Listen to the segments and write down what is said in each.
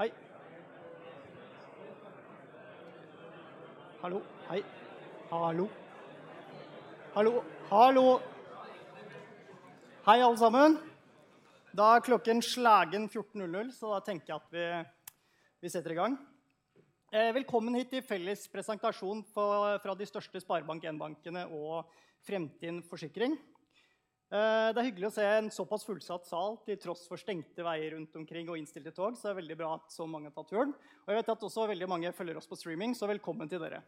Hei! Hallo, hei. Hallo, hallo, hallo. Hei alle sammen! It is 2:00 P.M. I think that we set in motion. Welcome here to common presentation from the largest SpareBank 1 banks and Fremtind Forsikring. It is hyggelig to see a so fullsatt sal to tross for stengte veier rundt omkring and innstilte tog. It is very good that so many have taken the trip, and I know that also very many follow us on streaming. Welcome to you.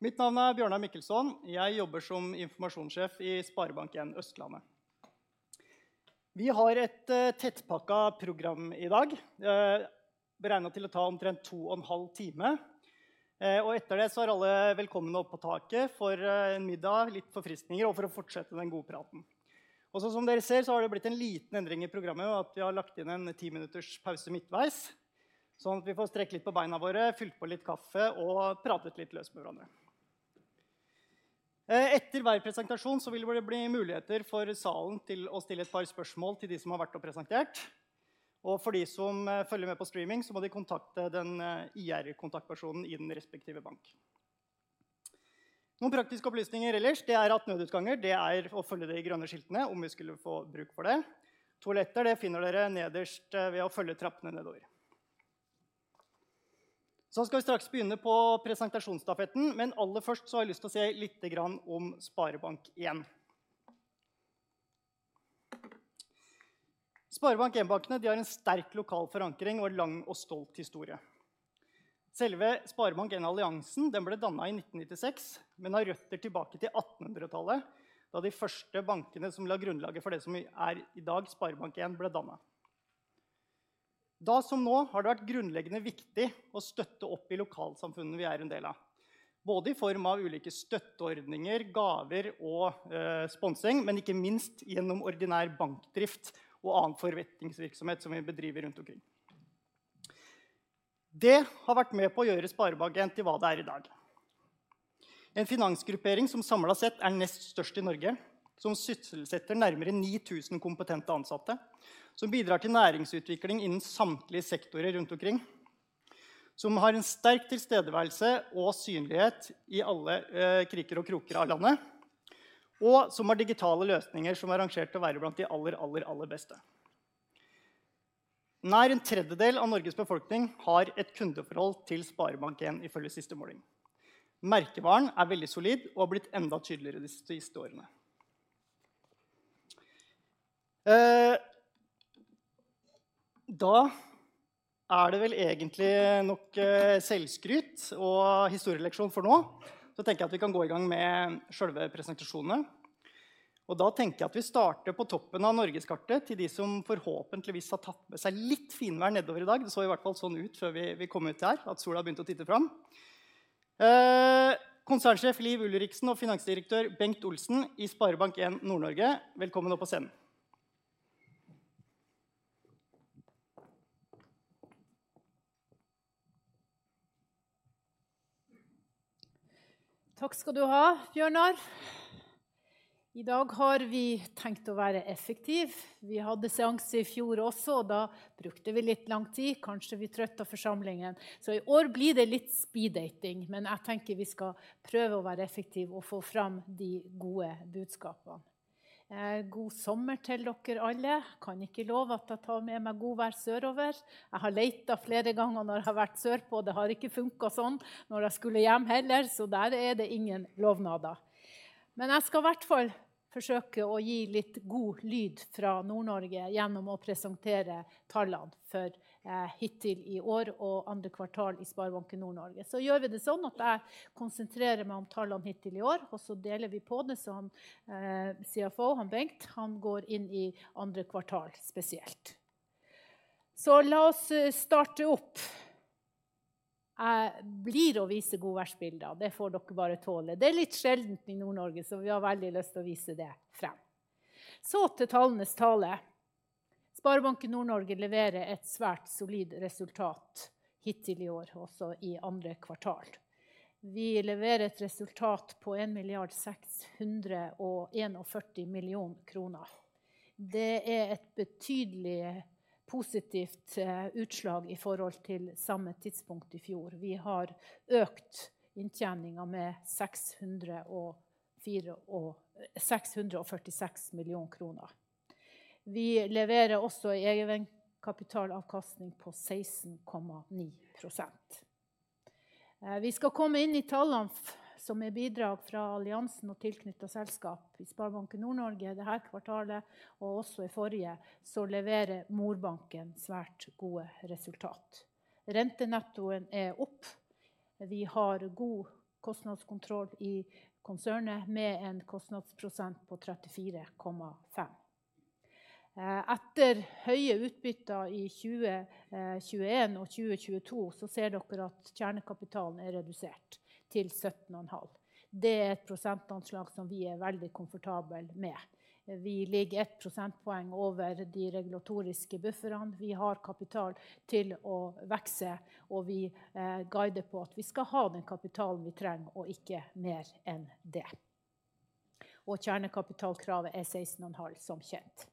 My name is Bjørnar Mickelson. I work as Informasjonssjef in SpareBank 1 Østlandet. We have a tettpakket program in dag. Calculated to take about 2.5 hours, and after that så all are welcome up on the roof for a dinner, some refreshments and to continue the good conversation. Som dere ser så har det blitt en liten endring i programmet, og at vi har lagt inn en 10-minute pause midtveis, sånn at vi får strekke litt på beina våre, fylt på litt kaffe og pratet litt løst med hverandre. Etter hver presentasjon vil det bli muligheter for salen til å stille et par spørsmål til de som har vært og presentert. For de som følger med på streaming så må de kontakte den IR kontaktpersonen i den respektive bank. Noen praktiske opplysninger ellers, det er at nødutganger, det er å følge de grønne skiltene om vi skulle få bruk for det. Toaletter, det finner dere nederst ved å følge trappene nedover. Skal vi straks begynne på presentasjonsstafetten. Aller først så har jeg lyst til å si littegrann om SpareBank 1. SpareBank 1 bankene. De har en sterk lokal forankring og lang og stolt historie. Selve SpareBank 1-alliansen, den ble dannet i 1996, men har røtter tilbake til 1800-tallet, da de første bankene som la grunnlaget for det som er i dag, SpareBank 1, ble dannet. Da som nå, har det vært grunnleggende viktig å støtte opp i lokalsamfunnene vi er en del av. Både i form av ulike støtteordninger, gaver og sponsing, men ikke minst gjennom ordinær bankdrift og annen forretningsvirksomhet som vi bedriver rundt omkring. Det har vært med på å gjøre SpareBank 1 til hva det er i dag. En finansgruppering som samlet sett er nest størst i Norge, som sysselsetter nærmere 9,000 kompetente ansatte. Som bidrar til næringsutvikling innen samtlige sektorer rundt omkring. Som har en sterk tilstedeværelse og synlighet i alle kriker og kroker av landet, og som har digitale løsninger som er rangert til å være blant de aller, aller, aller beste. Nær 1/3 av Norges befolkning har et kundeforhold til SpareBank 1, ifølge siste måling. Merkevaren er veldig solid og har blitt enda tydeligere de siste årene. Da er det vel egentlig nok selvskryt og historielekse for nå, så tenker jeg at vi kan gå i gang med selve presentasjonene. Da tenker jeg at vi starter på toppen av norgeskartet. Til de som forhåpentligvis har tatt med seg litt finvær nedover i dag. Det så i hvert fall sånn ut før vi kom ut her at sola begynte å titte fram. Konsernsjef Liv Ulriksen og Finansdirektør Bengt Olsen i SpareBank 1 Nord-Norge. Velkommen opp på scenen! Takk skal du ha, Bjørnar! I dag har vi tenkt å være effektiv. Vi hadde seanse i fjor også, og da brukte vi litt lang tid. Kanskje vi trøtt av forsamlingen, så i år blir det litt speeddating. Jeg tenker vi skal prøve å være effektiv og få fram de gode budskapene. God sommer til dere alle! Kan ikke love at jeg tar med meg godvær sørover. Jeg har lett etter flere ganger når jeg har vært sørpå. Det har ikke funket sånn når jeg skulle hjem heller, så der er det ingen lovnader. Jeg skal i hvert fall forsøke å gi litt god lyd fra Nord-Norge gjennom å presentere tallene for hittil i år og andre kvartal i SpareBank 1 Nord-Norge. Gjør vi det sånn at jeg konsentrerer meg om tallene hittil i år. Deler vi på det som CFO, han Bengt. Han går inn i andre kvartal, spesielt. La oss starte opp. Jeg blir å vise godværsbilder. Det får dere bare tåle. Det er litt sjeldent i Nord-Norge, så vi har veldig lyst til å vise det frem. Til tallenes tale. SpareBank 1 Nord-Norge leverer et svært solid resultat hittil i år, og også i andre kvartal. Vi leverer et resultat på 1,641 million kroner. Det er et betydelig positivt utslag i forhold til samme tidspunkt i fjor. Vi har økt inntjeningen med NOK 646 million. Vi leverer også egenkapitalavkastning på 16.9%. Vi skal komme inn i tallene som er bidrag fra Alliansen og tilknyttede selskap i SpareBank 1 Nord-Norge. Det her kvartalet og også i forrige, så leverer morbanken svært gode resultat. Rentenettoen er opp. Vi har god kostnadskontroll i konsernet med en kostnadsprosent på 34.5%. Etter høye utbytter i 2021 og 2022, ser dere at kjernekapitalen er redusert til 17.5%. Det er et prosentanslag som vi er veldig komfortabel med. Vi ligger 1 percentage point over de regulatoriske bufferene. Vi har kapital til å vokse, og vi guider på at vi skal ha den kapitalen vi trenger og ikke mer enn det. Kjernekapitalkravet er 16.5%, som kjent.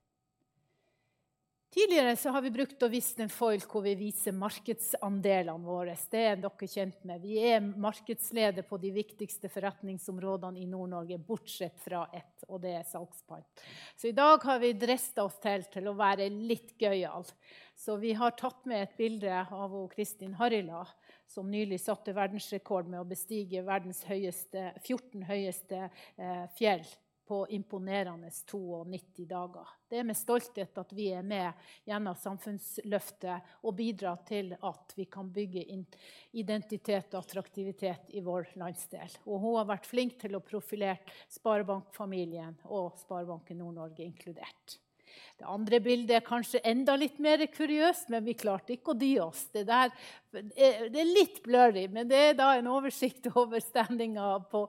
Tidligere har vi brukt å vise a foil hvor vi viser markedsandelene våres. Det er dere kjent med. Vi er markedsleder på de viktigste forretningsområdene i Nord-Norge, bortsett fra one, and that is salgspant. I dag har vi drest oss til å være litt gøyal. Vi har tatt med et bilde av hun Kristin Harila, som nylig satte verdensrekord med å bestige verdens 14 høyeste fjell på imponerende 92 dager. Det er med stolthet at vi er med gjennom samfunnsløftet og bidrar til at vi kan bygge inn identitet og attraktivitet i vår landsdel. Hun har vært flink til å profilere Sparebankfamilien og SpareBank 1 Nord-Norge inkludert. Det andre bildet er kanskje enda litt mer kuriøst, men vi klarte ikke å dy oss. Det der, det er litt blurry, men det er da en oversikt over stillingen på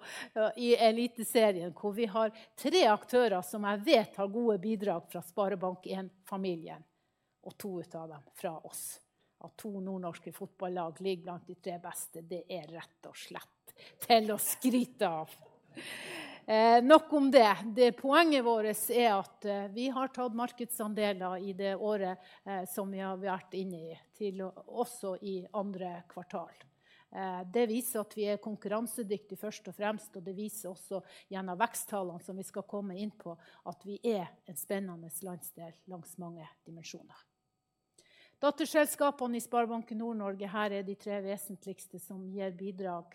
i Eliteserien, hvor vi har 3 aktører som jeg vet har gode bidrag fra Sparebankfamilien og 2 ut av dem fra oss. At 2 nordnorske fotballag ligger blant de 3 beste. Det er rett og slett til å skryte av. Nok om det. Det poenget vårt er at vi har tatt markedsandeler i det året som vi har vært inne i, til også i andre kvartal. Det viser at vi er konkurransedyktig først og fremst, og det viser også gjennom veksttallene som vi skal komme inn på, at vi er en spennende landsdel langs mange dimensjoner. Datterselskapene i SpareBank 1 Nord-Norge. Her er de tre vesentligste som gir bidrag.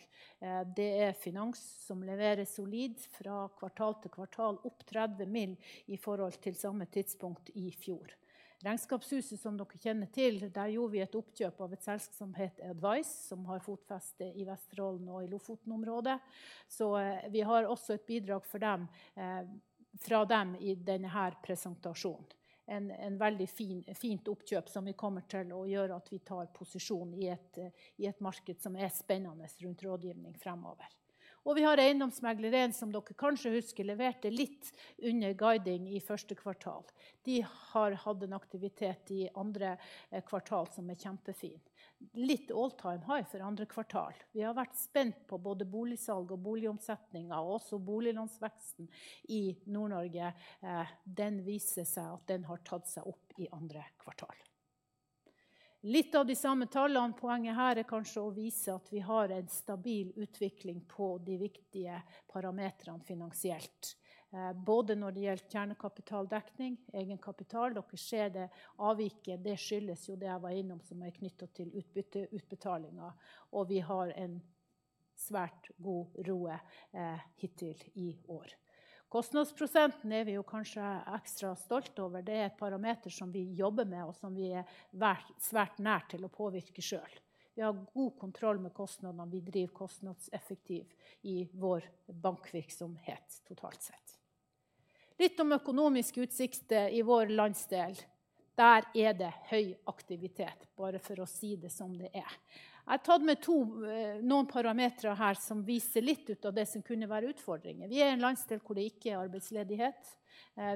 Det er finans, som leverer solid fra kvartal til kvartal, opp 30 million i forhold til samme tidspunkt i fjor. Regnskapshuset som dere kjenner til. Der gjorde vi et oppkjøp av et selskap som het Advice, som har fotfeste i Vesterålen og i Lofoten området. Vi har også et bidrag for dem fra dem i denne her presentasjonen. Veldig fin, fint oppkjøp som vi kommer til å gjøre at vi tar posisjon i et, i et marked som er spennende rundt rådgivning fremover. Vi har Eiendomsmeglerrennet, som dere kanskje husker leverte litt under guiding i 1st quarter. De har hatt en aktivitet i 2nd quarter som er kjempefin. Litt all-time high for 2nd quarter. Vi har vært spent på både boligsalg og boligomsetningen og også boliglånsveksten i Nord-Norge. Den viser seg at den har tatt seg opp i 2nd quarter. Litt av de samme tallene. Poenget her er kanskje å vise at vi har en stabil utvikling på de viktige parametrene finansielt. Både når det gjelder kjernekapitaldekning, egenkapital. Dere ser det avviket, det skyldes jo det jeg var innom som er knyttet til utbytteutbetalinger, og vi har en svært god ROE hittil i år. Kostnadsprosenten er vi jo kanskje ekstra stolt over. Det er et parameter som vi jobber med og som vi er svært, svært nær til å påvirke selv. Vi har god kontroll med kostnadene. Vi driver kostnadseffektiv i vår bankvirksomhet totalt sett. Litt om økonomiske utsikter i vår landsdel. Der er det høy aktivitet. Bare for å si det som det er. Jeg har tatt med 2, noen parametre her som viser litt ut av det som kunne være utfordringer. Vi er en landsdel hvor det ikke er arbeidsledighet.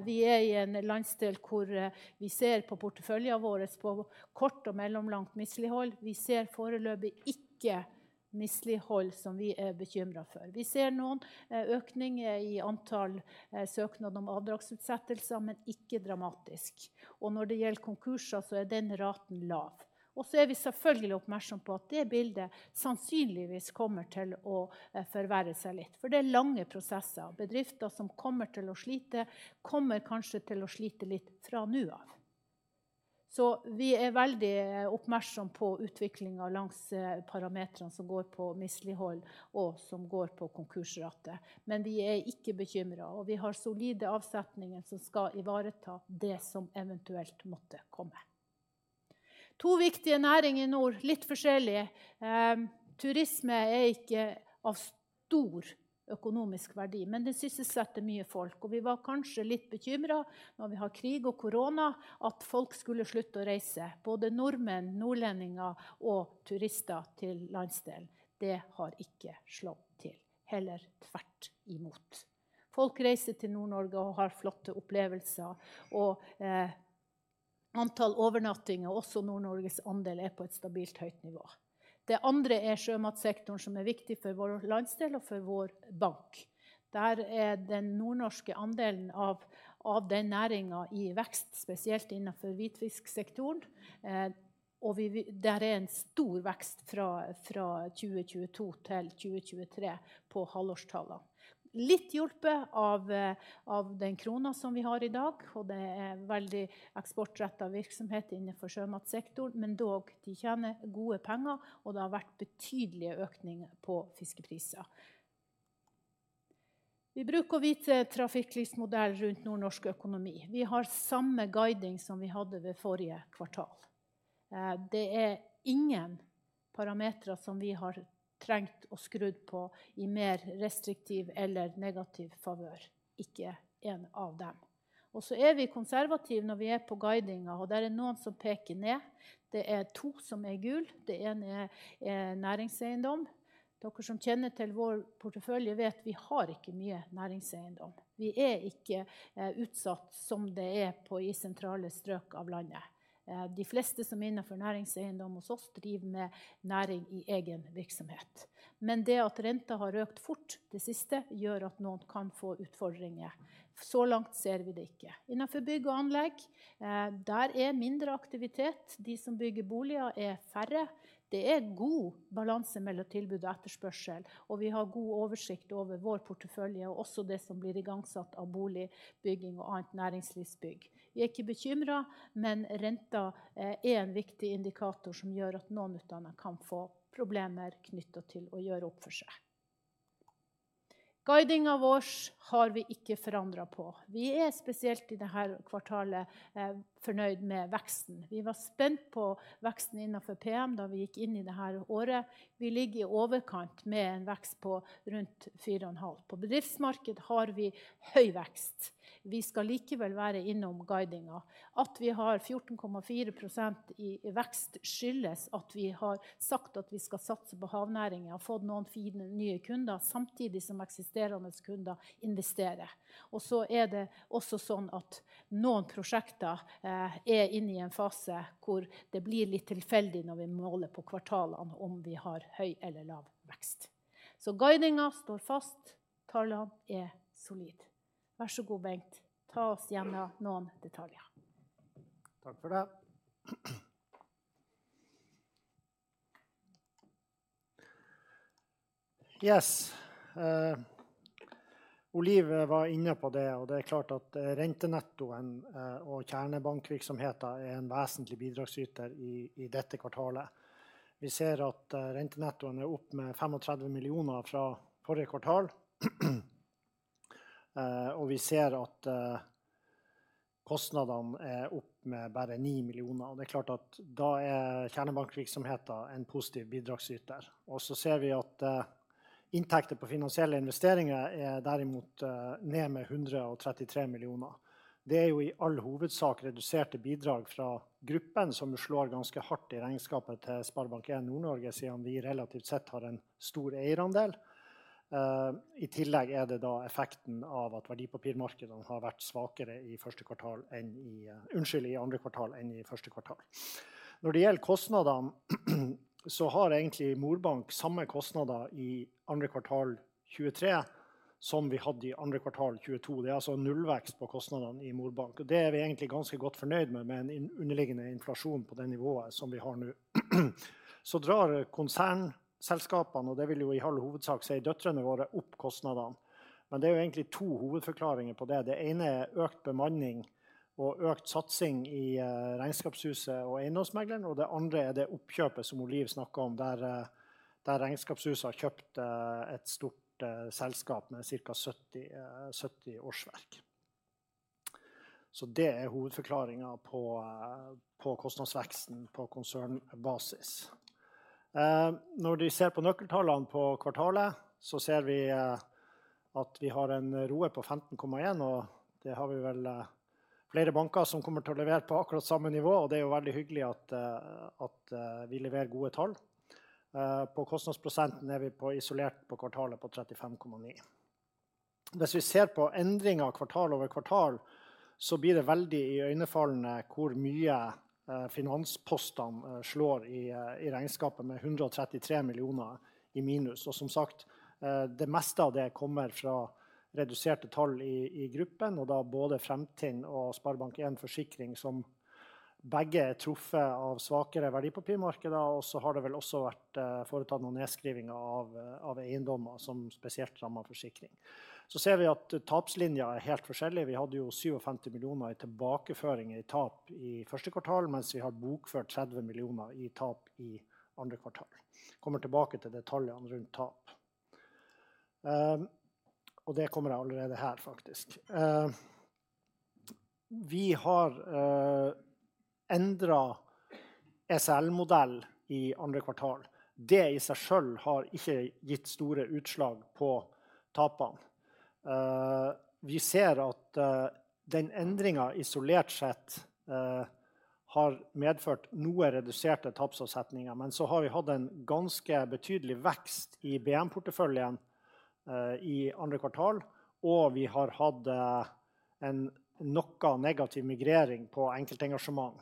Vi er i en landsdel hvor vi ser på porteføljen vår på kort og mellomlangt mislighold. Vi ser foreløpig ikke mislighold som vi er bekymret for. Vi ser noen økninger i antall søknader om avdragsutsettelser, men ikke dramatisk. Når det gjelder konkurser så er den raten lav. Så er vi selvfølgelig oppmerksom på at det bildet sannsynligvis kommer til å forverre seg litt. Det er lange prosesser. Bedrifter som kommer til å slite, kommer kanskje til å slite litt fra nå av. Vi er veldig oppmerksom på utviklingen langs parametrene som går på mislighold og som går på konkursrate. Vi er ikke bekymret, og vi har solide avsetninger som skal ivareta det som eventuelt måtte komme. To viktige næringer i nord, litt forskjellig. Turisme er ikke av stor økonomisk verdi, men det sysselsetter mye folk. Vi var kanskje litt bekymret når vi har krig og korona, at folk skulle slutte å reise. Både nordmenn, nordlendinger og turister til landsdelen. Det har ikke slått til. Heller tvert i mot. Folk reiser til Nord-Norge og har flotte opplevelser og antall overnattinger. Også Nord-Norges andel er på et stabilt, høyt nivå. Det andre er sjømatsektoren, som er viktig for vår landsdel og for vår bank. Der er den nordnorske andelen av den næringen i vekst, spesielt innenfor hvitfisksektoren. Vi vil, der er en stor vekst fra 2022 til 2023. På halvårstallene. Litt hjulpet av den krona som vi har i dag, og det er veldig eksportrettet virksomhet innenfor sjømatsektoren, men dog, de tjener gode penger og det har vært betydelige økninger på fiskepriser. Vi bruker å vite trafikklysmodell rundt nordnorsk økonomi. Vi har samme guiding som vi hadde ved forrige kvartal. Det er ingen parametre som vi har trengt å skrudd på i mer restriktiv eller negativ favør. Ikke 1 av dem. Så er vi konservative når vi er på guidingen, og det er noen som peker ned. Det er 2 som er gul. Det ene er næringseiendom. Dere som kjenner til vår portefølje vet vi har ikke mye næringseiendom. Vi er ikke utsatt som det er på i sentrale strøk av landet. De fleste som er innenfor næringseiendom hos oss, driver med næring i egen virksomhet. Det at renta har økt fort det siste gjør at noen kan få utfordringer. Så langt ser vi det ikke. Innenfor bygg og anlegg, der er mindre aktivitet. De som bygger boliger er færre. Det er god balanse mellom tilbud og etterspørsel, og vi har god oversikt over vår portefølje og også det som blir igangsatt av boligbygging og annet næringslivsbygg. Vi er ikke bekymret, men renta er en viktig indikator som gjør at noen av disse kan få problemer knyttet til å gjøre opp for seg. Guidingen av års har vi ikke forandret på. Vi er spesielt i dette kvartalet, fornøyd med veksten. Vi var spent på veksten innenfor PM da vi gikk inn i det her året. Vi ligger i overkant med en vekst på rundt 4.5. På bedriftsmarked har vi høy vekst. Vi skal likevel være innom guidingen. At vi har 14.4% i vekst, skyldes at vi har sagt at vi skal satse på havnæringen og fått noen fine nye kunder, samtidig som eksisterende kunder investerer. Og så er det også sånn at noen prosjekter er inne i en fase hvor det blir litt tilfeldig når vi måler på kvartalene, om vi har høy eller lav vekst. Guidingen står fast. Tallene er solide. Vær så god, Bengt! Ta oss gjennom noen detaljer. Takk for det! Yes, Olive var inne på det. Det er klart at rentenettoen og kjernebankvirksomheten er en vesentlig bidragsyter i dette kvartalet. Vi ser at rentenettoen er opp med NOK 35 million fra forrige kvartal. Vi ser at kostnadene er opp med bare 9 million. Det er klart at da er kjernebankvirksomheten en positiv bidragsyter. Så ser vi at inntekter på finansielle investeringer er derimot ned med 133 million. Det er jo i all hovedsak reduserte bidrag fra gruppen som slår ganske hardt i regnskapet til SpareBank 1 Nord-Norge, siden vi relativt sett har en stor eierandel. I tillegg er det da effekten av at verdipapirmarkedene har vært svakere i first quarter enn i, unnskyld, in second quarter enn in first quarter. Når det gjelder kostnadene, har egentlig Mor Bank samme kostnader i 2. kvartal 2023 som vi hadde i 2. kvartal 2022. Det er altså nullvekst på kostnadene i Mor Bank. Det er vi egentlig ganske godt fornøyd med. Med en underliggende inflasjon på det nivået som vi har nå. Drar konsernselskapene, og det vil jo i all hovedsak si døtrene våre, opp kostnadene. Det er jo egentlig to hovedforklaringer på det. Det ene er økt bemanning og økt satsing i Regnskapshuset og Eiendomsmegleren. Det andre er det oppkjøpet som Olive snakket om, der Regnskapshuset har kjøpt et stort selskap med cirka 70 årsverk. Det er hovedforklaringen på kostnadsveksten på konsernbasis. Når vi ser på nøkkeltallene på kvartalet, så ser vi at vi har en ROE på 15.1%, og det har vi vel flere banker som kommer til å levere på akkurat samme nivå. Det er jo veldig hyggelig at vi leverer gode tall. På kostnadsprosenten er vi på isolert på kvartalet på 35.9%. Hvis vi ser på endring av quarter-over-quarter, så blir det veldig iøynefallende hvor mye finanspostene slår i regnskapet med 133 million i minus. Som sagt, det meste av det kommer fra reduserte tall i gruppen, og da både Fremtind og SpareBank 1 Forsikring, som begge er truffet av svakere verdipapirmarkeder. Så har det vel også vært foretatt noen nedskrivninger av eiendommer som spesielt rammet forsikring. Ser vi at tapslinjen er helt forskjellig. Vi hadde jo 57 million i tilbakeføring i tap i first quarter, mens vi har bokført 30 million i tap i second quarter. Kommer tilbake til detaljene rundt tap. Det kommer jeg allerede her faktisk. Vi har endret SL modell i second quarter. Det i seg selv har ikke gitt store utslag på tapene. Vi ser at den endringen isolert sett har medført noe reduserte tapsavsetninger. Så har vi hatt en ganske betydelig vekst i BM porteføljen i second quarter, vi har hatt en noe negativ migrering på enkeltengasjement.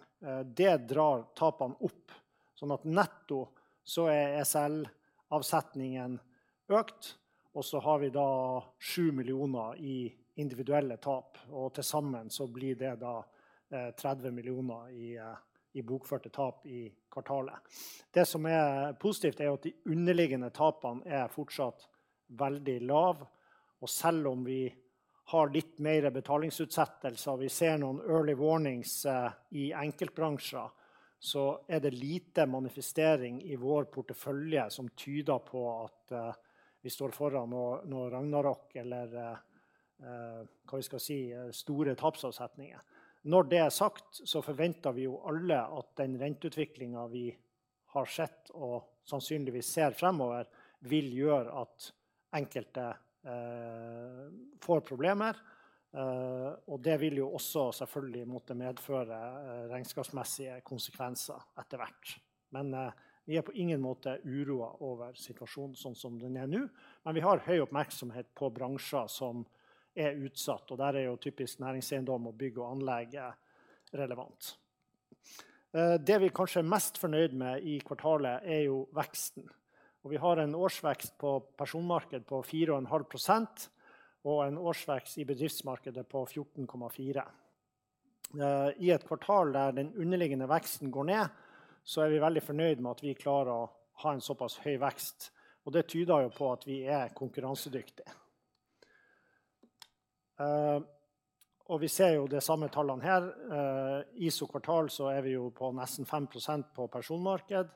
Det drar tapene opp sånn at netto så er SL avsetningen økt. Så har vi da NOK 7 million i individuelle tap, til sammen så blir det da 30 million i bokførte tap i kvartalet. Det som er positivt er at de underliggende tapene er fortsatt veldig lav. Selv om vi har litt mer betalingsutsettelser, vi ser noen early warnings i enkeltbransjer, så er det lite manifestering i vår portefølje som tyder på at vi står foran noe ragnarok eller, hva vi skal si, store tapsavsetninger. Når det er sagt, forventer vi jo alle at den renteutviklingen vi har sett, og sannsynligvis ser fremover, vil gjøre at enkelte får problemer, og det vil jo også selvfølgelig måtte medføre regnskapsmessige konsekvenser etter hvert. Vi er på ingen måte uroet over situasjonen sånn som den er nå. Vi har høy oppmerksomhet på bransjer som er utsatt, og der er jo typisk næringseiendom og bygg og anlegg relevant. Det vi kanskje er mest fornøyd med i kvartalet er jo veksten, og vi har en årsvekst på personmarked på 4.5% og en årsvekst i bedriftsmarkedet på 14.4%. I et kvartal der den underliggende veksten går ned, så er vi veldig fornøyd med at vi klarer å ha en såpass høy vekst. Det tyder jo på at vi er konkurransedyktig. Vi ser jo de samme tallene her. ISO kvartal så er vi jo på nesten 5% på personmarked,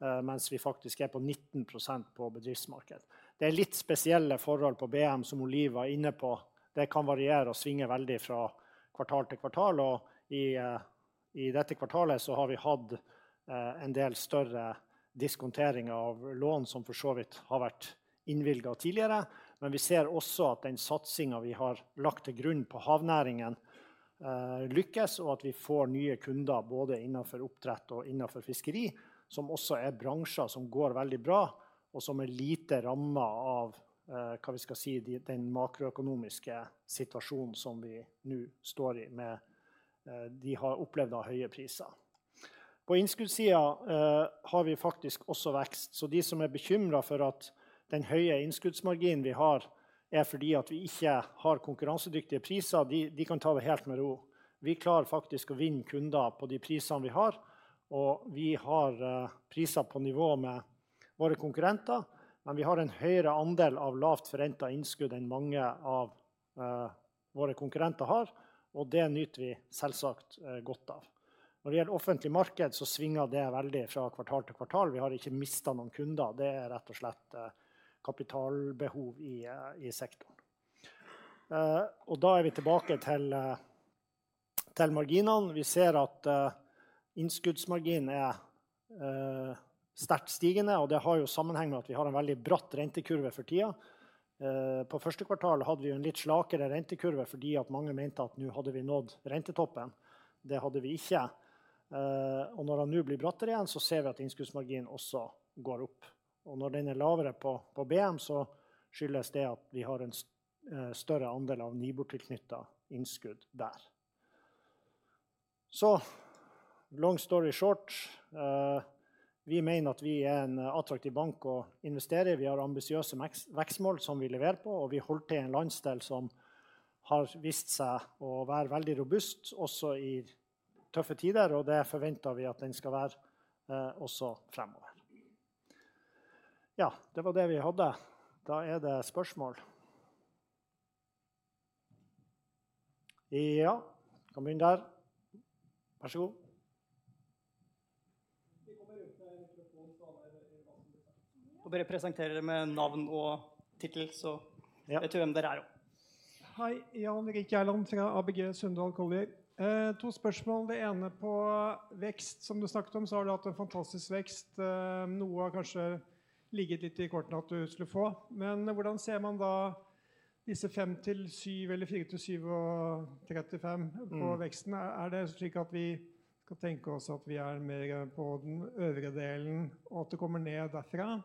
mens vi faktisk er på 19% på bedriftsmarked. Det er litt spesielle forhold på BM som Olivia var inne på. Det kan variere og svinge veldig fra kvartal til kvartal, og i dette kvartalet så har vi hatt en del større diskontering av lån, som for så vidt har vært innvilget tidligere. Vi ser også at den satsingen vi har lagt til grunn på havnæringen lykkes, og at vi får nye kunder både innenfor oppdrett og innenfor fiskeri, som også er bransjer som går veldig bra og som er lite rammet av hva vi skal si, den makroøkonomiske situasjonen som vi nå står i med de har opplevd av høye priser. På innskuddssiden har vi faktisk også vekst. De som er bekymret for at den høye innskuddsmarginen vi har, er fordi at vi ikke har konkurransedyktige priser. De kan ta det helt med ro. Vi klarer faktisk å vinne kunder på de prisene vi har, og vi har priser på nivå med våre konkurrenter. Vi har en høyere andel av lavt forrentet innskudd enn mange av våre konkurrenter har, og det nyter vi selvsagt godt av. Når det gjelder offentlig marked så svinger det veldig fra kvartal til kvartal. Vi har ikke mistet noen kunder. Det er rett og slett kapitalbehov i sektoren. Da er vi tilbake til marginene. Vi ser at innskuddsmarginen er sterkt stigende, og det har jo sammenheng med at vi har en veldig bratt rentekurve for tiden. På 1. kvartalet hadde vi en litt slakere rentekurve fordi at mange mente at nå hadde vi nådd rentetoppen. Det hadde vi ikke. Og når den nå blir brattere igjen, så ser vi at innskuddsmarginen også går opp. Og når den er lavere på, på BM, så skyldes det at vi har en større andel av nybortknyttede innskudd der. Long story short. Vi mener at vi er en attraktiv bank å investere i. Vi har ambisiøse vekstmål som vi leverer på, og vi holder til i en landsdel som har vist seg å være veldig robust også i tøffe tider. Det forventer vi at den skal være også fremover. Ja, det var det vi hadde. Er det spørsmål? Ja, kan begynne der. Vær så god! Det kommer ut en mikrofon, så bare presentere deg med navn og tittel, så vi vet hvem dere er. Hei! Jan Erik Gjerland fra ABG Sundal Collier. 2 spørsmål. Det ene på vekst. Som du snakket om, så har du hatt en fantastisk vekst. Noe har kanskje ligget litt i kortene at du skulle få, hvordan ser man da disse 5-7 eller 4-7.35 på veksten? Er det slik at vi kan tenke oss at vi er mer på den øvre delen, og at det kommer ned derfra,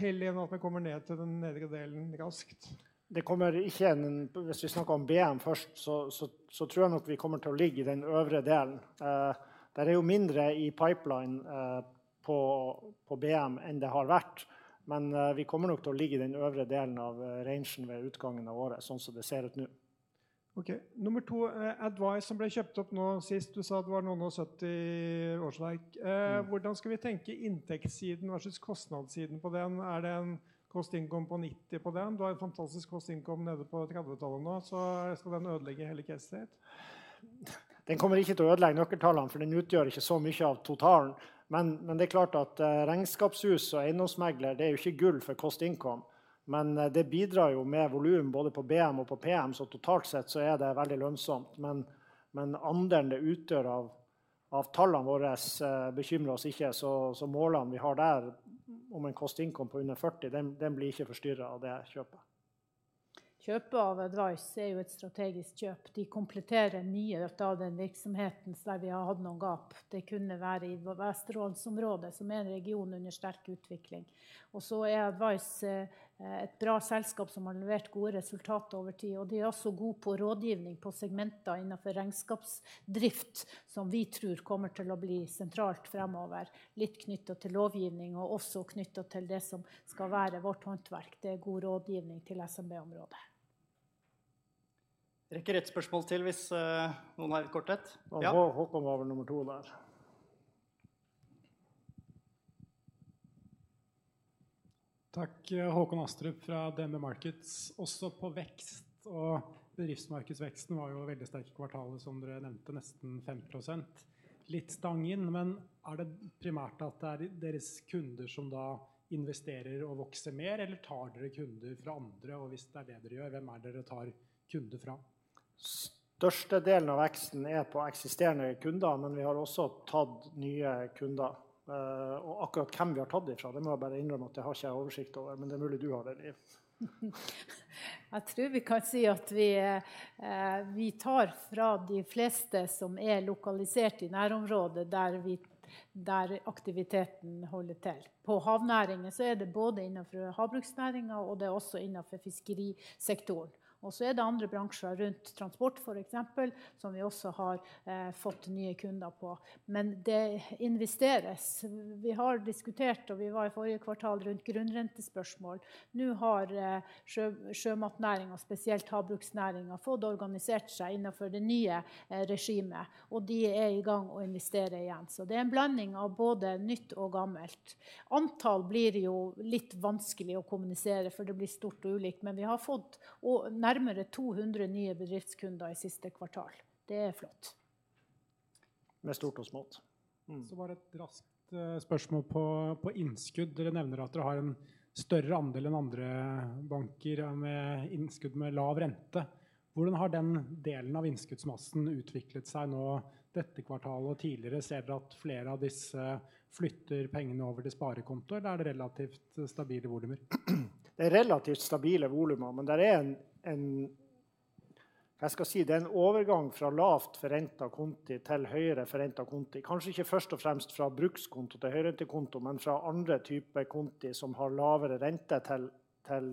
heller enn at vi kommer ned til den nedre delen raskt. Det kommer ikke... Hvis vi snakker om BM først så tror jeg nok vi kommer til å ligge i den øvre delen. Det er jo mindre i pipelinen på BM enn det har vært, men vi kommer nok til å ligge i den øvre delen av rangen ved utgangen av året. Sånn som det ser ut nå. Okay, nummer to, Advice som ble kjøpt opp nå sist. Du sa at det var noe og 70 årsverk. Hvordan skal vi tenke inntektssiden versus kostnadssiden på den? Er det en cost-income på 90 på den? Du har en fantastisk cost-income nede på 30-tallet nå, så skal den ødelegge hele caset ditt. Den kommer ikke til å ødelegge noe tallene, for den utgjør ikke så mye av totalen. Det er klart at regnskapshus og eiendomsmegler, det er jo ikke gull for cost-income, men det bidrar jo med volum både på BM og på PM. Totalt sett så er det veldig lønnsomt. Andelen det utgjør av, av tallene våres bekymrer oss ikke. Målene vi har der, om en cost-income på under 40, den blir ikke forstyrret av det kjøpet. Kjøpet av Advice er jo et strategisk kjøp. De kompletterer mye av den virksomheten der vi har hatt noen gap. Det kunne være i Vestlandsområdet, som er en region under sterk utvikling. Så er Advice et bra selskap som har levert gode resultater over tid. De er også god på rådgivning på segmenter innenfor regnskapsdrift, som vi tror kommer til å bli sentralt fremover. Litt knyttet til lovgivning og også knyttet til det som skal være vårt håndverk. Det er god rådgivning til SMB området. Rekker et spørsmål til hvis noen har et kort ett. Ja. Håkon var vel nummer to der. Takk. Håkon Astrup fra DNB Markets. Også på vekst og bedriftsmarkedet. Veksten var jo veldig sterk i kvartalet, som dere nevnte, nesten 5%. Litt stang inn, men er det primært at det er deres kunder som da investerer og vokser mer? Eller tar dere kunder fra andre? Hvis det er det dere gjør, hvem er dere tar kunder fra? Størstedelen av veksten er på eksisterende kunder, men vi har også tatt nye kunder. Akkurat hvem vi har tatt i fra, det må jeg bare innrømme at jeg har ikke oversikt over. Det er mulig du har det Liv. Jeg tror vi kan si at vi, vi tar fra de fleste som er lokalisert i nærområdet, der aktiviteten holder til. På havnæringen er det både innenfor havbruksnæringen og det er også innenfor fiskerisektoren. Det er andre bransjer rundt transport, for eksempel, som vi også har fått nye kunder på. Det investeres. Vi har diskutert og vi var i forrige kvartal rundt grunnrentespørsmål. Nå har sjømatnæringen, spesielt havbruksnæringen, fått organisert seg innenfor det nye regimet, de er i gang å investere igjen. Det er en blanding av både nytt og gammelt. Antall blir jo litt vanskelig å kommunisere, for det blir stort og ulikt. Vi har fått nærmere 200 nye bedriftskunder i siste kvartal. Det er flott! Med stort og smått. Var det et raskt spørsmål på, på innskudd. Dere nevner at dere har en større andel enn andre banker med innskudd med lav rente. Hvordan har den delen av innskuddsmassen utviklet seg nå dette kvartalet og tidligere? Ser dere at flere av disse flytter pengene over til sparekonto, eller er det relativt stabile volumer? Det er relativt stabile volumer, men det er en, en jeg skal si det er en overgang fra lavt forrentet konti til høyere forrentet konti. Kanskje ikke først og fremst fra brukskonto til høyrentekonto, men fra andre typer konti som har lavere rente til, til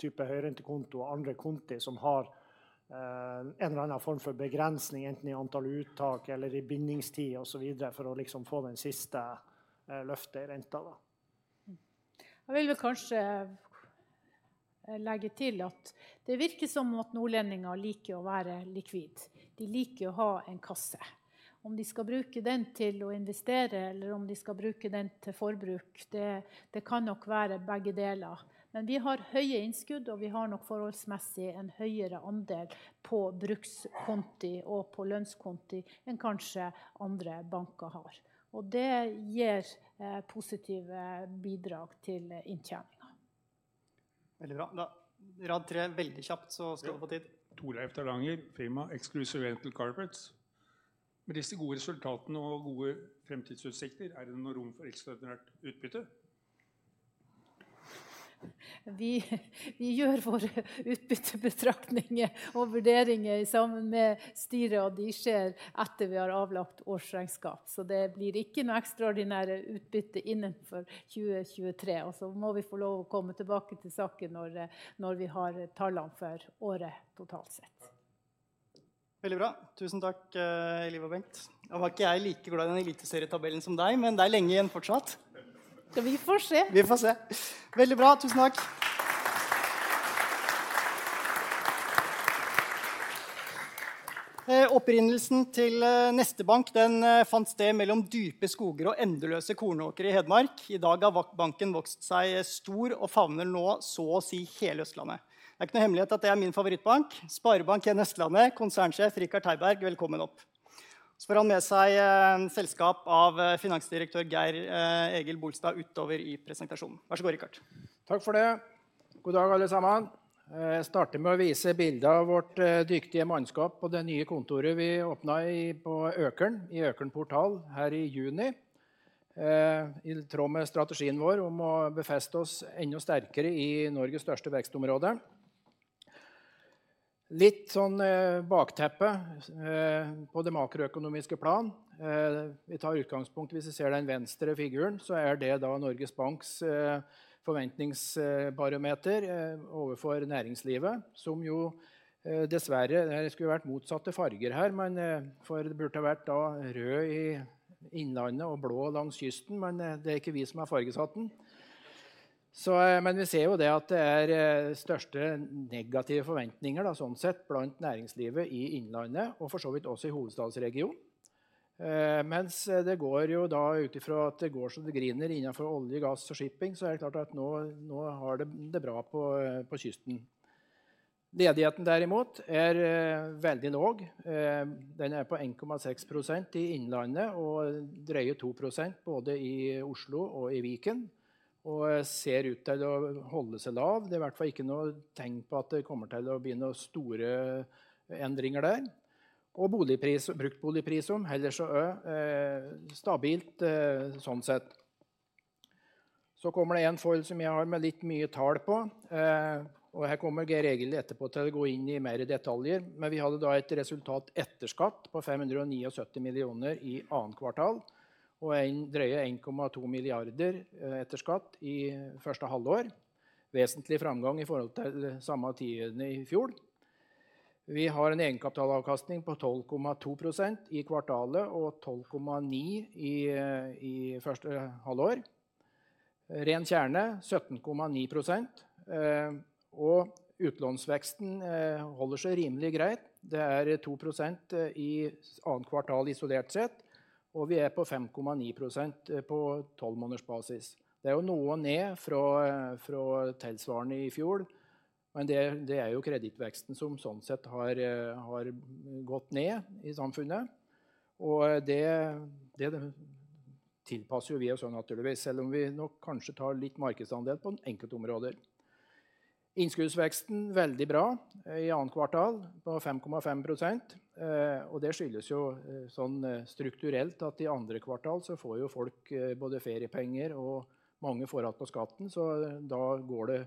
type høyrentekonto og andre konti som har en eller annen form for begrensning enten i antall uttak eller i bindingstid og så videre. For å liksom få den siste løftet i renten da. Jeg vil vel kanskje legge til at det virker som at nordlendinger liker å være likvid. De liker å ha en kasse. Om de skal bruke den til å investere eller om de skal bruke den til forbruk, det, det kan nok være begge deler. Vi har høye innskudd, og vi har nok forholdsmessig en høyere andel på brukskonti og på lønnskonti enn kanskje andre banker har. Det gir positive bidrag til inntjeningen. Veldig bra! Rad 3 veldig kjapt, så står på tid. Tore Eivind Framnes, firma Exclusive Rental Carpets. Med disse gode resultatene og gode fremtidsutsikter, er det noe rom for ekstraordinært utbytte? Vi gjør våre utbyttebetraktninger og vurderinger sammen med styret, og de skjer etter vi har avlagt årsregnskap. Det blir ikke noe ekstraordinære utbytte innenfor 2023. Må vi få lov til å komme tilbake til saken når vi har tallene for året totalt sett. Veldig bra. Tusen takk, Eliva og Bengt! Nå var ikke jeg like glad i den litt større tabellen som deg, men det er lenge igjen fortsatt. Vi får se. Vi får se. Veldig bra. Tusen takk! Opprinnelsen til Neste bank. Den fant sted mellom dype skoger og endeløse kornåkre i Hedmark. I dag har banken vokst seg stor og favner nå så å si hele Østlandet. Det er ikke noen hemmelighet at det er min favorittbank. Sparebanken Hedmark, Konsernsjef Richard Heiberg. Velkommen opp! Så får han med seg selskap av Finansdirektør Geir-Egil Bolstad utover i presentasjonen. Vær så god, Rikard! Takk for det! God dag, alle sammen. Jeg starter med å vise bildet av vårt dyktige mannskap på det nye kontoret vi åpnet i på Økern i Økern Portal her i juni. I tråd med strategien vår om å befeste oss enda sterkere i Norges største vekstområder. Litt sånn bakteppe på det makroøkonomiske plan. Vi tar utgangspunkt hvis vi ser den venstre figuren, så er det da Norges Banks forventningsbarometer overfor næringslivet, som jo dessverre det skulle vært motsatte farger her. For det burde vært da rød i Innlandet og blå langs kysten. Det er ikke vi som har fargesatt den. Vi ser jo det at det er største negative forventninger da sånn sett blant næringslivet i Innlandet og for så vidt også i hovedstadsregionen. Det går jo da ut ifra at det går så det griner innenfor olje, gass og shipping, så er det klart at nå har det det bra på kysten. Ledigheten derimot er veldig lav. Den er på 1.6% i Innlandet og drøye 2% både i Oslo og i Viken. Ser ut til å holde seg lav. Det er i hvert fall ikke noe tegn på at det kommer til å bli noen store endringer der. Boligpris, bruktboligprisom heller så stabilt sånn sett. Kommer det en foil som jeg har med litt mye tall på, og her kommer Geir-Egil etterpå til å gå inn i mer detaljer. Vi hadde da et resultat etter skatt på NOK 579 million i second quarter, og en drøye NOK 1.2 billion etter skatt i first half. Vesentlig framgang i forhold til samme tiden i fjor. Vi har en egenkapitalavkastning på 12.2% i kvartalet og 12.9% i første halvår. Ren kjerne 17.9% og utlånsveksten holder seg rimelig greit. Det er 2% i 2Q isolert sett, og vi er på 5.9% på 12-month basis. Det er jo noe ned fra tilsvarende i fjor, men det er jo kredittveksten som sånn sett har gått ned i samfunnet. Det tilpasser jo vi oss også naturligvis, selv om vi nok kanskje tar litt markedsandeler på noen enkeltområder. Innskuddsveksten veldig bra i 2Q på 5.5%. Det skyldes jo sånn strukturelt at i 2Q så får jo folk både feriepenger og mange forhånd på skatten, så da går det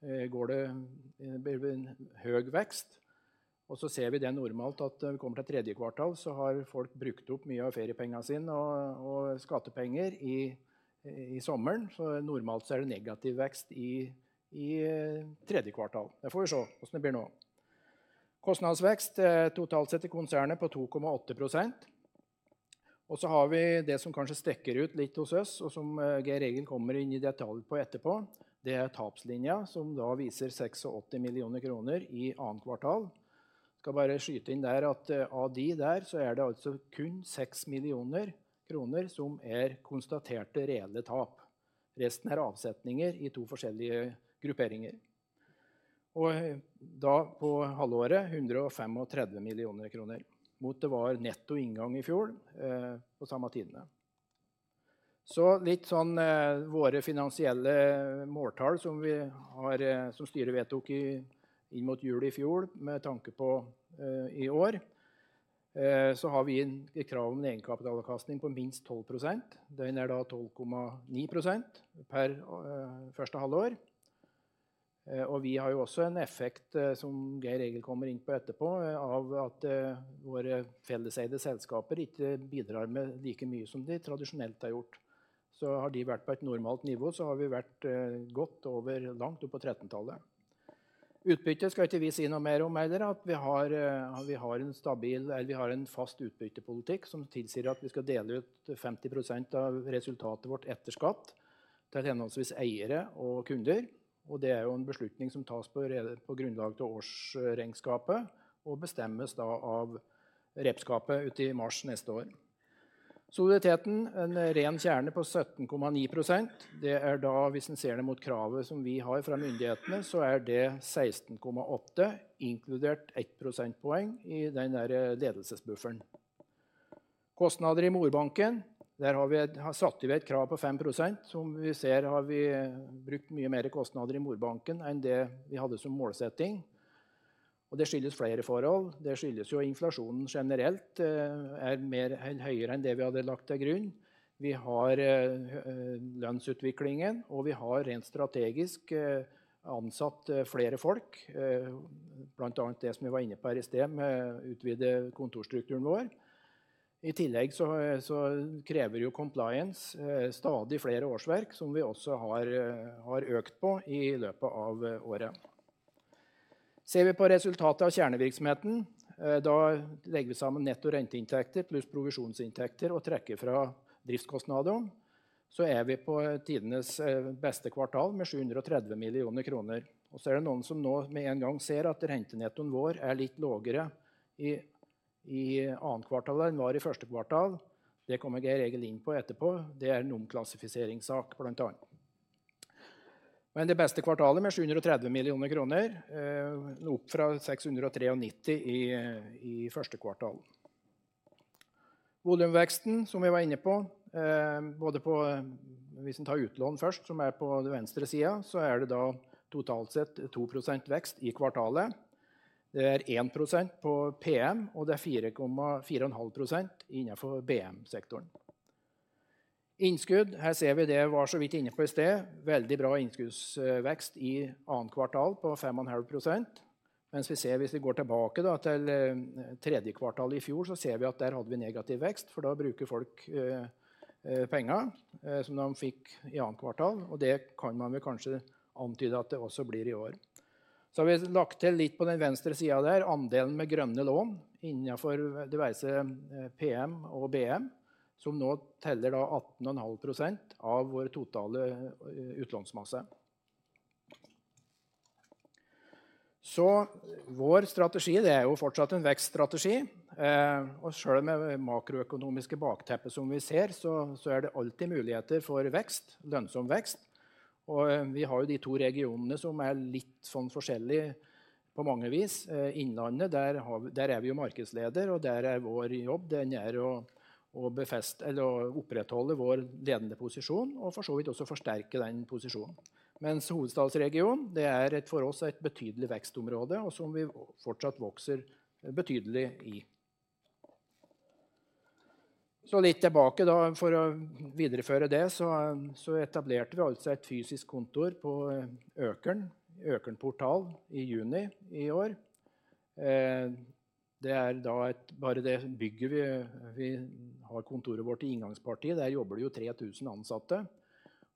blir høy vekst. Så ser vi det normalt at når vi kommer til tredje kvartal så har folk brukt opp mye av feriepengene sine og skattepenger i sommer. Normalt så er det negativ vekst i tredje kvartal. Det får vi se hvordan det blir nå. Kostnadsvekst totalt sett i konsernet på 2.8%. Så har vi det som kanskje stikker ut litt hos oss, og som Geir-Egil kommer inn i detalj på etterpå. Det er tapslinjen, som da viser 68 million kroner i annet kvartal. Skal bare skyte inn der at av de der så er det altså kun 6 million kroner som er konstaterte reelle tap. Resten er avsetninger i to forskjellige grupperinger, og da på halvåret 135 million kroner, mot det var netto inngang i fjor på samme tidene. Litt sånn våre finansielle måltall som vi har, som styret vedtok i inn mot jul i fjor. Med tanke på i år, har vi inn et krav om en egenkapitalkastning på minst 12%. Den er da 12.9% per første halvår. Vi har jo også en effekt som Geir-Egil kommer inn på etterpå av at våre felleseide selskaper ikke bidrar med like mye som de tradisjonelt har gjort. Har de vært på et normalt nivå, så har vi vært godt over, langt opp på trettentallet. Utbyttet skal ikke vi si noe mer om heller, at vi har, vi har en stabil, eller vi har en fast utbyttepolitikk som tilsier at vi skal dele ut 50% av resultatet vårt etter skatt til henholdsvis eiere og kunder. Det er jo en beslutning som tas på grunnlag av årsregnskapet og bestemmes da av regnskapet ut i March next year. Soliditeten en ren kjerne på 17.9%. Det er da, hvis en ser det mot kravet som vi har fra myndighetene, så er det 16.8, inkludert 1 percentage point i den der ledelsesbufferen. Kostnader i morbanken. Der har vi satt vi et krav på 5%. Som vi ser har vi brukt mye mer kostnader i morbanken enn det vi hadde som målsetting, og det skyldes flere forhold. Det skyldes jo at inflasjonen generelt er mer høyere enn det vi hadde lagt til grunn. Vi har lønnsutviklingen og vi har rent strategisk ansatt flere folk, blant annet det som vi var inne på her i sted med å utvide kontorstrukturen vår. I tillegg krever jo compliance stadig flere årsverk, som vi også har økt på i løpet av året. Ser vi på resultatet av kjernevirksomheten, da legger vi sammen netto renteinntekter pluss provisjonsinntekter og trekker fra driftskostnadene. Er vi på tidenes beste kvartal med 730 million kroner. Det er noen som nå med en gang ser at rentenettoen vår er litt lavere i annet kvartal enn var i første kvartal. Det kommer Geir Egil inn på etterpå. Det er en omklassifiseringssak blant annet, men det beste kvartalet med 730 million kroner, opp fra 693 million i første kvartal. Volumveksten som vi var inne på, både på hvis en tar utlån først, som er på den venstre siden, så er det da totalt sett 2% vekst i kvartalet. Det er 1% på PM, det er 4.5% innenfor BM sektoren. Innskudd. Her ser vi det jeg var så vidt inne på i sted. Veldig bra innskuddsvekst i 2nd quarter på 5.5%, mens vi ser hvis vi går tilbake da til 3rd quarter i fjor, ser vi at der hadde vi negativ vekst. Da bruker folk penga som de fikk i 2nd quarter, det kan man vel kanskje antyde at det også blir i år. Har vi lagt til litt på den venstre siden der andelen med grønne lån innenfor det være seg PM og BM, som nå teller da 18.5% av vår totale utlånsmasse. Vår strategi det er jo fortsatt en vekststrategi. Selv med makroøkonomiske bakteppet som vi ser, så er det alltid muligheter for vekst, lønnsom vekst. Vi har jo de to regionene som er litt sånn forskjellig på mange vis. Innlandet, der er vi jo markedsleder, og der er vår jobb, den er å befeste eller å opprettholde vår ledende posisjon og for så vidt også forsterke den posisjonen. Mens hovedstadsregionen, det er et for oss et betydelig vekstområde, og som vi fortsatt vokser betydelig i. Litt tilbake da. For å videreføre det, så etablerte vi altså et fysisk kontor på Økern, Økern Portal i juni i år. Det er da et, bare det bygget vi har kontoret vårt i inngangspartiet. Der jobber det jo 3,000 ansatte,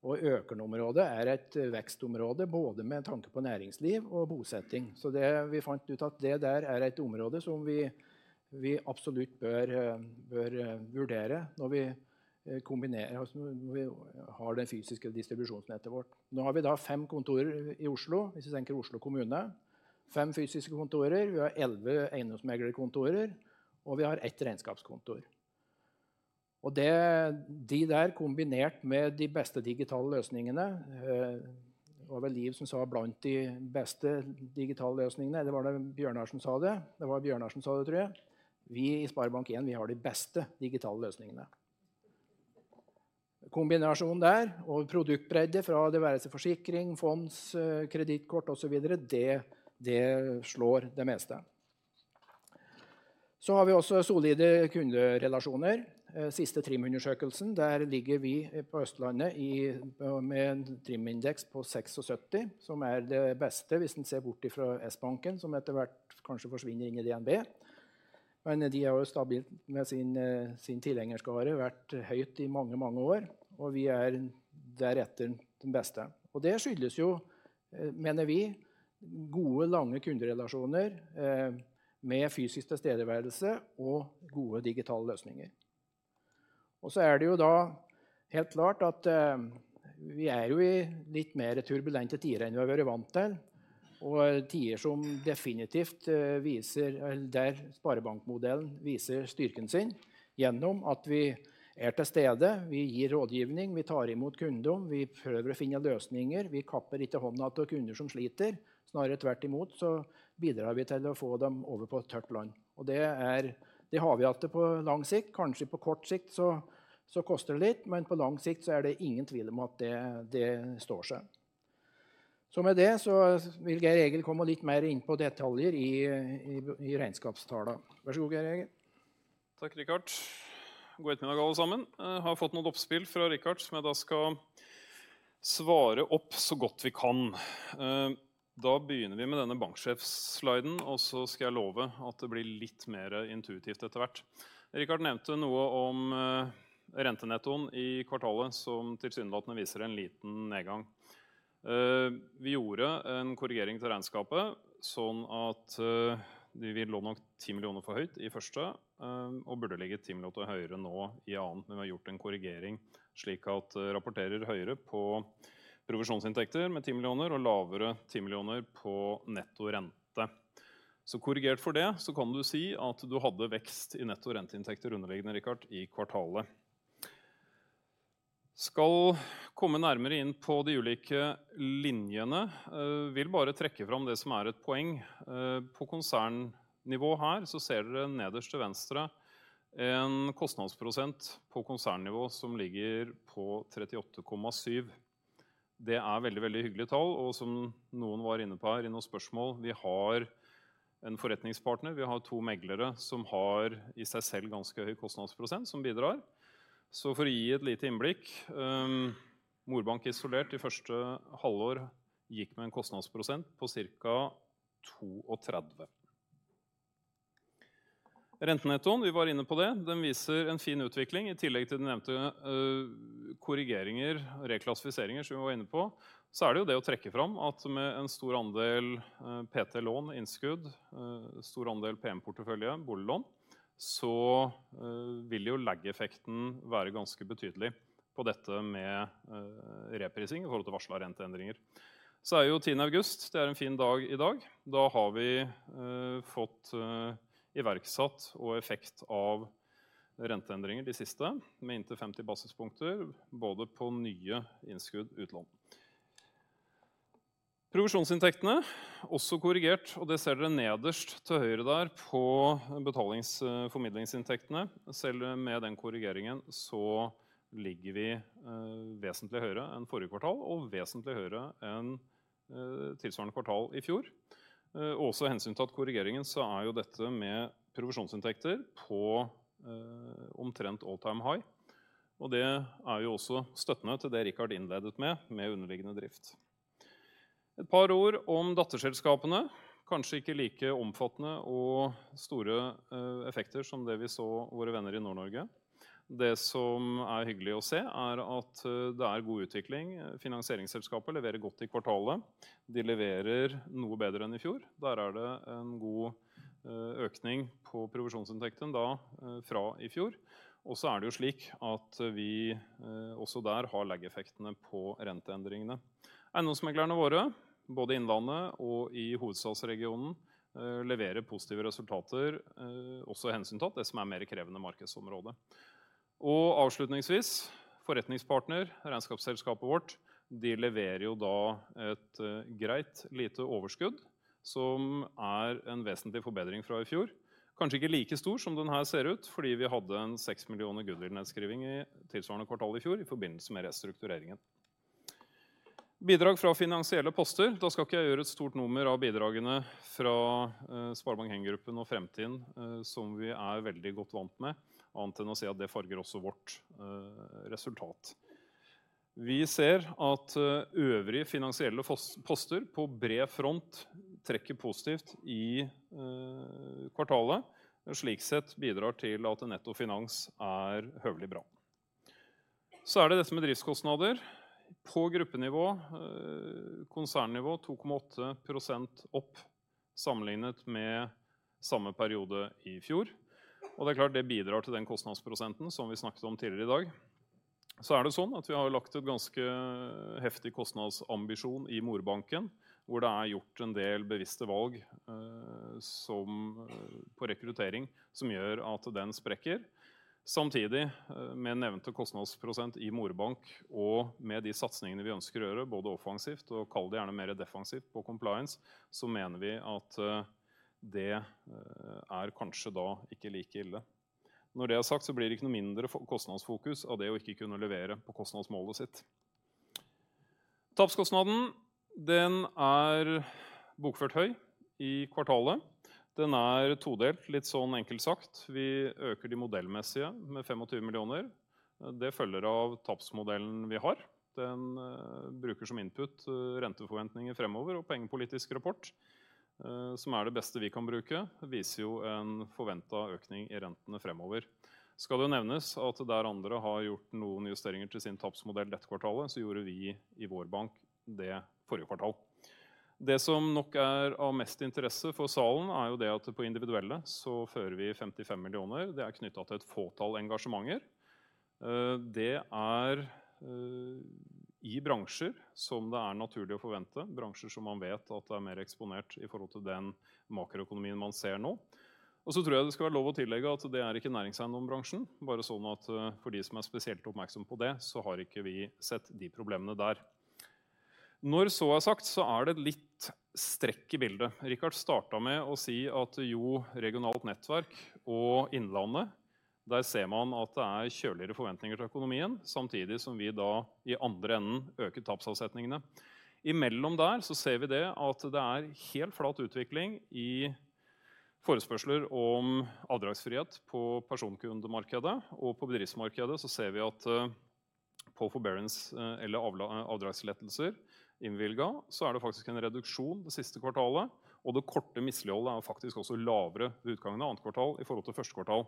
og Økernområdet er et vekstområde både med tanke på næringsliv og bosetting. Det vi fant ut at det der er et område som vi, vi absolutt bør, bør vurdere når vi kombinerer, når vi har det fysiske distribusjonsnettet vårt. Vi har da 5 kontorer i Oslo. Hvis vi tenker Oslo kommune, 5 fysiske kontorer. Vi har 11 eiendomsmeglerkontorer, og vi har 1 regnskapskontor. Det, de der, kombinert med de beste digitale løsningene. Det var vel Liv som sa blant de beste digitale løsningene. Eller var det Bjørnar som sa det? Det var Bjørnar som sa det, tror jeg. Vi i SpareBank 1, vi har de beste digitale løsningene. Kombinasjonen der og produktbredde fra det være seg forsikring, fond, kredittkort og så videre, det, det slår det meste....Vi har også solide kunderelasjoner. Siste TRIM undersøkelsen. Der ligger vi på Østlandet i med en TRIMindeks på 76, som er det beste hvis en ser bort ifra Sbanken som etter hvert kanskje forsvinner inn i DNB. De har jo stabilt med sin, sin tilhengerskare vært høyt i mange, mange år, og vi er deretter den beste. Det skyldes jo, mener vi. Gode, lange kunderelasjoner med fysisk tilstedeværelse og gode digitale løsninger. Så er det jo da helt klart at vi er jo i litt mer turbulente tider enn vi har vært vant til, og tider som definitivt viser eller der sparebankmodellen viser styrken sin. Gjennom at vi er til stede. Vi gir rådgivning, vi tar i mot kunder, vi prøver å finne løsninger. Vi kapper ikke hånden av de kunder som sliter. Snarere tvert imot, så bidrar vi til å få dem over på tørt land. Det er det har vi att det på lang sikt. Kanskje på kort sikt, so koster det litt, men på lang sikt so er det ingen tvil om at det, det står seg. Med det so vil Geir Egil komme litt mer inn på detaljer i, i, i regnskapstallene. Vær så god, Geir Egil! Takk Richard! God ettermiddag, alle sammen. Jeg har fått noen oppspill fra Richard, som jeg da skal svare opp så godt vi kan. Da begynner vi med denne banksjefsliden, og så skal jeg love at det blir litt mer intuitivt etter hvert. Richard nevnte noe om rentenettoen i kvartalet, som tilsynelatende viser en liten nedgang. Vi gjorde en korrigering til regnskapet sånn at vi, vi lå nok 10 million for høyt i første, og burde ligge 10 million høyere nå i annet. Vi har gjort en korrigering slik at rapporterer høyere på provisjonsinntekter med 10 million og lavere 10 million på netto rente. Korrigert for det så kan du si at du hadde vekst i netto renteinntekter underliggende Richard i kvartalet. Skal komme nærmere inn på de ulike linjene. Vil bare trekke fram det som er et poeng. På konsernnivå her så ser dere nederst til venstre en kostnadsprosent på konsernnivå som ligger på 38.7%. Det er veldig, veldig hyggelige tall, og som noen var inne på her i noen spørsmål. Vi har en ForretningsPartner. Vi har to meglere som har i seg selv ganske høy kostnadsprosent som bidrar. For å gi et lite innblikk. Morbank isolert i første halvår gikk med en kostnadsprosent på cirka 32%. Rentenettoen. Vi var inne på det. Den viser en fin utvikling. I tillegg til de nevnte korrigeringer og reklassifiseringer som vi var inne på, så er det jo det å trekke fram at med en stor andel PT-lån, innskudd, stor andel PM portefølje, boliglån, så vil jo lageffekten være ganske betydelig. På dette med reprising i forhold til varslede renteendringer. Det er jo August 10. Det er en fin dag i dag. Da har vi fått iverksatt og effekt av renteendringer de siste, med inntil 50 basispunkter, både på nye innskudd, utlån. Provisjonsinntektene også korrigert og det ser dere nederst til høyre der på betalingsformidlingsinntektene. Selv med den korrigeringen så ligger vi vesentlig høyere enn forrige kvartal og vesentlig høyere enn tilsvarende kvartal i fjor. Også hensyntatt korrigeringen så er jo dette med provisjonsinntekter på omtrent all-time high, og det er jo også støttende til det Richard innledet med med underliggende drift. Et par ord om datterselskapene. Kanskje ikke like omfattende og store effekter som det vi så våre venner i Nord-Norge. Det som er hyggelig å se er at det er god utvikling. Finansieringsselskapet leverer godt i kvartalet. De leverer noe bedre enn i fjor. Der er det en god økning på provisjonsinntektene da fra i fjor. Så er det jo slik at vi også der har lageffektene på renteendringene. Eiendomsmeglerne våre, både Innlandet og i hovedstadsregionen, leverer positive resultater, også hensyntatt det som er mer krevende markedsområde. Avslutningsvis ForretningsPartner, regnskapsselskapet vårt. De leverer jo da et greit lite overskudd, som er en vesentlig forbedring fra i fjor. Kanskje ikke like stor som den her ser ut, fordi vi hadde en 6 millioner goodwill nedskriving i tilsvarende kvartal i fjor i forbindelse med restruktureringen. Bidrag fra finansielle poster. Da skal ikke jeg gjøre et stort nummer av bidragene fra SpareBank 1 Gruppen og Fremtiden, som vi er veldig godt vant med. Annet enn å si at det farger også vårt resultat. Vi ser at øvrige finansielle poster på bred front trekker positivt i kvartalet, slik sett bidrar til at netto finans er høvelig bra. Det er dette med driftskostnader. På gruppenivå, konsernnivå 2.8% opp sammenlignet med samme periode i fjor. Det er klart, det bidrar til den kostnadsprosenten som vi snakket om tidligere i dag. Det er sånn at vi har lagt en ganske heftig kostnadsambisjon i morbanken, hvor det er gjort en del bevisste valg, som på rekruttering som gjør at den sprekker. Samtidig med nevnte kostnadsprosent i morbank og med de satsningene vi ønsker å gjøre både offensivt og kall det gjerne mer defensivt på compliance, mener vi at det er kanskje da ikke like ille. Når det er sagt, blir det ikke noe mindre kostnadsfokus av det å ikke kunne levere på kostnadsmålet sitt. Tapskostnaden. Den er bokført høy i kvartalet. Den er todelt. Litt sånn enkelt sagt vi øker de modellmessige med 25 million. Det følger av tapsmodellen vi har. Den bruker som input renteforventninger fremover og pengepolitisk rapport, som er det beste vi kan bruke, viser jo en forventet økning i rentene fremover. Skal det nevnes at der andre har gjort noen justeringer til sin tapsmodell dette kvartalet, så gjorde vi i vår bank det forrige kvartal. Det som nok er av mest interesse for salen, er jo det at på individuelle så fører vi NOK 55 million. Det er knyttet til et fåtall engasjementer. Det er i bransjer som det er naturlig å forvente. Bransjer som man vet at det er mer eksponert i forhold til den makroøkonomien man ser nå. Så tror jeg det skal være lov å tillegge at det er ikke næringseiendom bransjen bare sånn at for de som er spesielt oppmerksomme på det, så har ikke vi sett de problemene der. Når så er sagt, så er det litt strekk i bildet. Richardt startet med å si at jo, regionalt nettverk og Innlandet. Der ser man at det er kjøligere forventninger til økonomien, samtidig som vi da i andre enden øker tapsavsetningene. Imellom der så ser vi det at det er helt flat utvikling i forespørsler om avdragsfrihet på personkundemarkedet, og på bedriftsmarkedet så ser vi at på forbearance eller avdragslettelser innvilga, så er det faktisk en reduksjon det siste kvartalet. Det korte mislighold er jo faktisk også lavere ved utgangen av 2. kvartal i forhold til 1. kvartal.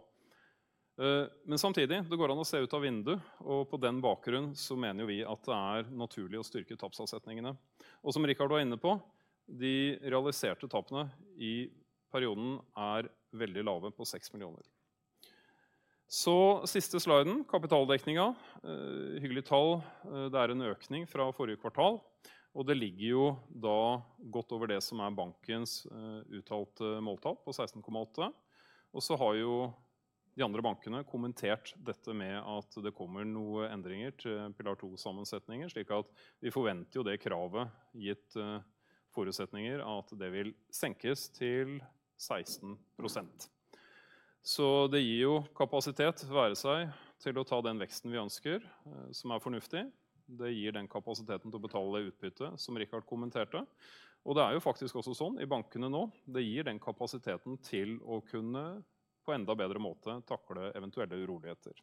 Samtidig, det går an å se ut av vinduet. På den bakgrunn så mener jo vi at det er naturlig å styrke tapsavsetningene. Som Richard var inne på. De realiserte tapene i perioden er veldig lave på 6 million. Siste sliden, kapitaldekningen. Hyggelig tall. Det er en økning fra forrige kvartal, og det ligger jo da godt over det som er bankens uttalte måltall på 16.8. Så har jo de andre bankene kommentert dette med at det kommer noen endringer til Pillar 2 sammensetninger, slik at vi forventer jo det kravet, gitt forutsetninger at det vil senkes til 16%. Det gir jo kapasitet, være seg til å ta den veksten vi ønsker som er fornuftig. Det gir den kapasiteten til å betale det utbyttet som Richard kommenterte. Det er jo faktisk også sånn i bankene nå. Det gir den kapasiteten til å kunne på enda bedre måte takle eventuelle uroligheter.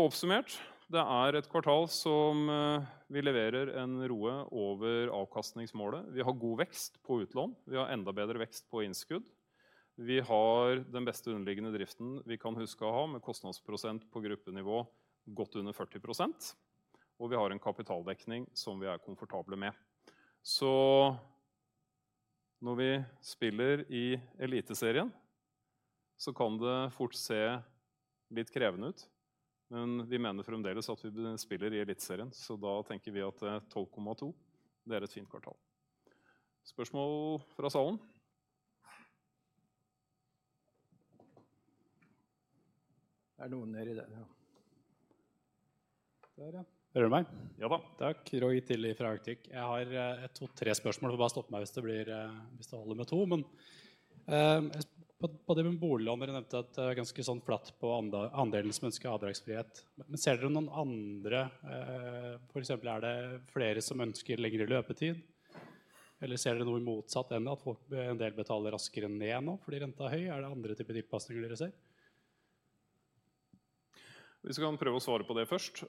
Oppsummert: Det er et kvartal som vi leverer en ROE over avkastningsmålet. Vi har god vekst på utlån. Vi har enda bedre vekst på innskudd. Vi har den beste underliggende driften vi kan huske å ha, med kostnadsprosent på gruppenivå godt under 40%. Vi har en kapitaldekning som vi er komfortable med. Når vi spiller i Eliteserien så kan det fort se litt krevende ut. Vi mener fremdeles at vi spiller i Eliteserien, så da tenker vi at 12.2, det er et fint kvartal. Spørsmål fra salen? Det er noen nedi der ja. Der ja. Hører du meg? Ja da. Takk! Roy Telle fra Arctic. Jeg har et 2 3 spørsmål. Bare stopp meg hvis det blir, hvis det holder med 2. På det med boliglån. Du nevnte at det er ganske sånn flatt på andelen som ønsker avdragsfrihet. Ser dere noen andre? Eh, for eksempel, er det flere som ønsker lengre løpetid, eller ser dere noe i motsatt ende at folk en del betaler raskere ned nå fordi renta er høy? Er det andre typer tilpasninger dere ser? Vi skal prøve å svare på det først.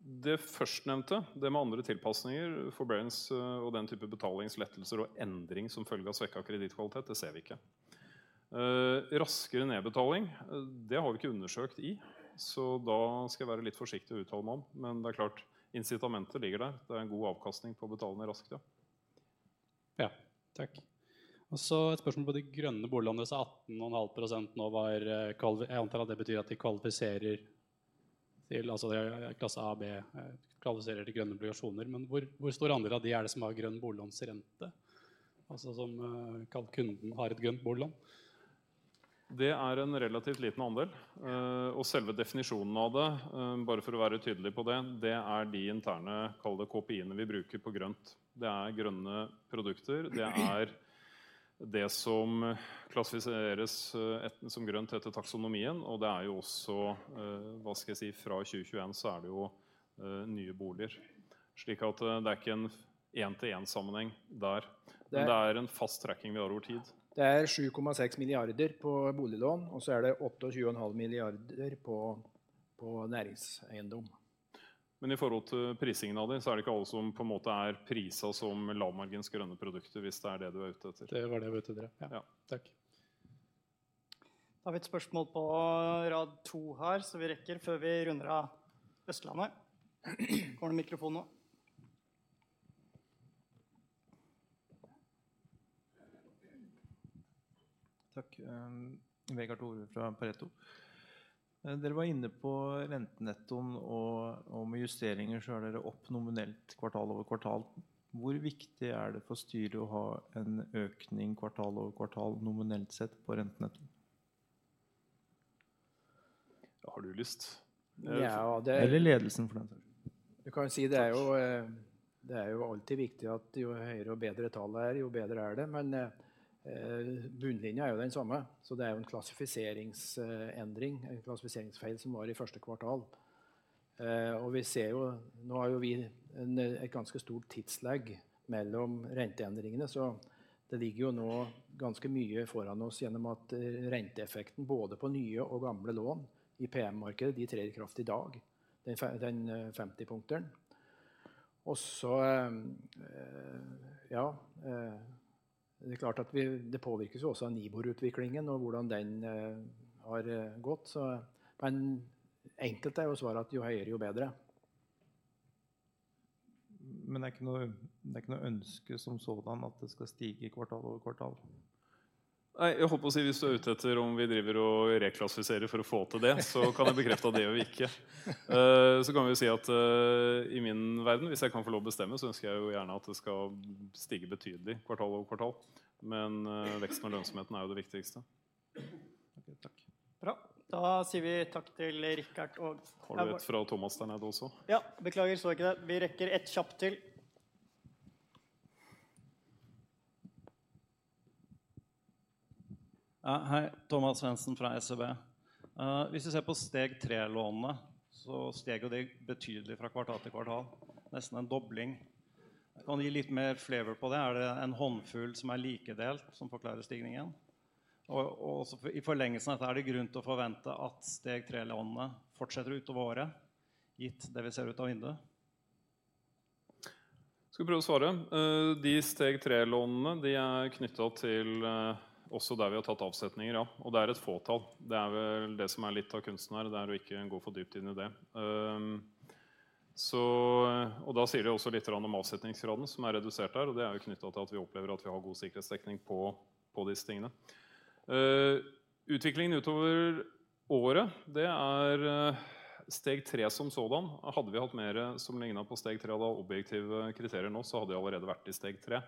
Det førstnevnte, det med andre tilpasninger, forbearance og den type betalingslettelser og endring som følge av svekket kredittkvalitet. Det ser vi ikke. Raskere nedbetaling, det har vi ikke undersøkt i, så da skal jeg være litt forsiktig å uttale meg om. Det er klart, incitamentet ligger der. Det er en god avkastning på å betale ned raskt ja. Ja, takk. Så et spørsmål på de grønne boliglånene, 18.5% nå var. Jeg antar at det betyr at de kvalifiserer til altså klasse A og B kvalifiserer til grønne obligasjoner. Hvor stor andel av de er det som har grønn boliglånsrente? Altså, som kunden har et grønt boliglån. Det er en relativt liten andel, og selve definisjonen av det. Bare for å være tydelig på det. Det er de interne kall det KPI ene vi bruker på grønt. Det er grønne produkter. Det er det som klassifiseres som grønt etter taksonomien. Det er jo også, hva skal jeg si, fra 2021 så er det jo nye boliger, slik at det er ikke en 1 til 1 sammenheng der. Det er en fast trekking vi har over tid. Det er 7.6 billion på boliglån. Så er det 28.5 billion på næringseiendom. I forhold til prisingen av de, så er det ikke alle som på en måte er priset som lavmargin grønne produkter. Hvis det er det du er ute etter. Det var det jeg var ute etter. Ja. Ja. Takk! Har vi et spørsmål på rad to her, så vi rekker før vi runder av Østlandet. Kommer det mikrofon nå? Takk! Vegard Øversjøen fra Pareto. Dere var inne på rentenettoen og med justeringer så er dere opp nominelt kvartal over kvartal. Hvor viktig er det for styret å ha en økning kvartal over kvartal, nominelt sett på rentenetto? Har du lyst? Ja, det... eller ledelsen for den del. Jeg kan jo si det er jo. Det er jo alltid viktig at jo høyere og bedre tall det er, jo bedre er det. Bunnlinjen er jo den samme. Det er jo en klassifiseringsendring, en klassifiseringsfeil som var i første kvartal. Vi ser jo, nå har jo vi et ganske stort tidslegg mellom renteendringene, så det ligger jo nå ganske mye foran oss gjennom at renteeffekten både på nye og gamle lån i PM, de trer i kraft i dag. Den 50 punkteren. Så, ja, det er klart at vi, det påvirkes jo også av NIBOR utviklingen og hvordan den har gått. Men enkelt er jo svaret at jo høyere, jo bedre. Det er ikke noe ønske som sådan at det skal stige kvartal over kvartal? Nei, jeg holdt på å si. Hvis du er ute etter om vi driver og reklassifisere for å få til det, så kan jeg bekrefte at det gjør vi ikke. Kan vi jo si at i min verden, hvis jeg kan få lov å bestemme, så ønsker jeg jo gjerne at det skal stige betydelig kvartal over kvartal. Veksten og lønnsomheten er jo det viktigste. Takk! Bra, da sier vi takk til Richard og- Har du et fra Thomas der nede også? Beklager, så ikke det. Vi rekker 1 kjapt til. Ja, hei, Thomas Svendsen fra SEB. Hvis du ser på steg 3 lånene så steg jo de betydelig fra kvartal til kvartal. Nesten 1 dobling. Kan du gi litt mer flavour på det? Er det en håndfull som er likedelt som forklarer stigningen? I forlengelsen av dette, er det grunn til å forvente at steg 3 lånene fortsetter utover året, gitt det vi ser ut av vinduet? Skal prøve å svare. De steg tre lånene, de er knyttet til også der vi har tatt avsetninger, ja, og det er et fåtall. Det er vel det som er litt av kunsten her. Det er å ikke gå for dypt inn i det. Da sier det også litt greier om avsetningsgraden som er redusert der. Det er jo knyttet til at vi opplever at vi har god sikkerhetsdekning på, på de tingene. Utviklingen utover året, det er steg tre som sådan. Hadde vi hatt mer som ligner på steg tre av objektive kriterier nå, så hadde jeg allerede vært i steg tre.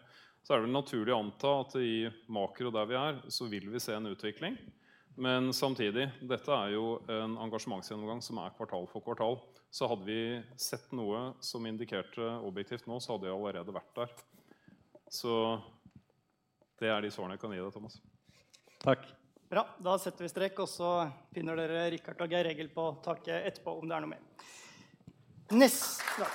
Samtidig, dette er jo en engasjementsgjennomgang som er kvartal for kvartal. Hadde vi sett noe som indikerte objektivt nå, så hadde jeg allerede vært der. Det er de svarene jeg kan gi deg, Thomas. Takk! Bra, da setter vi strek, og så finner dere Rikard og Geir Egil på takket etterpå om det er noe mer. Neste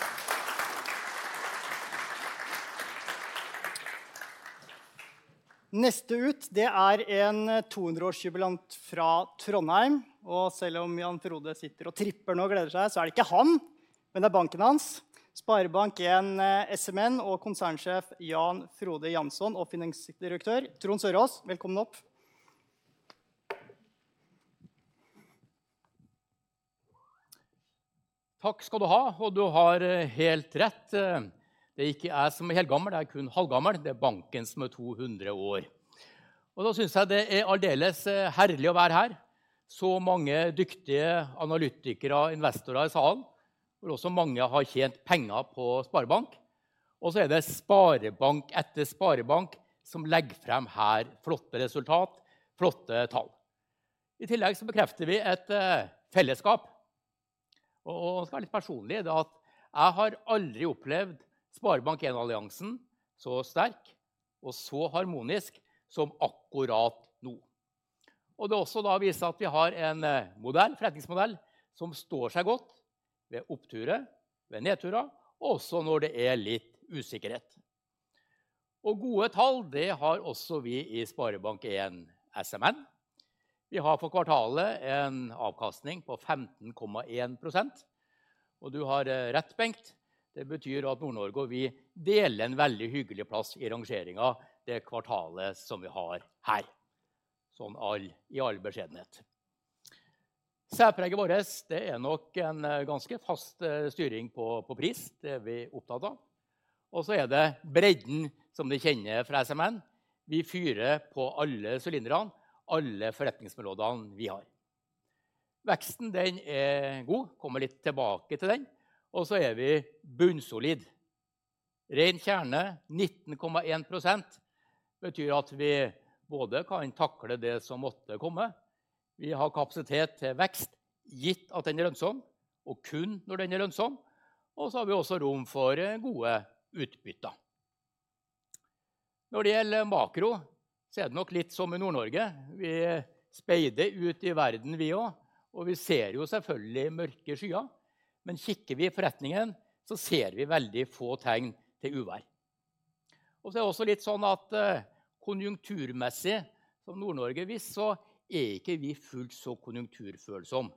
ut det er en 200-års jubilant fra Trondheim. Selv om Jan Frode sitter og tripper og gleder seg, så er det ikke han, men det er banken hans. SpareBank 1 SMN og Konsernsjef Jan Frode Jansson og Finansdirektør Trond Sørås. Velkommen opp! Takk skal du ha! Du har helt rett, det er ikke jeg som er helt gammel. Det er kun halvgammel. Det er banken som er 200 år. Da synes jeg det er aldeles herlig å være her. Så mange dyktige analytikere og investorer i salen, hvor også mange har tjent penger på SpareBank. Så er det SpareBank etter SpareBank som legger frem her. Flotte resultat, flotte tall. I tillegg så bekrefter vi et fellesskap. Skal litt personlig i det, at jeg har aldri opplevd SpareBank 1-alliansen så sterk og så harmonisk som akkurat nå. Det også da viser at vi har en modell, forretningsmodell som står seg godt ved oppturer, ved nedturer og også når det er litt usikkerhet. Gode tall, det har også vi i SpareBank 1 SMN. Vi har for kvartalet en avkastning på 15.1%. Du har rett, Bengt. Det betyr at Nord-Norge og vi deler en veldig hyggelig plass i rangeringen. Det kvartalet som vi har her. Sånn all i all beskjedenhet. Særpreget vårt, det er nok en ganske fast styring på, på pris. Det er vi opptatt av. Så er det bredden som du kjenner fra SMN. Vi fyrer på alle sylindrene, alle forretningsområdene vi har. Veksten den er god. Kommer litt tilbake til den. Så er vi bunnsolid. Ren kjerne 19.1% betyr at vi både kan takle det som måtte komme. Vi har kapasitet til vekst, gitt at den er lønnsom og kun når den er lønnsom. Så har vi også rom for gode utbytter. Når det gjelder makro, så er det nok litt som i Nord-Norge. Vi speider ut i verden vi og, vi ser jo selvfølgelig mørke skyer. Kikker vi i forretningen så ser vi veldig få tegn til uvær. Så er det også litt sånn at konjunkturmessig som Nord-Norge visst så er ikke vi fullt så konjunkturfølsom.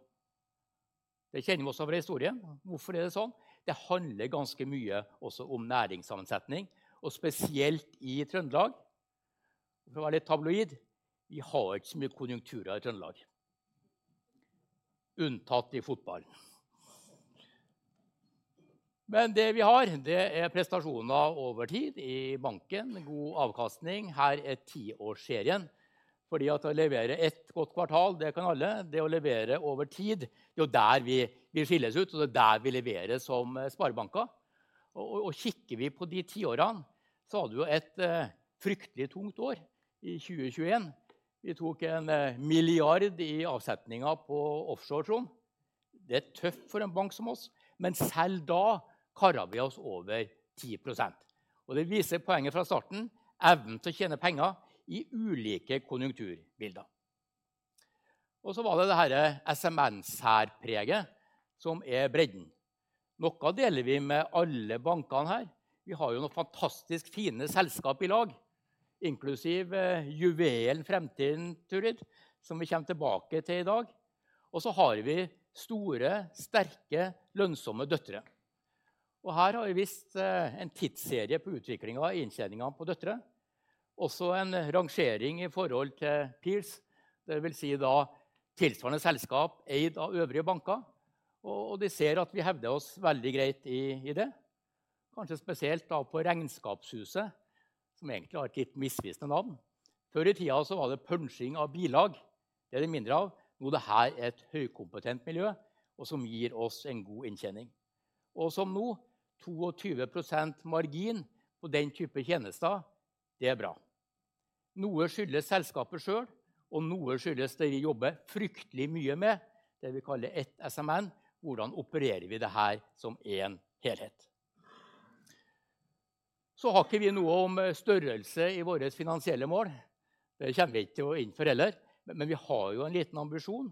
Det kjenner vi også fra historien. Hvorfor er det sånn? Det handler ganske mye også om næringssammensetning, spesielt i Trøndelag. For å være litt tabloid: vi har ikke så mye konjunkturer i Trøndelag, unntatt i fotballen. Det vi har, det er prestasjoner over tid i banken. God avkastning. Her er 10 års serien. Fordi at å levere 1 godt kvartal, det kan alle. Det å levere over tid, jo, der vi vi skilles ut og det er der vi leverer som sparebanken. Kikker vi på de 10 årene så hadde vi jo et fryktelig tungt år i 2021. Vi tok 1 milliard i avsetninger på offshore. Det er tøft for en bank som oss, men selv da karret vi oss over 10%. Det viser poenget fra starten. Evnen til å tjene penger i ulike konjunkturbilder. Så var det det her SMN særpreget, som er bredden. Noe deler vi med alle bankene her. Vi har jo noen fantastisk fine selskaper i lag, inklusiv juvelen Fremtind, Turid, som vi kommer tilbake til i dag. Så har vi store, sterke, lønnsomme døtre. Her har vi vist en tidsserie på utviklingen i inntjeningen på døtre. Også en rangering i forhold til peers. Det vil si da tilsvarende selskap eid av øvrige banker. De ser at vi hevder oss veldig greit i, i det. Kanskje spesielt da på regnskapshuset, som egentlig har et litt misvisende navn. Før i tiden så var det punching av bilag. Det er det mindre av, nå, det her er et høykompetent miljø og som gir oss en god inntjening. Som nå, 22% margin på den type tjenester. Det er bra. Noe skyldes selskapet selv, og noe skyldes det vi jobber fryktelig mye med, det vi kaller ett SMN. Hvordan opererer vi det her som en helhet? Har ikke vi noe om størrelse i våre finansielle mål. Det kommer vi ikke til å innføre heller. Det er en liten ambisjon,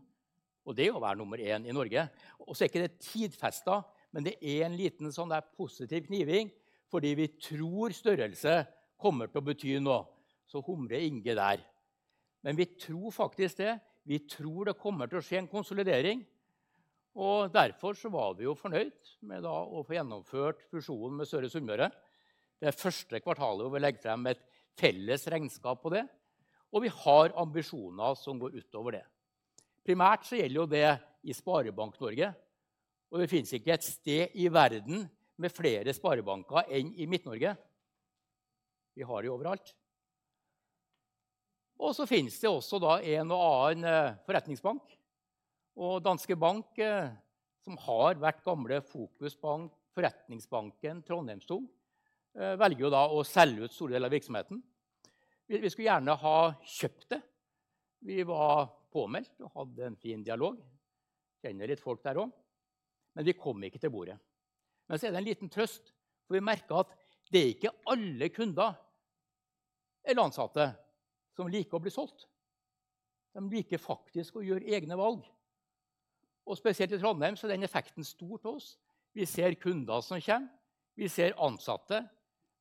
og det er å være nummer 1 i Norge. Er ikke det tidfestet. Det er en liten sånn, det er positiv kniving, fordi vi tror størrelse kommer til å bety noe. Humrer ingen der. Vi tror faktisk det. Vi tror det kommer til å skje en konsolidering. Derfor så var vi jo fornøyd med da å få gjennomført fusjonen med Søre Sunnmøre. Det er første kvartalet hvor vi legger frem et felles regnskap på det. Vi har ambisjoner som går utover det. Primært så gjelder jo det i SpareBank Norge. Det finnes ikke et sted i verden med flere sparebanker enn i Midt-Norge. Vi har de overalt. Så finnes det også da en og annen forretningsbank. Danske Bank, som har vært gamle Fokus Bank, Forretningsbanken Trondheim, velger jo da å selge ut store deler av virksomheten. Vi skulle gjerne ha kjøpt det. Vi var påmeldt og hadde en fin dialog. Kjenner litt folk der også, men vi kom ikke til bordet. Så er det en liten trøst, for vi merker at det er ikke alle kunder eller ansatte som liker å bli solgt. De liker faktisk å gjøre egne valg. Spesielt i Trondheim så er den effekten stor til oss. Vi ser kunder som kommer. Vi ser ansatte,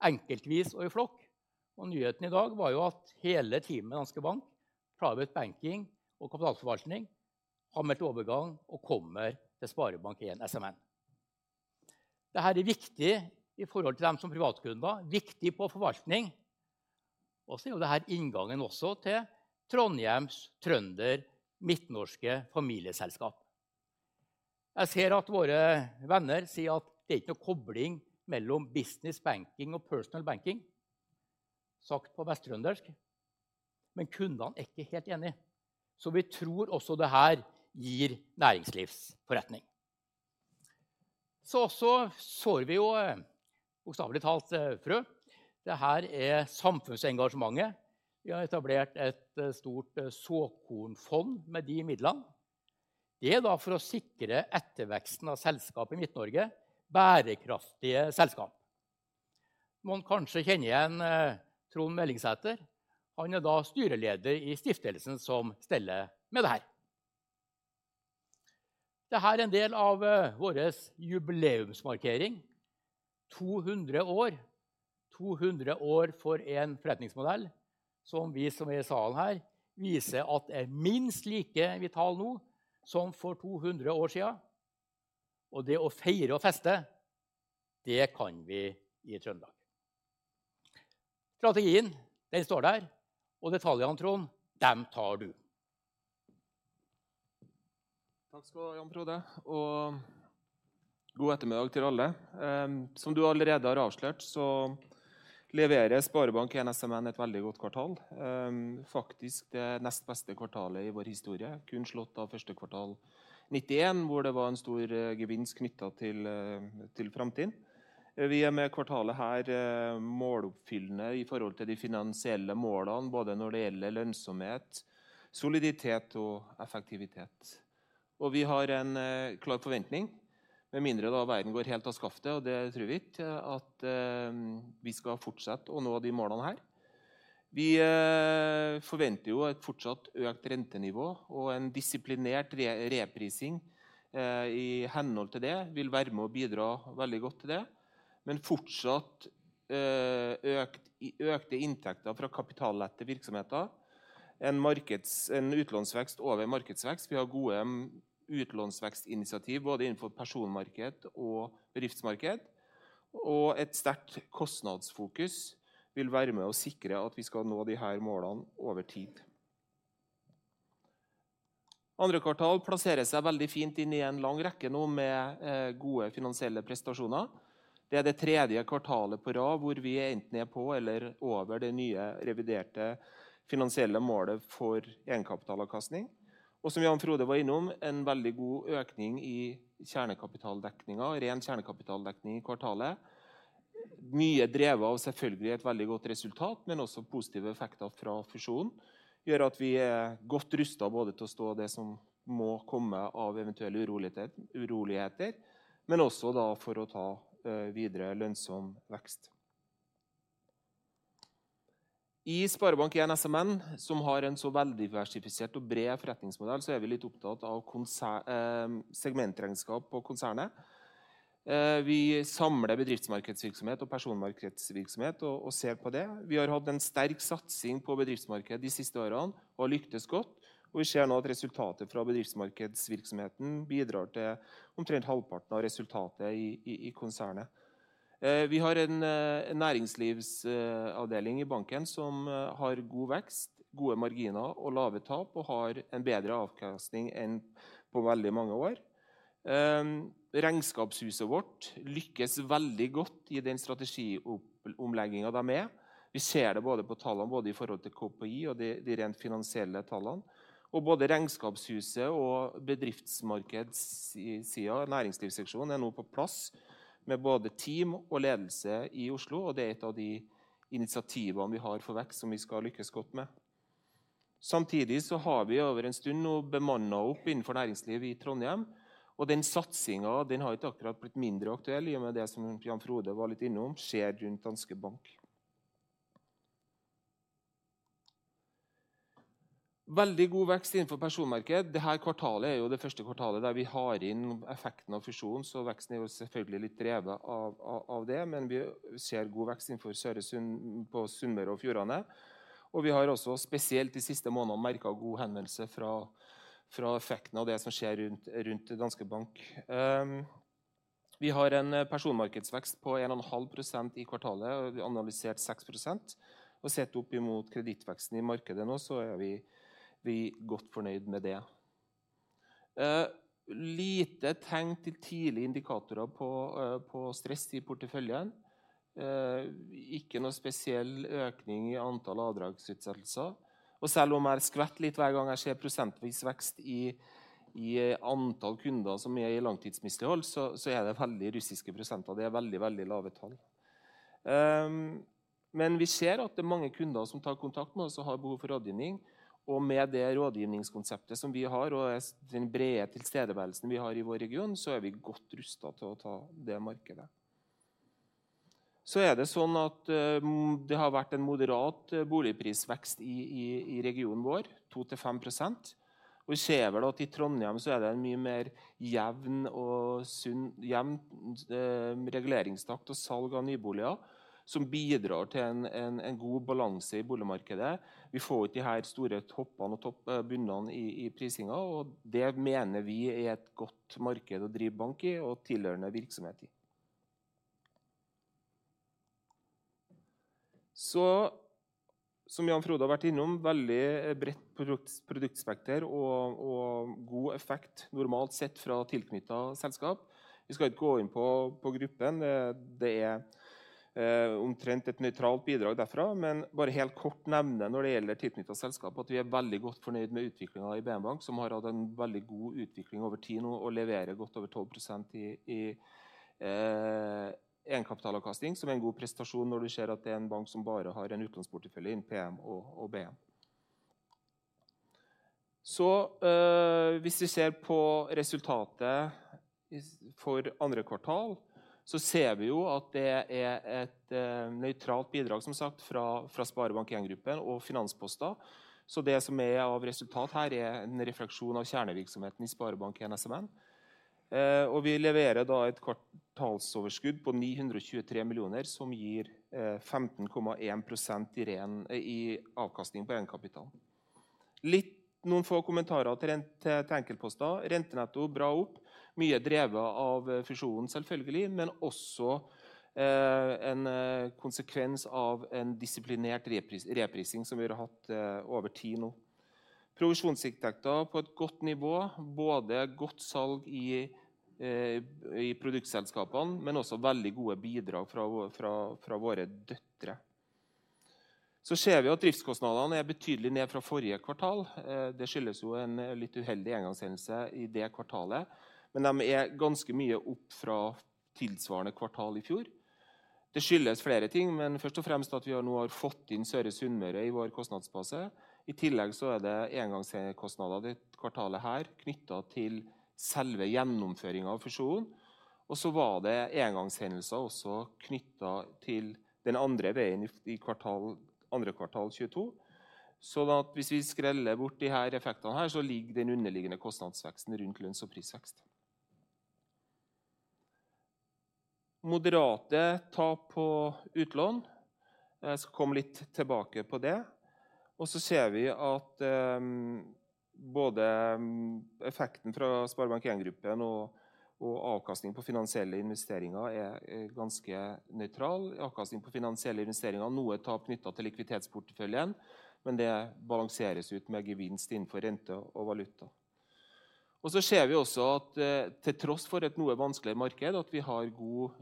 enkeltvis og i flokk. Nyheten i dag var jo at hele teamet i Danske Bank, Private Banking og Kapitalforvaltning har meldt overgang og kommer til SpareBank 1 SMN. Det her er viktig i forhold til dem som privatkunder. Viktig på forvaltning. Så er jo det her inngangen også til Trondheims trønder midtnorske familieselskap. Jeg ser at våre venner sier at det er ikke noe kobling mellom business banking og personal banking. Sakt på vesttrøndersk, kundene er ikke helt enig. Vi tror også det her gir næringslivsforretning. Så sår vi jo bokstavelig talt frø. Det her er samfunnsengasjementet. Vi har etablert et stort såkornfond med de midlene. Det er da for å sikre etterveksten av selskap i Midt-Norge. Bærekraftige selskap. Noen kanskje kjenner igjen Trond Mohn. Han er da styreleder i stiftelsen som steller med det her. Det her er en del av våres jubileumsmarkering. 200 år. 200 år for en forretningsmodell som vi som er i salen her, viser at er minst like vital nå som for 200 år siden. Det å feire og feste, det kan vi i Trøndelag. Strategien, den står der og detaljene, Trond, dem tar du. Takk skal du ha, Jan Frode! God ettermiddag til alle. Som du allerede har avslørt, så leverer SpareBank 1 SMN et veldig godt kvartal. Faktisk det nest beste kvartalet i vår historie, kun slått av first quarter 1991, hvor det var en stor gevinst knyttet til, til Fremtind. Vi er med kvartalet her måloppfyllende i forhold til de finansielle målene, både når det gjelder lønnsomhet, soliditet og effektivitet. Vi har en klar forventning. Med mindre da verden går helt av skaftet, og det tror vi ikke, at vi skal fortsette å nå de målene her. Vi forventer jo et fortsatt økt rentenivå og en disiplinert reprising i henhold til det, vil være med og bidra veldig godt til det. Fortsatt økt, økte inntekter fra kapitallette virksomheter. En markeds, en utlånsvekst over markedsvekst. Vi har gode utlånsvekstinitiativ både innenfor personmarked og bedriftsmarked. Et sterkt kostnadsfokus vil være med å sikre at vi skal nå de her målene over tid. 2. kvartal plasserer seg veldig fint inn i en lang rekke nå med gode finansielle prestasjoner. Det er det 3. kvartalet på rad hvor vi enten er på eller over det nye reviderte finansielle målet for egenkapitalavkastning. Som Jan-Frode var innom, en veldig god økning i kjernekapitaldekningen og ren kjernekapitaldekning i kvartalet. Mye drevet av selvfølgelig et veldig godt resultat, men også positive effekter fra fusjonen gjør at vi er godt rustet både til å stå det som må komme av eventuelle uroligheter, uroligheter, men også da for å ta videre lønnsom vekst. I SpareBank 1 SMN, som har en så veldig diversifisert og bred forretningsmodell, så er vi litt opptatt av segmentregnskap på konsernet. Vi samler bedriftsmarkedsvirksomhet og personmarkedsvirksomhet og ser på det. Vi har hatt en sterk satsing på bedriftsmarkedet de siste årene og har lyktes godt. Vi ser nå at resultatet fra bedriftsmarkedsvirksomheten bidrar til omtrent halvparten av resultatet i konsernet. Vi har en næringslivsavdeling i banken som har god vekst, gode marginer og lave tap, og har en bedre avkastning enn på veldig mange år. Regnskapshuset vårt lykkes veldig godt i den strategiomleggingen de er med. Vi ser det både på tallene, både i forhold til KPI og de rent finansielle tallene. Både regnskapshuset og bedriftsmarkedssiden, næringslivsseksjonen er nå på plass med både team og ledelse i Oslo, og det er et av de initiativene vi har for vekst som vi skal lykkes godt med. Samtidig har vi over en stund nå bemannet opp innenfor næringsliv i Trondheim, og den satsingen den har ikke akkurat blitt mindre aktuell i og med det som Jan Frode var litt innom skjer rundt Danske Bank. Veldig god vekst innenfor personmarked. Det her kvartalet er jo det first kvartalet der vi har inn effekten av fusjonen, veksten er jo selvfølgelig litt drevet av det. Vi ser god vekst innenfor på Sunnmøre og fjordane, og vi har også spesielt de siste månedene merket god henvendelse fra effekten av det som skjer rundt Danske Bank. Vi har en personmarkedsvekst på 1.5% i kvartalet. Vi analysert 6% og sett opp i mot kredittveksten i markedet nå, er vi godt fornøyd med det. Lite tegn til tidlige indikatorer på stress i porteføljen. Ikke noe spesiell økning i antall avdragsutsettelser. Selv om jeg skvett litt hver gang jeg ser prosentvis vekst i antall kunder som er i langtidsmislighold, så er det veldig russiske prosenter. Det er veldig, veldig lave tall. Men vi ser at det er mange kunder som tar kontakt med oss og har behov for rådgivning. Med det rådgivningskonseptet som vi har og den brede tilstedeværelsen vi har i vår region, så er vi godt rustet til å ta det markedet. Det er sånn at det har vært en moderat boligprisvekst i regionen vår, 2-5%. Vi ser vel at i Trondheim så er det en mye mer jevn og sunn, jevnt reguleringstakt og salg av nyboliger, som bidrar til en god balanse i boligmarkedet. Vi får ikke de her store toppene og topp bunnene i prisingen, og det mener vi er et godt marked å drive bank i og tilhørende virksomhet i. Som Jan-Frode har vært innom. Veldig bredt produktspekter og god effekt, normalt sett fra tilknyttede selskap. Vi skal ikke gå inn på gruppen. Det er, omtrent et nøytralt bidrag derfra, men bare helt kort nevne når det gjelder tilknyttede selskap, at vi er veldig godt fornøyd med utviklingen i BN Bank, som har hatt en veldig god utvikling over tid nå og leverer godt over 12% i egenkapitalavkastning, som er en god prestasjon når du ser at det er en bank som bare har en utlånsportefølje innen PM og BN. Hvis vi ser på resultatet for andre kvartal, ser vi jo at det er et nøytralt bidrag, som sagt fra, fra SpareBank 1 Gruppen og finansposter. Det som er av resultat her er en refleksjon av kjernevirksomheten i SpareBank 1 SMN. Vi leverer da et kvartalsoverskudd på NOK 923 million, som gir 15.1% i ren, i avkastning på egenkapitalen. Litt noen få kommentarer til, til enkeltposter. Rentenetto bra opp. Mye drevet av fusjonen selvfølgelig, men også en konsekvens av en disiplinert reprising som vi har hatt over tid nå. Provisjonstekter på et godt nivå. Både godt salg i, i produktselskapene, men også veldig gode bidrag fra våre, fra, fra våre døtre. Ser vi at driftskostnadene er betydelig ned fra forrige kvartal. Det skyldes jo en litt uheldig engangshendelse i det kvartalet, men de er ganske mye opp fra tilsvarende kvartal i fjor. Det skyldes flere ting, men først og fremst at vi nå har fått inn Søre Sunnmøre i vår kostnadsbase. I tillegg så er det engangskostnader dette kvartalet her knyttet til selve gjennomføringen av fusjonen. Og så var det engangshendelser også knyttet til den andre veien i kvartal, second quarter 2022. Sånn at hvis vi skreller bort de her effektene her, så ligger den underliggende kostnadsveksten rundt lønns og prisvekst. Moderate tap på utlån. Jeg skal komme litt tilbake på det. Og så ser vi at både effekten fra SpareBank 1 Gruppen og, og avkastning på finansielle investeringer er ganske nøytral. Avkastning på finansielle investeringer. Noe tap knyttet til likviditetsporteføljen, men det balanseres ut med gevinst innenfor rente og valuta. Og så ser vi også at til tross for et noe vanskelig marked, at vi har god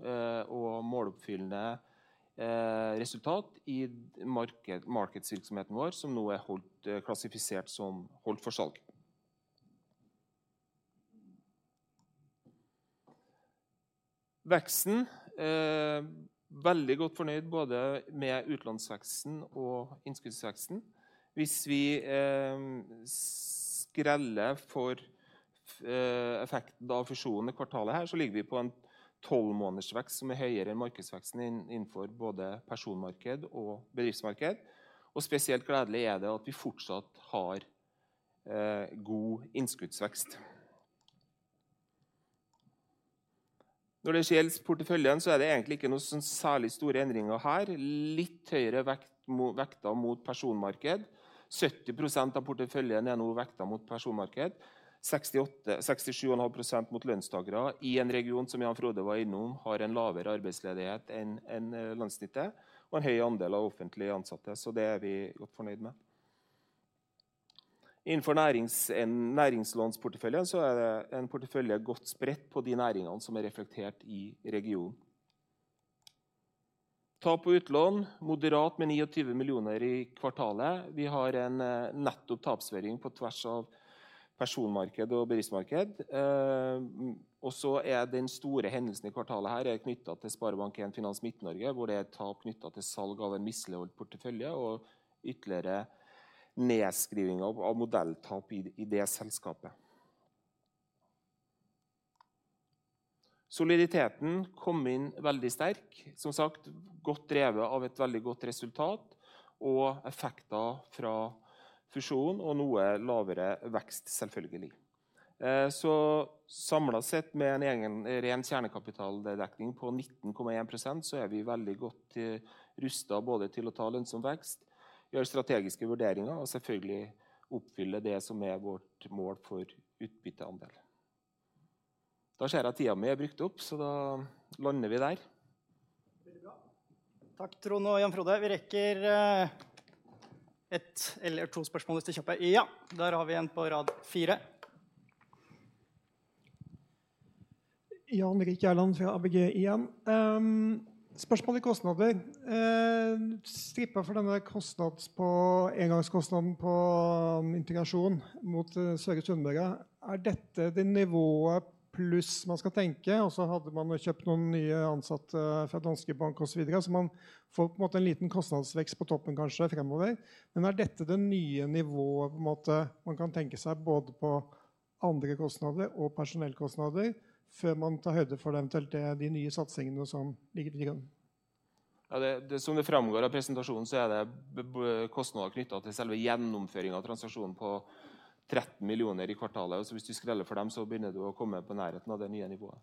og måloppfyllende resultat i marked, markedsvirksomheten vår, som nå er holdt klassifisert som holdt for salg. Veksten. Er veldig godt fornøyd både med utlånsveksten og innskuddsveksten. Hvis vi skreller for effekten av fusjonen i kvartalet her, så ligger vi på en 12 måneders vekst som er høyere enn markedsveksten innenfor både personmarked og bedriftsmarked. Spesielt gledelig er det at vi fortsatt har god innskuddsvekst. Når det gjelder porteføljen, så er det egentlig ikke noen særlig store endringer her. Litt høyere vekt mot, vekta mot personmarked. 70% av porteføljen er nå vekta mot personmarked. 68%, 67.5% mot lønnstakere i en region som Jan Frode var innom har en lavere arbeidsledighet enn, enn landssnittet og en høy andel av offentlig ansatte. Det er vi godt fornøyd med. Innenfor næringslånsporteføljen er det en portefølje godt spredt på de næringene som er reflektert i regionen. Tap på utlån moderat med 29 million i kvartalet. Vi har en netto tapsverdering på tvers av personmarked og bedriftsmarked. Den store hendelsen i kvartalet her er knyttet til SpareBank 1 Finans Midt-Norge, hvor det er tap knyttet til salg av en misligholdt portefølje og ytterligere nedskrivninger av modeltap i det selskapet. Soliditeten kom inn veldig sterk. Som sagt godt drevet av et veldig godt resultat og effekter fra fusjonen og noe lavere vekst, selvfølgelig. Samlet sett med en egen ren kjernekapitaldekning på 19.1%, er vi veldig godt rustet både til å ta lønnsom vekst, gjøre strategiske vurderinger og selvfølgelig oppfylle det som er vårt mål for utbytteandel. Da ser jeg at tiden min er brukt opp, så da lander vi der. Veldig bra! Takk, Trond og Jan Frode. Vi rekker 1 eller 2 spørsmål hvis det er kjapt. Ja, der har vi en på rad 4. Jan Erik Gjerland fra ABG igen. Spørsmål i kostnader. Strippet for denne kostnad på engangskostnaden på integrasjon mot Søre Sunnmøre. Er dette det nivået pluss man skal tenke? Så hadde man jo kjøpt noen nye ansatte fra Danske Bank og så videre, så man får på en måte en liten kostnadsvekst på toppen, kanskje fremover. Er dette det nye nivået på en måte man kan tenke seg både på andre kostnader og personellkostnader før man tar høyde for eventuelt de nye satsingene som ligger i gang? Det som det fremgår av presentasjonen så er det kostnader knyttet til selve gjennomføringen av transaksjonen på 13 million i kvartalet. Hvis du skreller for dem, så begynner du å komme i nærheten av det nye nivået.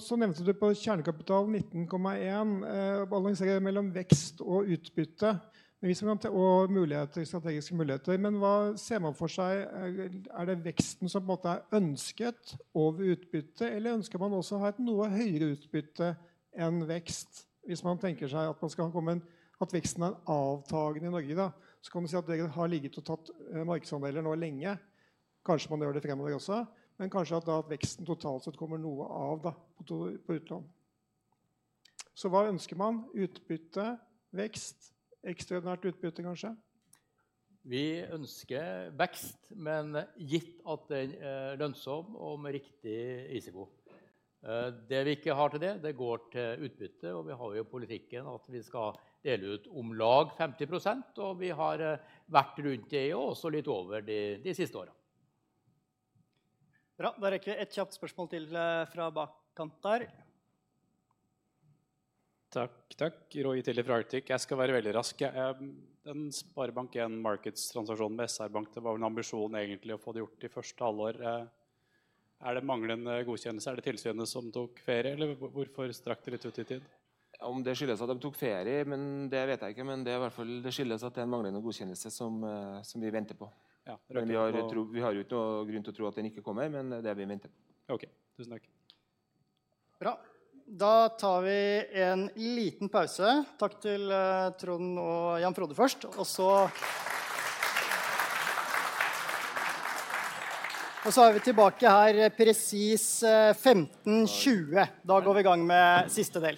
Så nevnte du på kjernekapitalen 19.1%. Balanserer mellom vekst og utbytte. Hvis man og muligheter i strategiske muligheter, men hva ser man for seg? Er det veksten som på en måte er ønsket over utbytte, eller ønsker man også å ha et noe høyere utbytte enn vekst? Hvis man tenker seg at man skal komme inn, at veksten er avtagende i Norge da, så kan du si at dere har ligget og tatt markedsandeler nå lenge. Kanskje man gjør det fremover også, men kanskje at veksten totalt sett kommer noe av da på utlån. Hva ønsker man? Utbytte, vekst, ekstraordinært utbytte kanskje? Vi ønsker vekst, men gitt at den er lønnsom og med riktig risiko. Det vi ikke har til det, det går til utbytte. Vi har jo i politikken at vi skal dele ut om lag 50%, og vi har vært rundt i og også litt over de siste årene. Da rekker vi et kjapt spørsmål til fra bakkant der. Takk, takk! Roy Tilley fra Arctic. Jeg skal være veldig rask jeg. Den SpareBank 1 Markets transaksjonen med SR-Bank. Det var vel en ambisjon egentlig å få det gjort i første halvår. Er det manglende godkjennelse? Er det tilsynet som tok ferie eller hvorfor strakk det litt ut i tid? Om det skyldes at de tok ferie, men det vet jeg ikke. Det er i hvert fall. Det skyldes at det er manglende godkjennelse som, som vi venter på. Ja. vi har jo, vi har jo ikke noe grunn til å tro at den ikke kommer. det vi venter på. OK, tusen takk! Bra, da tar vi en liten pause. Takk til Trond og Jan-Frode først. Så er vi tilbake her presis 15:20. Går vi i gang med siste del.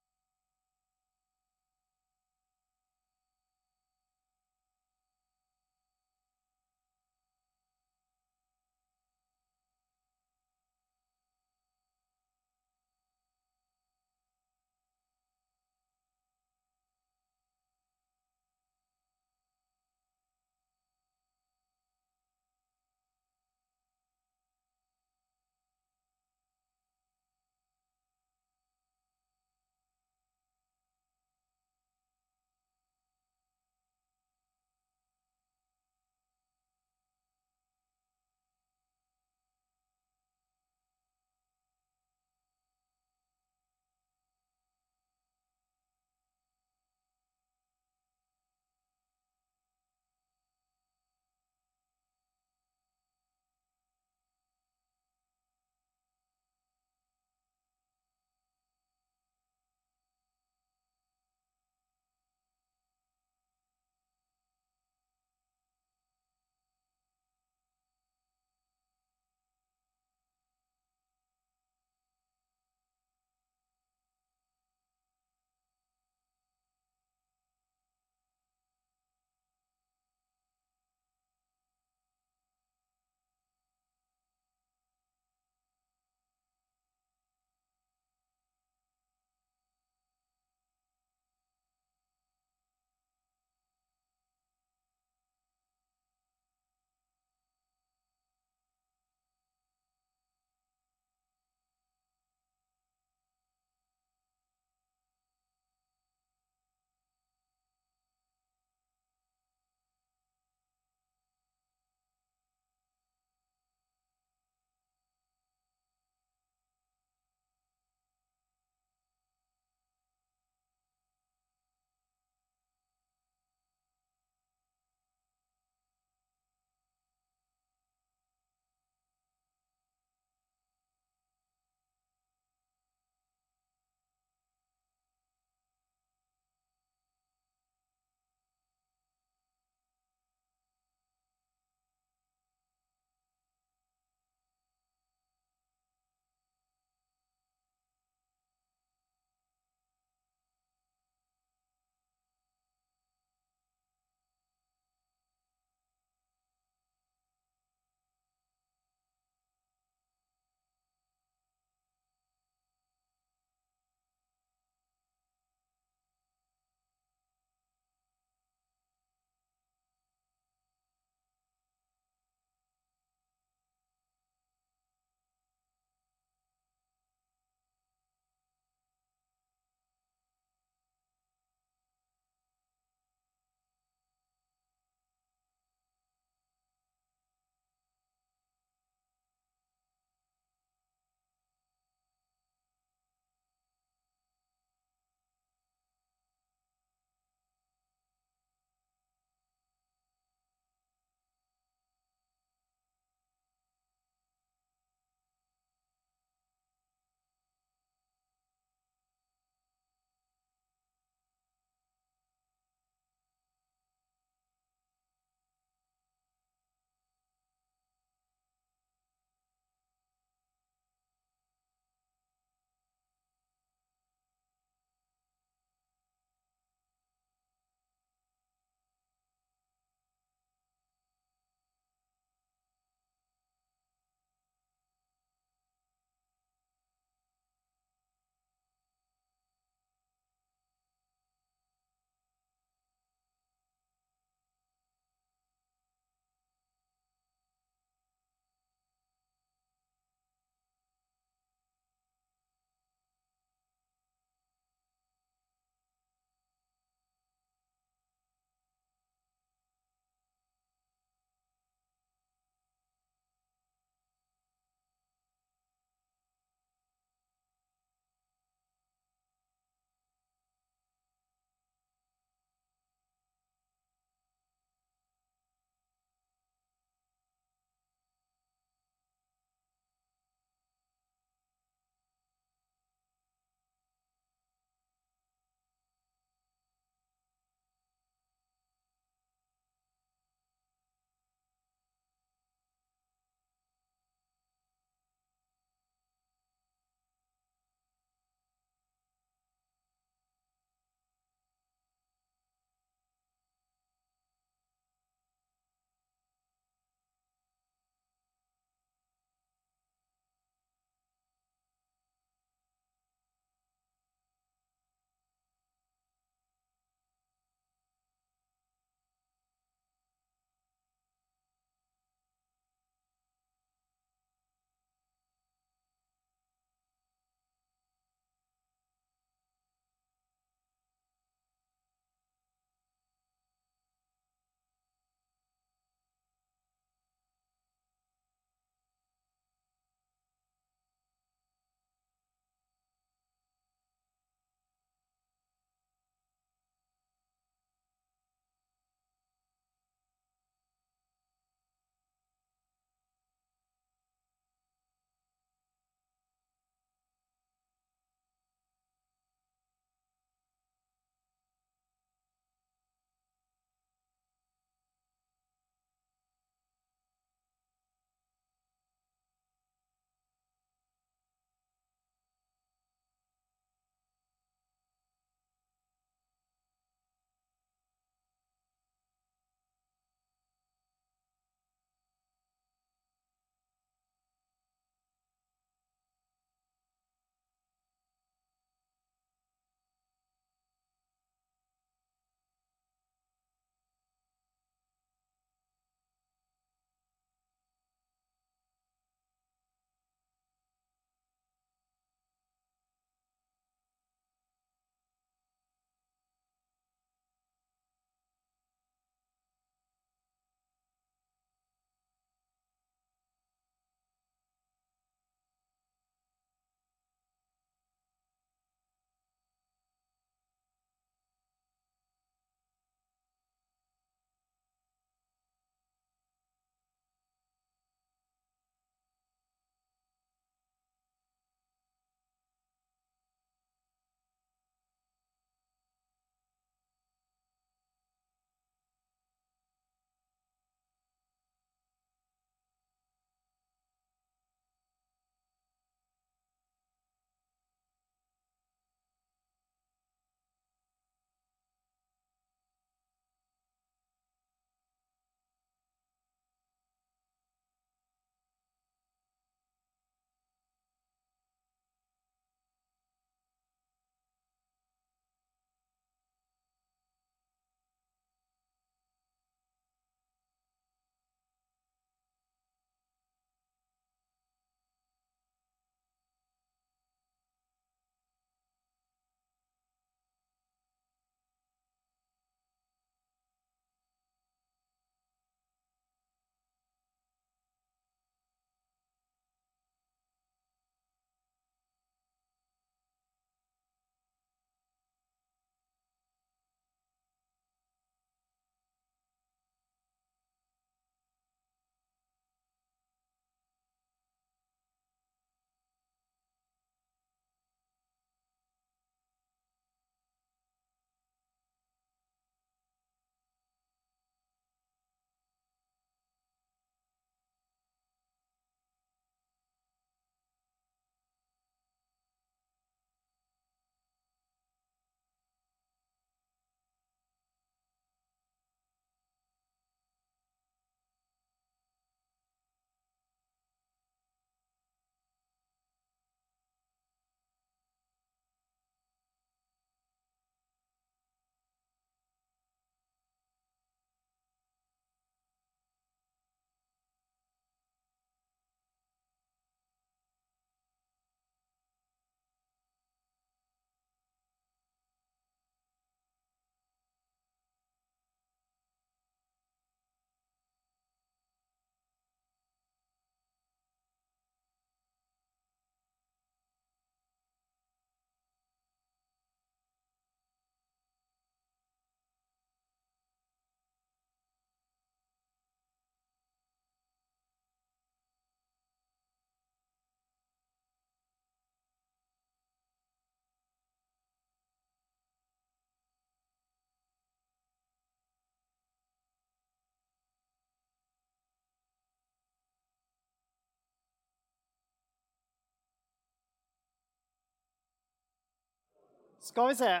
Skal vi se.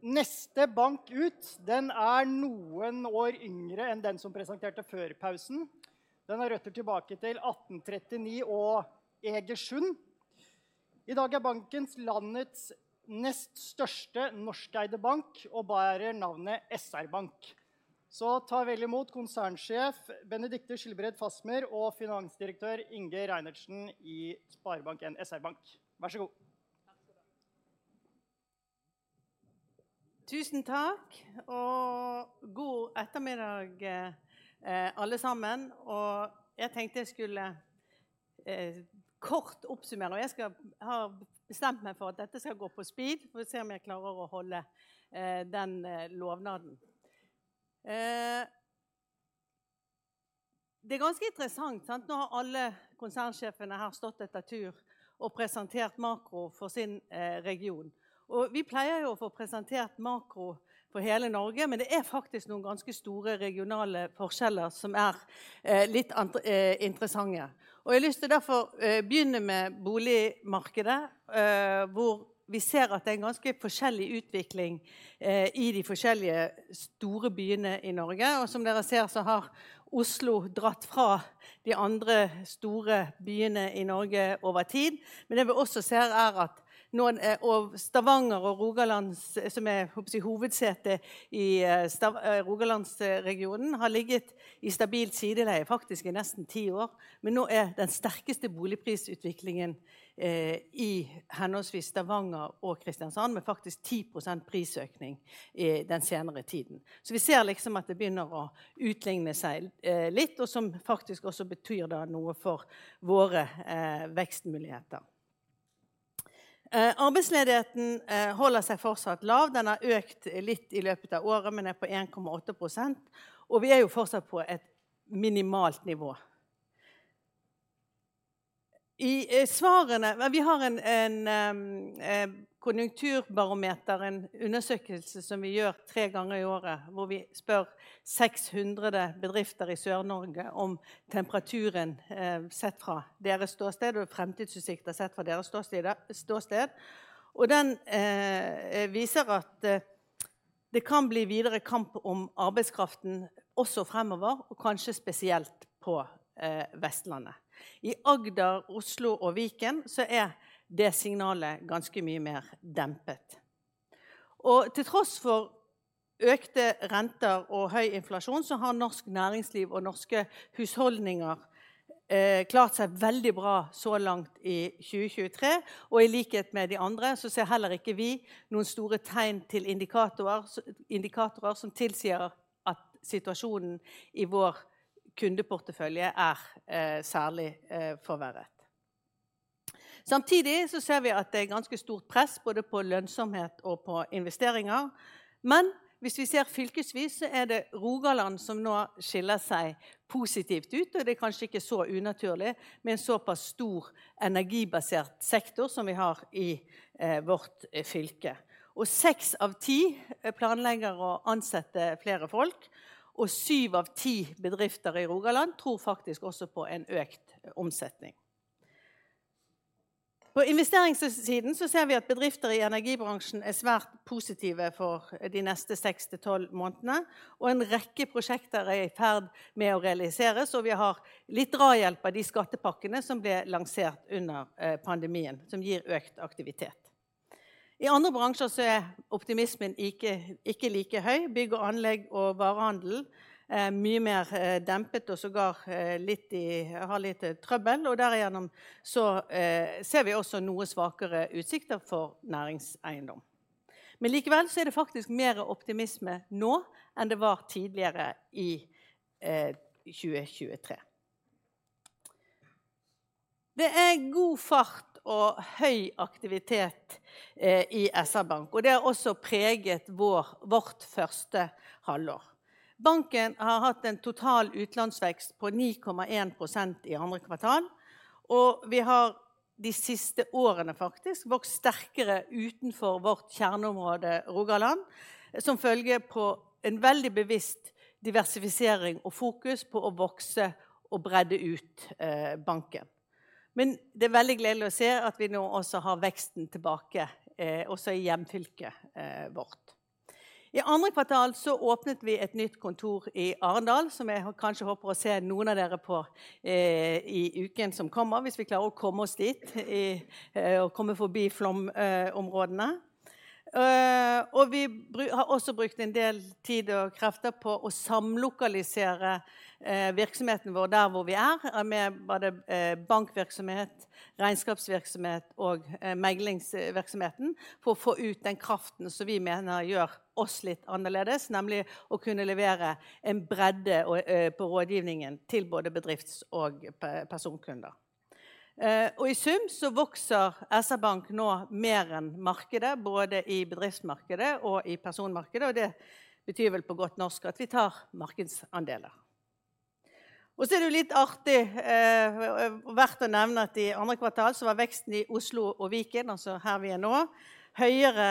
Neste bank ut, den er noen år yngre enn den som presenterte før pausen. Den har røtter tilbake til 1839 og Egersund. I dag er banken landets nest største norskeide bank og bærer navnet SR-Bank. Ta vel i mot konsernsjef Benedicte Schilbred Fasmer og finansdirektør Inge Reinertsen i SpareBank 1 SR-Bank. Vær så god! Tusen takk og god ettermiddag, alle sammen! Jeg tenkte jeg skulle kort oppsummere, og har bestemt meg for at dette skal gå på speed. Får vi se om jeg klarer å holde den lovnaden. Det er ganske interessant, sant. Nå har alle konsernsjefene her stått etter tur og presentert makro for sin region, og vi pleier jo å få presentert makro for hele Norge. Det er faktisk noen ganske store regionale forskjeller som er litt interessante. Jeg har lyst til å derfor begynne med boligmarkedet, hvor vi ser at det er ganske forskjellig utvikling i de forskjellige store byene i Norge. Som dere ser så har Oslo dratt fra de andre store byene i Norge over tid. Det vi også ser er at noen, og Stavanger og Rogaland, som er holdt sitt hovedsete i Rogalandsregionen, har ligget i stabilt sideleie faktisk i nesten 10 år. Nå er den sterkeste boligprisutviklingen i henholdsvis Stavanger og Kristiansand, med faktisk 10% prisøkning i den senere tiden. Vi ser liksom at det begynner å utligne seg litt og som faktisk også betyr da noe for våre vekstmuligheter. Arbeidsledigheten holder seg fortsatt lav. Den har økt litt i løpet av året, men er på 1.8%. Vi er jo fortsatt på et minimalt nivå. I svarene, vi har en konjunkturbarometer, en undersøkelse som vi gjør 3 ganger i året, hvor vi spør 600 bedrifter i Sør-Norge om temperaturen, sett fra deres ståsted og fremtidsutsikter sett fra deres ståsted. Den viser at det kan bli videre kamp om arbeidskraften også fremover, og kanskje spesielt på Vestlandet. I Agder, Oslo og Viken så er det signalet ganske mye mer dempet. Til tross for økte renter og høy inflasjon, så har norsk næringsliv og norske husholdninger klart seg veldig bra så langt i 2023. I likhet med de andre så ser heller ikke vi noen store tegn til indikatorer, indikatorer som tilsier at situasjonen i vår kundeportefølje er særlig forverret. Samtidig så ser vi at det er ganske stort press både på lønnsomhet og på investeringer. Hvis vi ser fylkesvis, så er det Rogaland som nå skiller seg positivt ut. Det er kanskje ikke så unaturlig med en såpass stor energibasert sektor som vi har i vårt fylke. Six out of 10 planlegger å ansette flere folk, og seven out of 10 bedrifter i Rogaland tror faktisk også på en økt omsetning. På investeringssiden så ser vi at bedrifter i energibransjen er svært positive for de neste 6-12 månedene, og en rekke prosjekter er i ferd med å realiseres, og vi har litt drahjelp av de skattepakkene som ble lansert under pandemien, som gir økt aktivitet. I andre bransjer så er optimismen ikke, ikke like høy. Bygg og anlegg og varehandelen er mye mer dempet og sågar litt i, har litt trøbbel. Derigjennom så ser vi også noe svakere utsikter for næringseiendom. Likevel så er det faktisk mer optimisme nå enn det var tidligere i 2023. Det er god fart og høy aktivitet i SR-Bank, og det har også preget vår, vårt første halvår. Banken har hatt en total utlånsvekst på 9.1% i andre kvartal, Vi har de siste årene faktisk vokst sterkere utenfor vårt kjerneområde Rogaland, som følge på en veldig bevisst diversifisering og fokus på å vokse og bredde ut banken. Det er veldig gledelig å se at vi nå også har veksten tilbake, også i hjemfylket vårt. I andre kvartal så åpnet vi et nytt kontor i Arendal, som jeg kanskje håper å se noen av dere på i uken som kommer. Hvis vi klarer å komme oss dit i, og komme forbi flomområdene. Vi har også brukt en del tid og krefter på å samlokalisere virksomheten vår der hvor vi er, med både bankvirksomhet, regnskapsvirksomhet og meglingsvirksomheten. For å få ut den kraften som vi mener gjør oss litt annerledes, nemlig å kunne levere en bredde og på rådgivningen til både bedrifts og personkunder. I sum så vokser SR-Bank nå mer enn markedet, både i bedriftsmarkedet og i personmarkedet. Det betyr vel på godt norsk at vi tar markedsandeler. Så er det jo litt artig, verdt å nevne, at i 2. kvartal så var veksten i Oslo og Viken, altså her vi er nå, høyere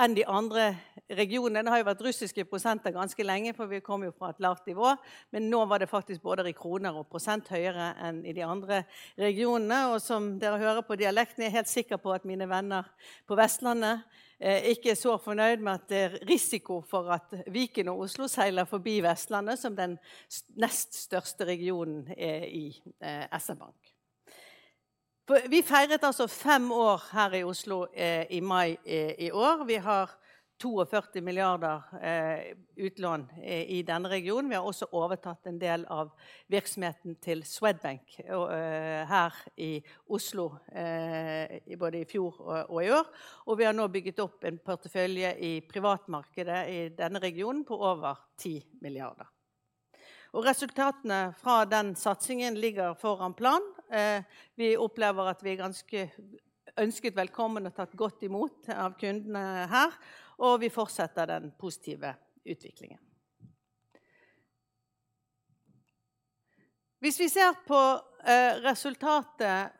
enn de andre regionene. Det har jo vært russiske prosenter ganske lenge, for vi kommer jo fra et lavt nivå. Nå var det faktisk både i kroner og % høyere enn i de andre regionene. Som dere hører på dialekten, jeg er helt sikker på at mine venner på Vestlandet ikke er så fornøyd med at det er risiko for at Viken og Oslo seiler forbi Vestlandet som den nest største regionen i SR-Bank. Vi feiret altså 5 år her i Oslo i mai i år. Vi har 42 billioner utlån i denne regionen. Vi har også overtatt en del av virksomheten til Swedbank, og her i Oslo, både i fjor og i år. Vi har nå bygget opp en portefølje i privatmarkedet i denne regionen på over 10 billioner. Resultatene fra den satsingen ligger foran plan. Vi opplever at vi er ganske ønsket velkommen og tatt godt i mot av kundene her, og vi fortsetter den positive utviklingen. Hvis vi ser på resultatet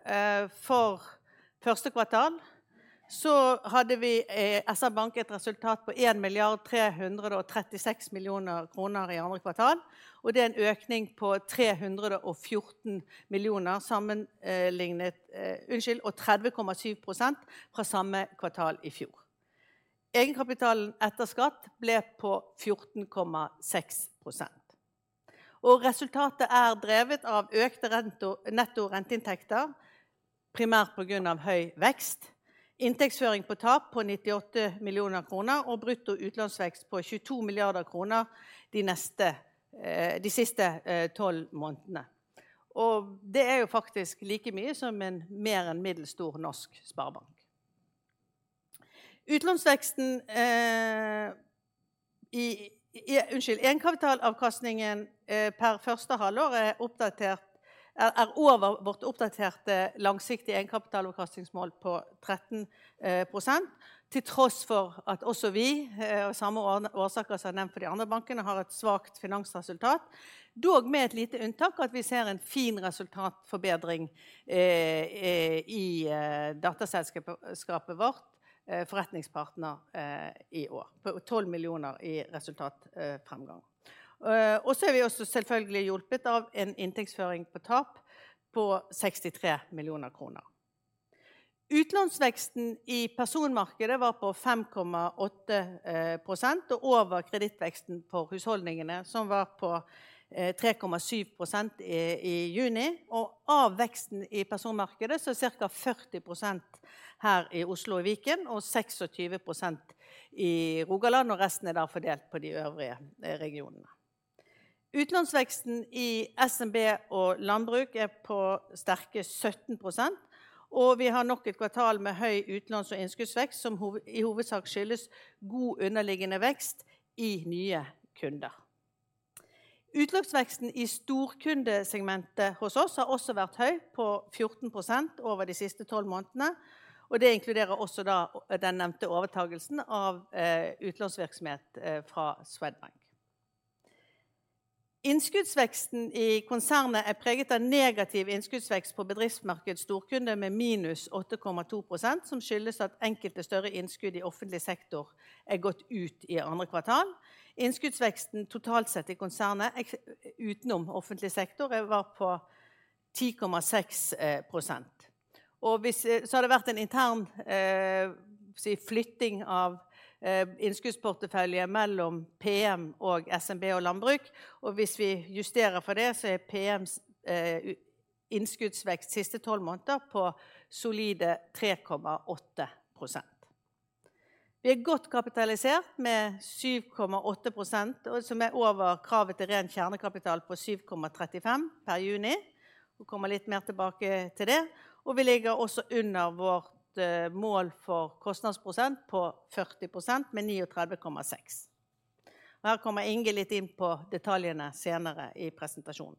for første kvartal, så hadde vi i SR-Bank et resultat på 1.336 million kroner i andre kvartal. Det er en økning på 314 million sammenlignet, unnskyld, og 30.7% fra samme kvartal i fjor. Egenkapitalen etter skatt ble på 14.6%, og resultatet er drevet av økte renter, netto renteinntekter, primært på grunn av høy vekst, inntektsføring på tap på 98 million kroner og brutto utlånsvekst på 22 billion kroner de siste tolv månedene. Det er jo faktisk like mye som en mer enn middels stor norsk sparebank. Utlånsveksten i, unnskyld, egenkapitalavkastningen per første halvår er oppdatert, er over vårt oppdaterte langsiktige egenkapitalavkastningsmål på 13%. Til tross for at også vi av samme årsaker som nevnt for de andre bankene, har et svakt finansresultat, dog med et lite unntak at vi ser en fin resultatforbedring i datterselskapet vårt, ForretningsPartner i år. 12 millioner i resultatfremgang. Så er vi også selvfølgelig hjulpet av en inntektsføring på tap på 63 millioner kroner. Utlånsveksten i personmarkedet var på 5.8%, over kredittveksten for husholdningene, som var på 3.7% i juni. Av veksten i personmarkedet, så cirka 40% her i Oslo og Viken og 26% i Rogaland. Resten er da fordelt på de øvrige regionene. Utlånsveksten i SMB og landbruk er på sterke 17%, vi har nok et kvartal med høy utlåns og innskuddsvekst, som i hovedsak skyldes god underliggende vekst i nye kunder. Utlånsveksten i storkundesegmentet hos oss har også vært høy, på 14% over de siste 12 months, og det inkluderer også da den nevnte overtakelsen av utlånsvirksomhet fra Swedbank. Innskuddsveksten i konsernet er preget av negativ innskuddsvekst på bedriftsmarkedet storkunde med minus 8.2%, som skyldes at enkelte større innskudd i offentlig sektor er gått ut i second quarter. Innskuddsveksten totalt sett i konsernet, utenom offentlig sektor, var på 10.6%. Hvis, så har det vært en intern flytting av innskuddsportefølje mellom PM og SMB og landbruk. Hvis vi justerer for det, så er PMs innskuddsvekst siste 12 months på solide 3.8%. Vi er godt kapitalisert med 7.8%, som er over kravet til ren kjernekapital på 7.35% per June. Kommer litt mer tilbake til det. Vi ligger også under vårt mål for kostnadsprosent på 40% med 39.6. Her kommer Inge litt inn på detaljene senere i presentasjonen.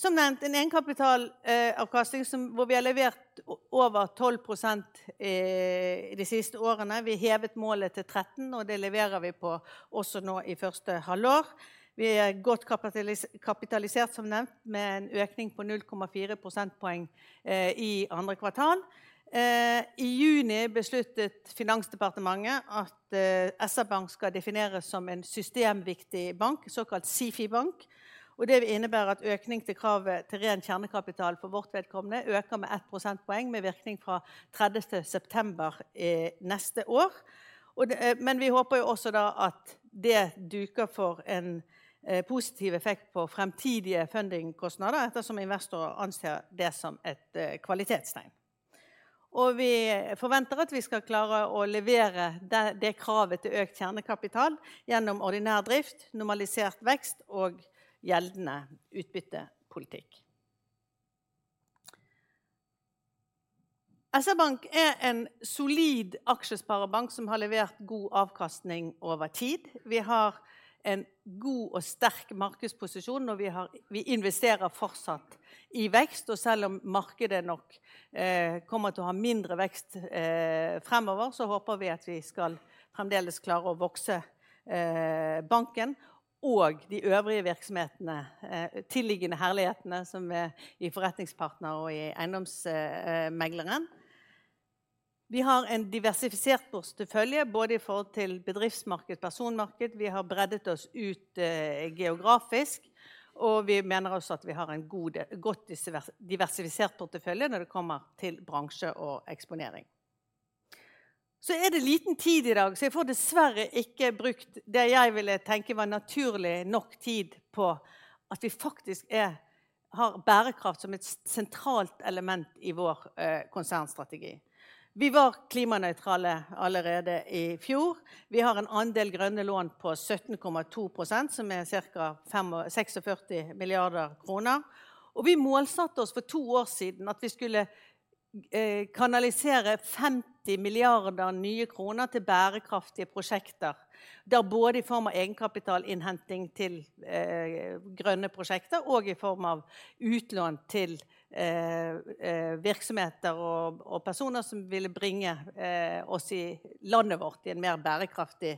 Som nevnt, en egenkapitalavkastning som, hvor vi har levert over 12% i de siste årene. Vi hevet målet til 13, og det leverer vi på også nå i første halvår. Vi er godt kapitalisert, som nevnt, med en økning på 0.4 prosentpoeng i andre kvartal. I juni besluttet Finansdepartementet at SR-Bank skal defineres som en systemviktig bank, såkalt SIFI-bank, og det innebærer at økning til kravet til ren kjernekapital for vårt vedkommende øker med 1 prosentpoeng med virkning fra 30. september neste år. Men vi håper jo også da at det duker for en positiv effekt på fremtidige fundingkostnader, ettersom investorer anser det som et kvalitetstegn. Vi forventer at vi skal klare å levere det, det kravet til økt kjernekapital gjennom ordinær drift, normalisert vekst og gjeldende utbyttepolitikk. SR-Bank er en solid aksjesparebank som har levert god avkastning over tid. Vi har en god og sterk markedsposisjon, og vi har, vi investerer fortsatt i vekst. Selv om markedet nok kommer til å ha mindre vekst fremover, så håper vi at vi skal fremdeles klare å vokse banken og de øvrige virksomhetene. Tilliggende herlighetene som er i ForretningsPartner og i EiendomsMegleren. Vi har en diversifisert portefølje både i forhold til bedriftsmarked, personmarked. Vi har breddet oss ut geografisk, og vi mener også at vi har en god, et godt divers-diversifisert portefølje når det kommer til bransje og eksponering. Det er liten tid i dag, så jeg får dessverre ikke brukt det jeg ville tenke var naturlig nok tid på at vi faktisk er, har bærekraft som et sentralt element i vår konsernstrategi. Vi var klimanøytrale allerede i fjor. Vi har en andel grønne lån på 17.2%, som er cirka 46 billion kroner. Vi målsatte oss for 2 years ago at vi skulle kanalisere 50 billion nye kroner til bærekraftige prosjekter. Da både i form av egenkapitalinnhenting til grønne prosjekter og i form av utlån til virksomheter og, og personer som ville bringe oss i landet vårt i en mer bærekraftig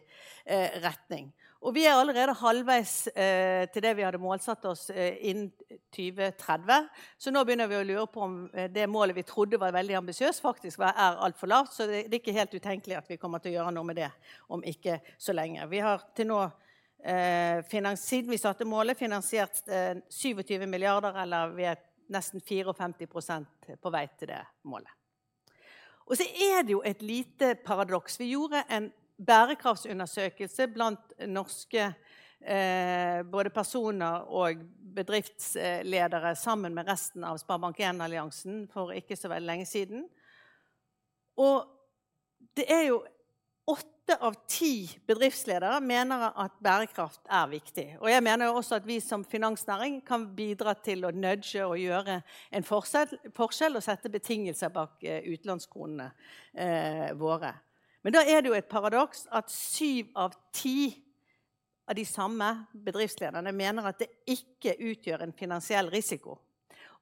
retning. Vi er allerede halvveis til det vi hadde målsatt oss innen 2030. Nå begynner vi å lure på om det målet vi trodde var veldig ambisiøst, faktisk var, er altfor lavt. Det er ikke helt utenkelig at vi kommer til å gjøre noe med det om ikke så lenge. Vi har til nå siden vi satte målet, finansiert 27 milliarder, eller vi er nesten 54% på vei til det målet. Det er jo et lite paradoks. Vi gjorde en bærekraftsundersøkelse blant norske, både personer og bedriftsledere sammen med resten av SpareBank 1-alliansen for ikke så veldig lenge siden. Det er jo 8 av 10 bedriftsledere mener at bærekraft er viktig. Jeg mener jo også at vi som finansnæring kan bidra til å nudge og gjøre en forskjell, forskjell og sette betingelser bak utlånskronene våre. Da er det jo et paradoks at 7 av 10 av de samme bedriftslederne mener at det ikke utgjør en finansiell risiko.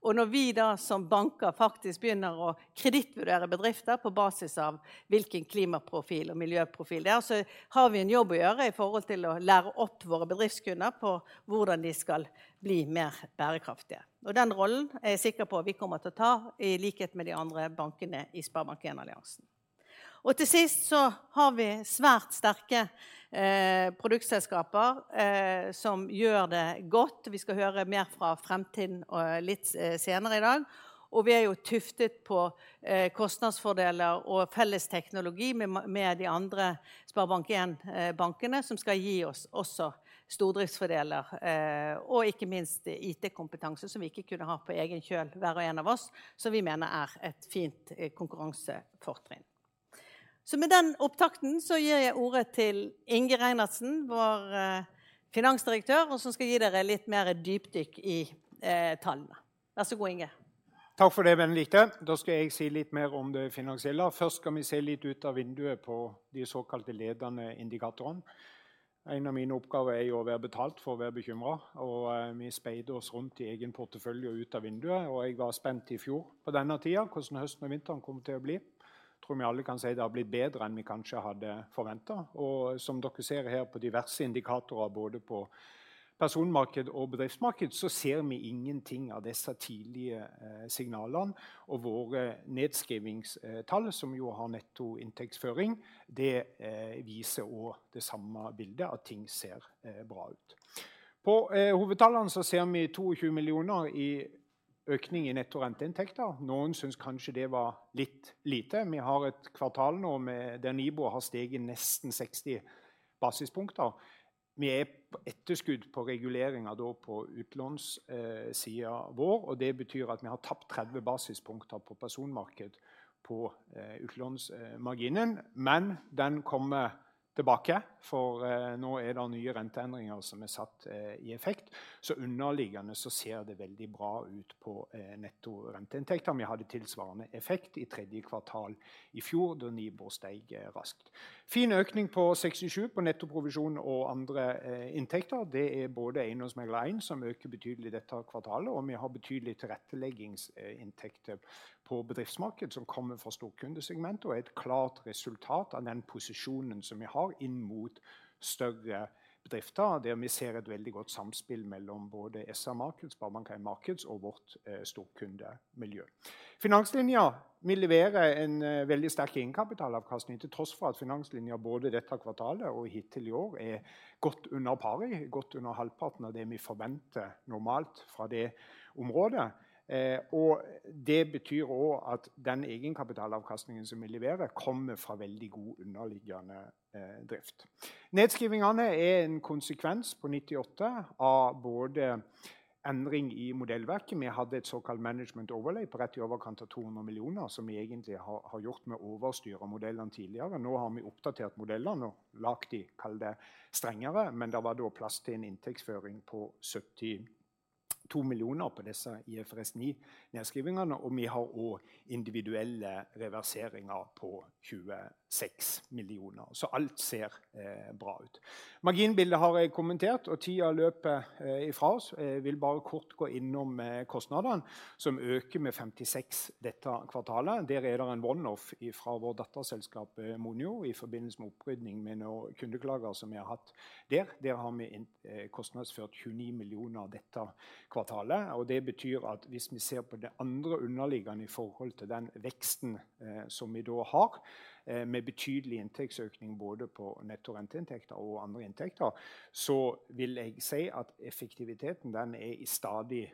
Når vi da som banker faktisk begynner å kredittvurdere bedrifter på basis av hvilken klimaprofil og miljøprofil det er, så har vi en jobb å gjøre i forhold til å lære opp våre bedriftskunder på hvordan de skal bli mer bærekraftige. Den rollen er jeg sikker på vi kommer til å ta, i likhet med de andre bankene i SpareBank 1-alliansen. Til sist så har vi svært sterke produktselskaper som gjør det godt. Vi skal høre mer fra Fremtind, og litt senere i dag. Vi er jo tuftet på kostnadsfordeler og felles teknologi med, med de andre SpareBank 1 bankene, som skal gi oss også stordriftsfordeler og ikke minst IT kompetanse som vi ikke kunne ha på egen kjøl, hver og en av oss, som vi mener er et fint konkurransefortrinn. Med den opptakten så gir jeg ordet til Inge Reinertsen, vår Finansdirektør, og som skal gi dere litt mer dybde i tallene. Vær så god, Inge! Takk for det, Wenche Lihaug. Da skal jeg si litt mer om det finansielle, og først skal vi se litt ut av vinduet på de såkalte ledende indikatorene. En av mine oppgaver er jo være betalt for å være bekymret, og vi speidet oss rundt i egen portefølje og ut av vinduet. Jeg var spent i fjor på denne tiden. Hvordan høsten og vinteren kom til å bli. Tror vi alle kan si det har blitt bedre enn vi kanskje hadde forventet. Som dere ser her på diverse indikatorer, både på personmarked og bedriftsmarked, så ser vi ingenting av disse tidlige signalene og våre nedskrivningstall, som jo har netto inntektsføring. Det viser og det samme bildet at ting ser bra ut. På hovedtallene så ser vi 22 million i økning i netto renteinntekter. Noen synes kanskje det var litt lite. Vi har et kvartal nå med der NIBOR har steget nesten 60 basispunkter. Vi er på etterskudd på reguleringen da på utlånssiden vår, og det betyr at vi har tapt 30 basispunkter på personmarked på utlånsmarginen. Den kommer tilbake, for nå er det nye renteendringer som er satt i effekt. Underliggende så ser det veldig bra ut på netto renteinntekter. Vi hadde tilsvarende effekt i third quarter i fjor, da NIBOR steg raskt. Fin økning på 67 på netto provisjon og andre inntekter. Det er både EiendomsMegler 1, som øker betydelig i dette kvartalet, og vi har betydelig tilretteleggingsinntekter på bedriftsmarked som kommer fra storkundesegment og er et klart resultat av den posisjonen som vi har inn mot større bedrifter, der vi ser et veldig godt samspill mellom både SR-Bank Markets, SpareBank 1 Markets og vårt storkundemiljø. Finanslinja vil levere en veldig sterk egenkapitalavkastning, til tross for at Finanslinja både i dette kvartalet og hittil i år er godt under pari. Godt under halvparten av det vi forventer normalt fra det området, og det betyr også at den egenkapitalavkastningen som vi leverer, kommer fra veldig god underliggende drift. Nedskrivningene er en konsekvens på 98 av både endring i modellverket. Vi hadde et såkalt management overlay på rett i overkant av 200 million, som vi egentlig har gjort med å overstyre modellene tidligere. Nå har vi oppdatert modellene og laget de, kall det strengere, men da var det også plass til en inntektsføring på 72 million på disse IFRS 9 nedskrivningene, og vi har også individuelle reverseringer på 26 million. Så alt ser bra ut. Marginbildet har jeg kommentert, og tiden løper i fra oss. Jeg vil bare kort gå innom kostnadene, som øker med 56 dette kvartalet. Der er det en one off fra vårt datterselskap Monio i forbindelse med opprydning med noen kundeklager som vi har hatt der. Der har vi kostnadsført 29 million dette kvartalet. Det betyr at hvis vi ser på det andre underliggende i forhold til den veksten som vi da har, med betydelig inntektsøkning både på netto renteinntekter og andre inntekter, så vil jeg si at effektiviteten den er i stadig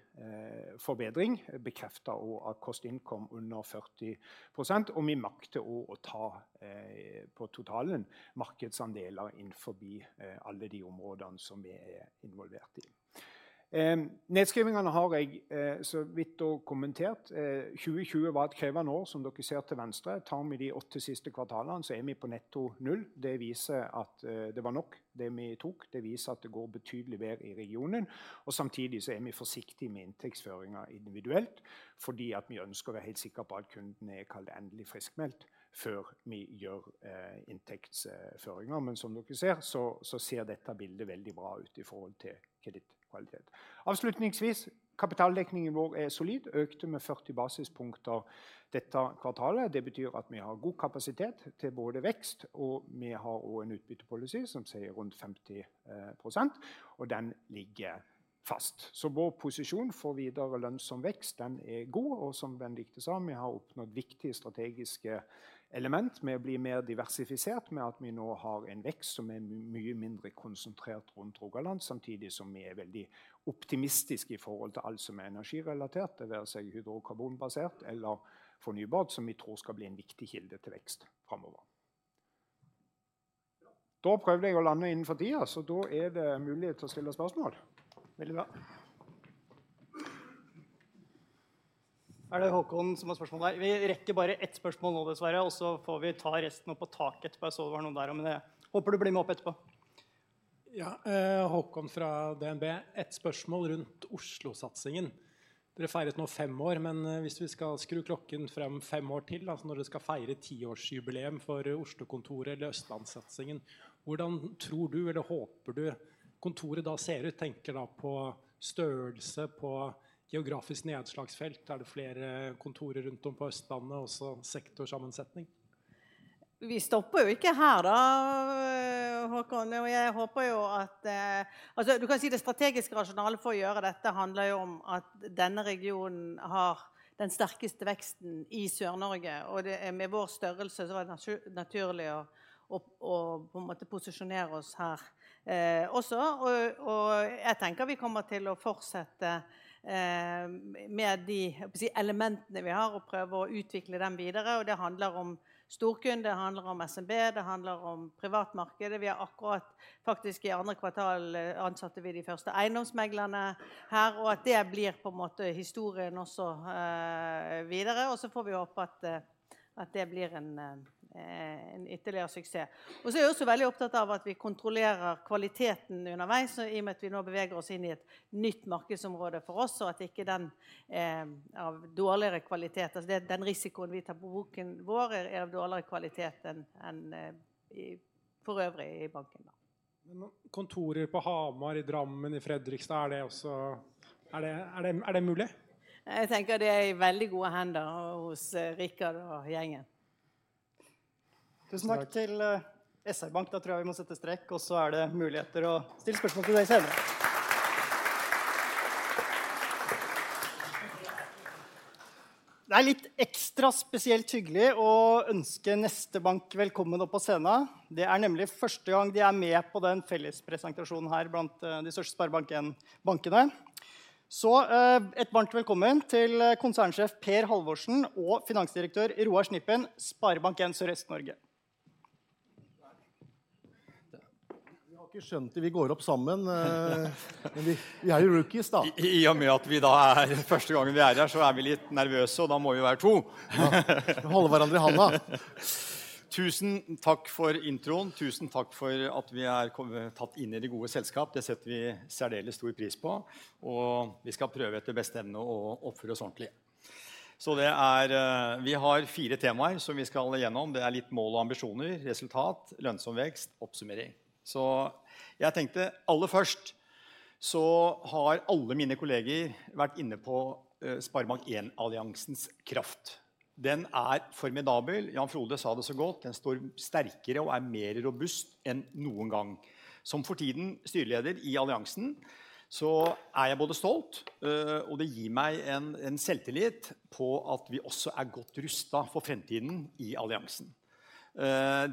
forbedring. Bekreftet og av cost-income under 40%. Vi makter å ta på totalen markedsandeler innenforbi alle de områdene som vi er involvert i. Nedskrivningene har jeg så vidt og kommentert. 2020 var et krevende år. Som dere ser til venstre. Tar vi de åtte siste kvartalene, så er vi på netto null. Det viser at det var nok, det vi tok. Det viser at det går betydelig bedre i regionen. Samtidig så er vi forsiktig med inntektsføringen individuelt, fordi at vi ønsker å være helt sikker på at kunden er kall det endelig friskmeldt før vi gjør inntektsføringer. Som dere ser så, så ser dette bildet veldig bra ut i forhold til kredittkvalitet. Avslutningsvis, kapitaldekningen vår er solid, økte med 40 basis points dette kvartalet. Det betyr at vi har god kapasitet til både vekst, og vi har også en utbyttepolicy som sier rundt 50%. Den ligger fast. Vår posisjon for videre lønnsom vekst, den er god. Som Benedicte sa, vi har oppnådd viktige strategiske element med å bli mer diversifisert. Med at vi nå har en vekst som er mye mindre konsentrert rundt Rogaland, samtidig som vi er veldig optimistiske i forhold til alt som er energirelatert, det være seg hydrokarbonbasert eller fornybart, som vi tror skal bli en viktig kilde til vekst fremover. Da prøvde jeg å lande innenfor tiden, så da er det mulighet til å stille spørsmål. Veldig bra. Er det Håkon som har spørsmål her? Vi rekker bare one spørsmål nå dessverre, og så får vi ta resten opp på taket etterpå. Det var noen der, men jeg håper du blir med opp etterpå. Ja, Håkon fra DNB. Ett spørsmål rundt Oslo-satsingen. Dere feiret nå 5 år, men hvis vi skal skru klokken frem 5 år til da, når dere skal feire 10 års jubileum for Oslokontoret eller Østlandssatsingen, hvordan tror du, eller håper du kontoret da ser ut? Tenker da på størrelse på geografisk nedslagsfelt. Er det flere kontorer rundt om på Østlandet og så sektorsammensetning? Vi stopper jo ikke her da Håkon. Jeg håper jo at, altså, du kan si det strategiske rasjonale for å gjøre dette handler jo om at denne regionen har den sterkeste veksten i Sør-Norge. Det er med vår størrelse, så er det naturlig å på en måte posisjonere oss her også. Jeg tenker vi kommer til å fortsette med de elementene vi har og prøve å utvikle dem videre. Det handler om storkunde. Det handler om SMB, det handler om privatmarkedet. Vi har akkurat faktisk i 2Q ansatte vi de første eiendomsmeglerne her. Det blir på en måte historien også videre. Får vi håpe at det blir en ytterligere suksess. Jeg er også veldig opptatt av at vi kontrollerer kvaliteten underveis. I og med at vi nå beveger oss inn i et nytt markedsområde for oss, og at ikke den er av dårligere kvalitet. Altså den risikoen vi tar på boken vår er av dårligere kvalitet enn, enn i forøvrig i banken da. Kontorer på Hamar, i Drammen, i Fredrikstad. Er det også, er det mulig? Jeg tenker det er i veldig gode hender hos Rikard og gjengen. Tusen takk til SR-Bank! Da tror jeg vi må sette strek, og så er det mulighet til å stille spørsmål til deg senere. Det er litt ekstra spesielt hyggelig å ønske neste bank velkommen opp på scenen. Det er nemlig første gang de er med på den felles presentasjonen her blant de største SpareBank 1 bankene. Et varmt velkommen til Konsernsjef Per Halvorsen og Finansdirektør Roar Snippen, SpareBank 1 Sørøst-Norge. Vi har ikke skjønt det, vi går opp sammen. Vi er jo rookies da. I og med at vi da er første gangen vi er her, så er vi litt nervøse, og da må vi være to. Holde hverandre i hånda. Tusen takk for introen. Tusen takk for at vi er kommet, tatt inn i det gode selskap. Det setter vi særdeles stor pris på, og vi skal prøve etter beste evne å oppføre oss ordentlig. Vi har fire temaer som vi skal igjennom. Det er litt mål og ambisjoner, resultat, lønnsom vekst, oppsummering. Jeg tenkte aller først så har alle mine kolleger vært inne på SpareBank 1-alliansens kraft. Den er formidabel. Jan-Frode sa det så godt: Den står sterkere og er mer robust enn noen gang. Som for tiden styreleder i alliansen, så er jeg både stolt, og det gir meg en selvtillit på at vi også er godt rustet for fremtiden i alliansen.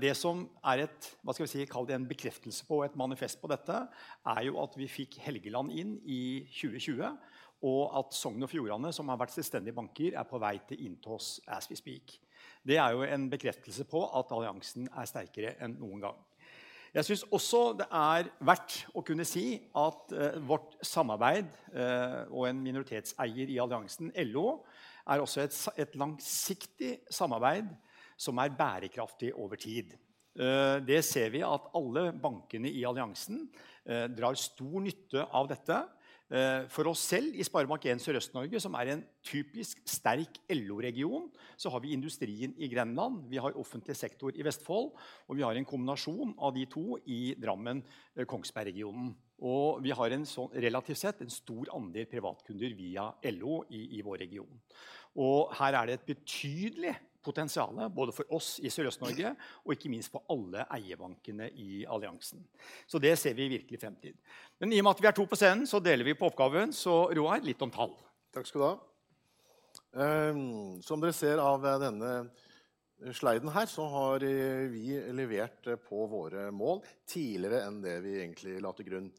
Det som er et, hva skal jeg si? Kall det en bekreftelse på et manifest på dette er jo at vi fikk Helgeland inn i 2020, og at Sogn og Fjordane, som har vært selvstendige banker, er på vei til inn til oss as we speak. Det er jo en bekreftelse på at Alliansen er sterkere enn noen gang. Jeg synes også det er verdt å kunne si at vårt samarbeid og en minoritetseier i Alliansen, LO, er også et langsiktig samarbeid som er bærekraftig over tid. Det ser vi at alle bankene i Alliansen drar stor nytte av dette. For oss selv i SpareBank 1 Sørøst-Norge, som er en typisk sterk LO region, så har vi industrien i Grenland. Vi har offentlig sektor i Vestfold, og vi har en kombinasjon av de to i Drammen, Kongsberg regionen. Vi har en sånn relativt sett en stor andel privatkunder via LO i vår region. Her er det et betydelig potensiale både for oss i Sørøst-Norge og ikke minst for alle eierbankene i Alliansen. Det ser vi virkelig fremtid. I og med at vi er to på scenen, så deler vi på oppgaven. Roar, litt om tall. Takk skal du ha! Som dere ser av denne sliden her, så har vi levert på våre mål tidligere enn det vi egentlig la til grunn.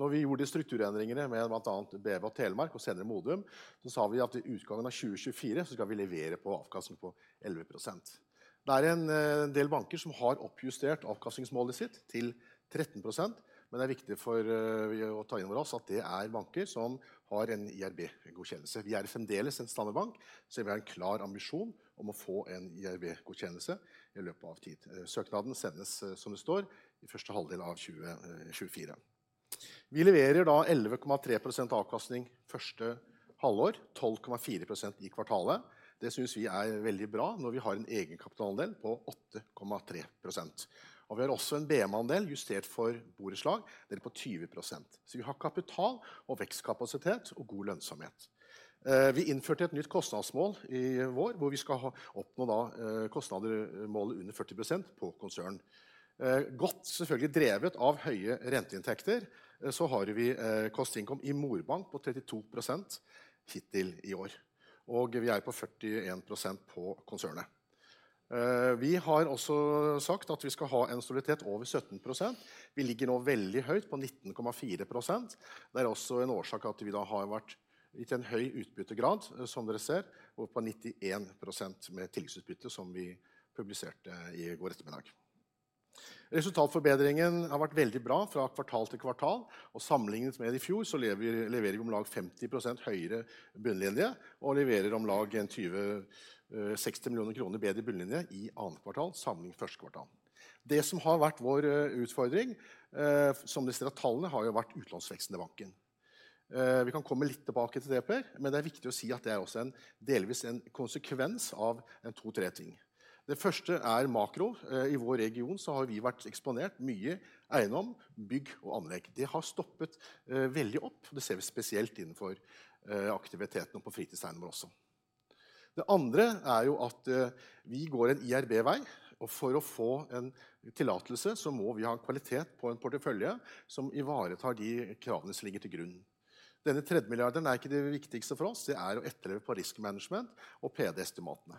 Når vi gjorde de strukturendringene med blant annet BV og Telemark og senere Modum, så sa vi at i utgangen av 2024 så skal vi levere på avkastning på 11%. Det er en del banker som har oppjustert avkastningsmålet sitt til 13%. Det er viktig for å ta inn over oss at det er banker som har en IRB godkjennelse. Vi er fremdeles en stammebank, så vi har en klar ambisjon om å få en IRB godkjennelse i løpet av tid. Søknaden sendes, som det står i første halvdel av 2024. Vi leverer da 11.3% avkastning første halvår, 12.4% i kvartalet. Det synes vi er veldig bra når vi har en egenkapitalandel på 8.3%. Vi har også en BMA andel justert for borettslag, den er på 20%. Vi har kapital og vekstkapasitet og god lønnsomhet. Vi innførte et nytt kostnadsmål i vår, hvor vi skal ha oppnå kostnadsmålet under 40% på konsern. Godt selvfølgelig drevet av høye renteinntekter. Vi har cost income i morbank på 32% hittil i år. Vi er på 41% på konsernet. Vi har også sagt at vi skal ha en soliditet over 17%. Vi ligger nå veldig høyt, på 19.4%. Det er også en årsak til at vi da har vært gitt en høy utbyttegrad. Som dere ser oppå 91% med tilleggsutbytte, som vi publiserte i går ettermiddag. Resultatforbedringen har vært veldig bra fra kvartal til kvartal, sammenlignet med i fjor så leverer vi om lag 50% høyere bunnlinje og leverer om lag 120.60 million kroner bedre bunnlinje i annet kvartal sammenlignet første kvartal. Det som har vært vår utfordring, som dere ser av tallene, har jo vært utlånsveksten i banken. Vi kan komme litt tilbake til det, Per, men det er viktig å si at det er også en delvis en konsekvens av 1, 2, 3 things. Det første er makro. I vår region så har vi vært eksponert mye eiendom, bygg og anlegg. Det har stoppet veldig opp, og det ser vi spesielt innenfor aktiviteten på fritidseiendommer også. Det andre er jo at vi går en IRB vei, og for å få en tillatelse, så må vi ha kvalitet på en portefølje som ivaretar de kravene som ligger til grunn. Denne 30 milliarden er ikke det viktigste for oss. Det er å etterleve på risk management og PD estimatene.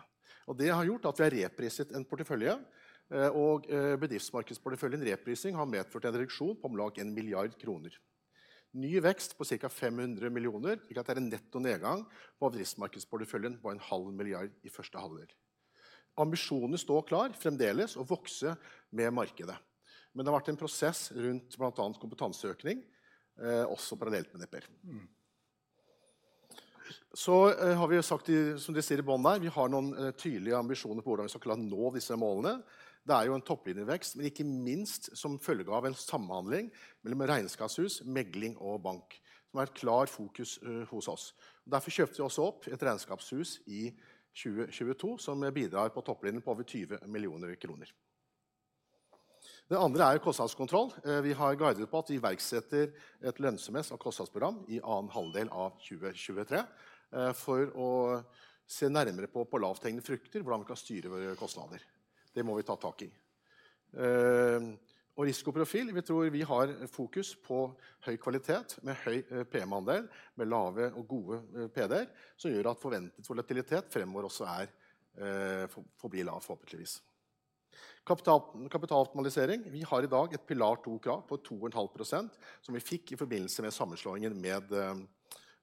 Det har gjort at vi har repriset en portefølje og bedriftsmarkedsporteføljen reprising har medført en reduksjon på om lag 1 milliard kroner. Ny vekst på cirka 500 millioner, slik at det er en netto nedgang på bedriftsmarkedsporteføljen på 500 million i første halvdel. Ambisjonene står klar fremdeles å vokse med markedet, men det har vært en prosess rundt blant annet kompetanseøkning, også parallelt med dette. Det har vi sagt som dere ser i bunnen der, vi har noen tydelige ambisjoner på hvordan vi skal klare å nå disse målene. Det er jo en topplinjevekst, men ikke minst som følge av en samhandling mellom regnskapshus, megling og bank, som er et klart fokus hos oss. Derfor kjøpte vi også opp et regnskapshus i 2022, som bidrar på topplinjen på over 20 million kroner. Det andre er kostnadskontroll. Vi har guidet på at vi iverksetter et lønnsomhet og kostnadsprogram i annen halvdel av 2023. For å se nærmere på lavthengende frukter, hvordan vi kan styre våre kostnader. Det må vi ta tak i. Risikoprofil. Vi tror vi har fokus på høy kvalitet med høy p-andel, med lave og gode PDs som gjør at forventet volatilitet fremover også er forblir lav forhåpentligvis. Kapital, kapitaloptimalisering. Vi har i dag et Pillar 2 krav på 2.5%, som vi fikk i forbindelse med sammenslåingen med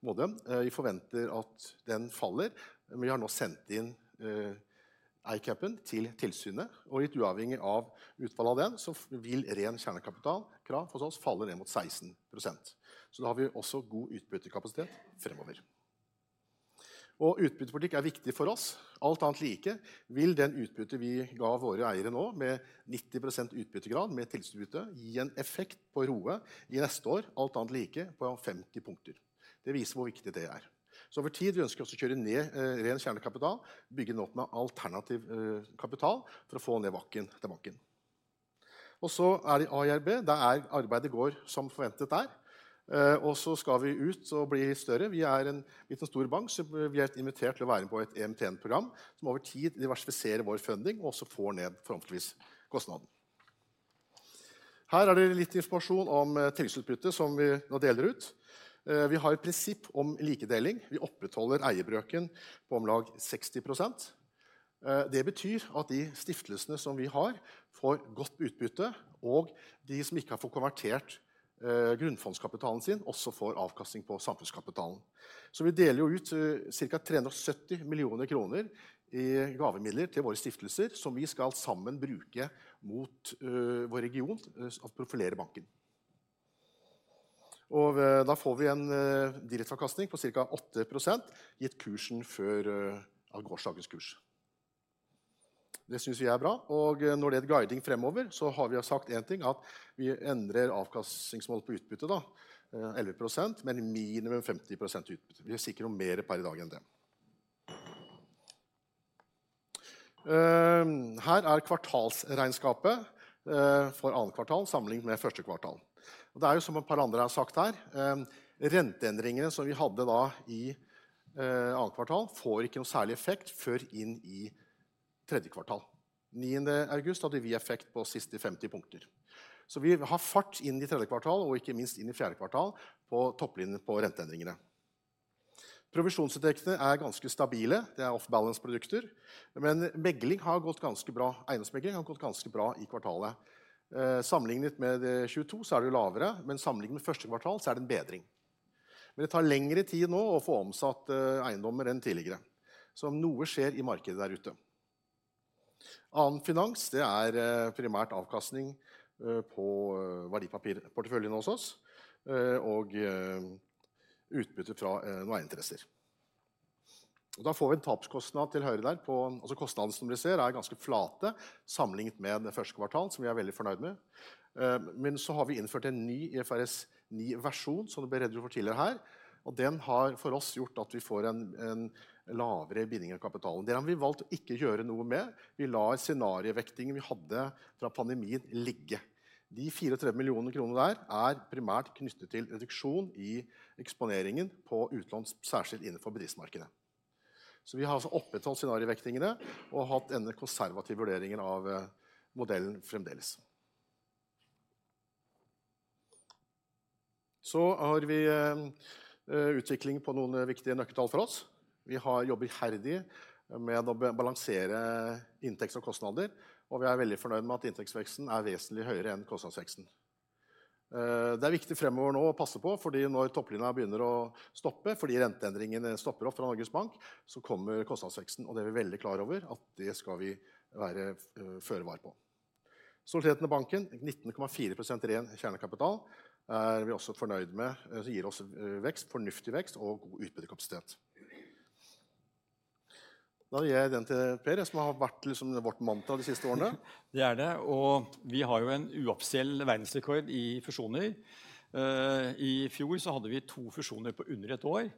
Modum. Vi forventer at den faller, men vi har nå sendt inn ICAAPen til tilsynet, og litt uavhengig av utfall av den så vil ren kjernekapitalkrav hos oss falle ned mot 16%. Da har vi også god utbyttekapasitet fremover. Utbyttepolitikk er viktig for oss. Alt annet like vil det utbyttet vi ga våre eiere nå, med 90% utbyttegrad med tilleggsutbytte, gi en effekt på ROE i neste år, alt annet like på 50 basis points. Det viser hvor viktig det er. Over tid, vi ønsker også å kjøre ned ren kjernekapital. Bygge noe opp med alternativ kapital for å få ned bakken til banken. Så er det IRB. Der er arbeidet går som forventet der. Så skal vi ut og bli større. Vi er en liten, stor bank, så vi er invitert til å være med på et MTN program som over tid diversifisere vår funding og også får ned forhåpentligvis kostnaden. Her er det litt informasjon om tilleggsutbyttet som vi nå deler ut. Vi har et prinsipp om likedeling. Vi opprettholder eierbrøken på om lag 60%. Det betyr at de stiftelsene som vi har, får godt med utbytte, og de som ikke har fått konvertert grunnfondskapitalen sin også får avkastning på samfunnskapitalen. Vi deler jo ut cirka 370 million kroner i gavemidler til våre stiftelser, som vi skal sammen bruke mot vår region og profilere banken. Da får vi en direkte avkastning på cirka 8%, gitt kursen før av gårsdagens kurs. Det synes vi er bra. Når det gjelder guiding fremover så har vi jo sagt en ting at vi endrer avkastningsmål på utbyttet da. 11%, men minimum 50% utbytte. Vi er sikker på mer per i dag enn det. Her er kvartalsregnskapet for andre kvartal sammenlignet med første kvartal. Det er jo som et par andre har sagt her. Renteendringene som vi hadde da i 2. kvartal får ikke noen særlig effekt før inn i 3. kvartal. 9. august hadde vi effekt på siste 50 punkter. Vi har fart inn i 3. kvartal og ikke minst inn i 4. kvartal. På topplinjen på renteendringene. Provisjonsinntektene er ganske stabile. Det er off balance produkter, men megling har gått ganske bra. Eiendomsmegling har gått ganske bra i kvartalet. Sammenlignet med 2022 så er det jo lavere, men sammenlignet med 1. kvartal så er det en bedring. Det tar lengre tid nå å få omsatt eiendommer enn tidligere. Noe skjer i markedet der ute. Annen finans, det er primært avkastning på verdipapirporteføljen hos oss og utbytte fra noen interesser. Da får vi en tapskostnad til høyre der på, altså kostnaden som vi ser er ganske flate sammenlignet med 1. kvartal, som vi er veldig fornøyd med. Har vi innført en ny IFRS 9 versjon, som det ble redegjort for tidligere her, og den har for oss gjort at vi får en lavere binding av kapitalen. Det har vi valgt å ikke gjøre noe med. Vi lar scenariovektingen vi hadde fra pandemien ligge. De 34 millionene der er primært knyttet til reduksjon i eksponeringen på utenlands, særskilt innenfor driftsmarkedet. Vi har altså opprettholdt scenariovektingen og hatt denne konservative vurderingen av modellen fremdeles. Vi har utvikling på noen viktige nøkkeltall for oss. Vi har jobbet iherdig med å balansere inntekter og kostnader, og vi er veldig fornøyd med at inntektsveksten er vesentlig høyere enn kostnadsveksten. Det er viktig fremover nå å passe på, fordi når topplinjen begynner å stoppe, fordi renteendringene stopper opp fra Norges Bank, så kommer kostnadsveksten, og det er vi veldig klar over at det skal vi være føre var på. Soliditeten i banken 19.4% ren kjernekapital, er vi også fornøyd med. Det gir oss vekst, fornuftig vekst og god utbyttekapasitet. Da gir jeg den til Per, som har vært liksom vårt mantra de siste årene. Det er det, og vi har jo en uoffisiell verdensrekord i fusjoner. I fjor så hadde vi to fusjoner på under ett år,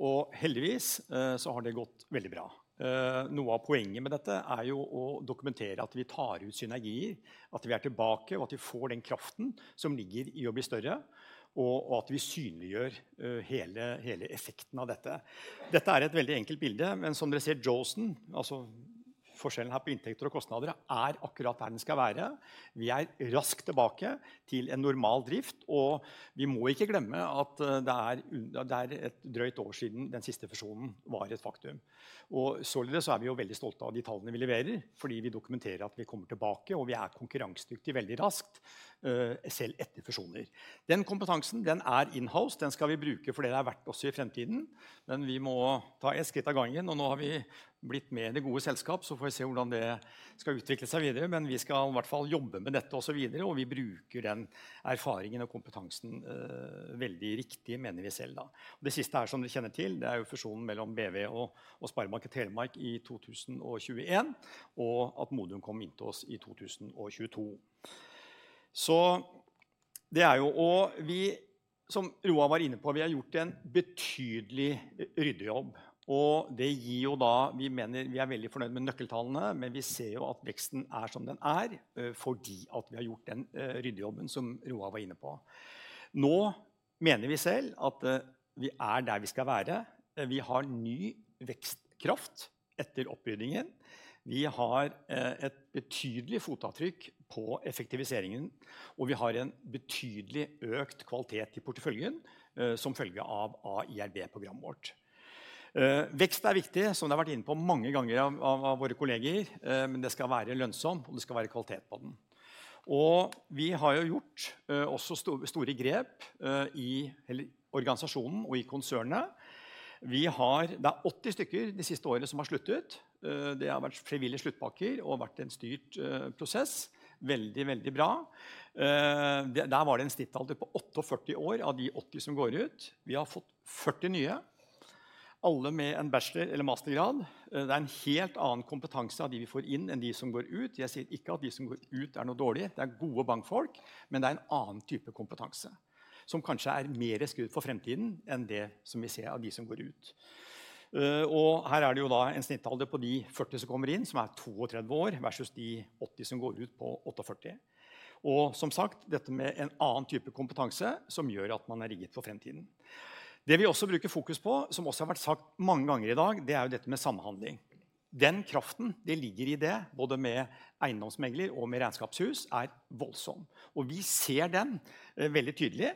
og heldigvis så har det gått veldig bra. Noe av poenget med dette er jo å dokumentere at vi tar ut synergier, at vi er tilbake og at vi får den kraften som ligger i å bli større, og at vi synliggjør hele, hele effekten av dette. Dette er et veldig enkelt bilde, men som dere ser Joelsen, altså forskjellen på inntekter og kostnader er akkurat der den skal være. Vi er raskt tilbake til en normal drift, og vi må ikke glemme at det er et drøyt år siden den siste fusjonen var et faktum. Således så er vi jo veldig stolte av de tallene vi leverer, fordi vi dokumenterer at vi kommer tilbake, og vi er konkurransedyktig veldig raskt, selv etter fusjoner. Den kompetansen, den er in house. Den skal vi bruke, for det er verdt oss i fremtiden. Vi må ta one skritt av gangen, Nå har vi blitt med i det gode selskap, Får vi se hvordan det skal utvikle seg videre. Vi skal i hvert fall jobbe med dette også videre, og vi bruker den erfaringen og kompetansen veldig riktig, mener vi selv da. Det siste her som dere kjenner til. Det er jo fusjonen mellom BV og Sparebanken Telemark i 2021, og at Modum kom inn til oss i 2022. Det er jo, og vi som Roar var inne på. Vi har gjort en betydelig ryddejobb, Det gir jo da. Vi mener vi er veldig fornøyd med nøkkeltallene. Vi ser jo at veksten er som den er fordi at vi har gjort den ryddejobben som Roar var inne på. Mener vi selv at vi er der vi skal være. Vi har ny vekstkraft etter oppryddingen. Vi har et betydelig fotavtrykk på effektiviseringen, og vi har en betydelig økt kvalitet i porteføljen som følge av AIRB programmet vårt. Vekst er viktig, som det har vært inne på mange ganger av våre kolleger. Det skal være lønnsomt og det skal være kvalitet på den. Vi har jo gjort også store grep i organisasjonen og i konsernet. Vi har. Det er 80 stykker de siste årene som har sluttet. Det har vært frivillige sluttpakker og vært en styrt prosess. Veldig, veldig bra. Der var det en snittalder på 48 år. Av de 80 som går ut. Vi har fått 40 nye, alle med en bachelor eller mastergrad. Det er en helt annen kompetanse av de vi får inn enn de som går ut. Jeg sier ikke at de som går ut er noe dårlig. Det er gode bankfolk, men det er en annen type kompetanse som kanskje er mer skudd for fremtiden enn det som vi ser av de som går ut. Her er det jo da en snittalder på de 40 som kommer inn, som er 32 år, versus de 80 som går ut på 48. Som sagt, dette med en annen type kompetanse som gjør at man er rigget for fremtiden. Det vi også bruker fokus på, som også har vært sagt mange ganger i dag. Det er jo dette med samhandling. Den kraften det ligger i det, både med eiendomsmegler og med regnskapshus, er voldsom, og vi ser den veldig tydelig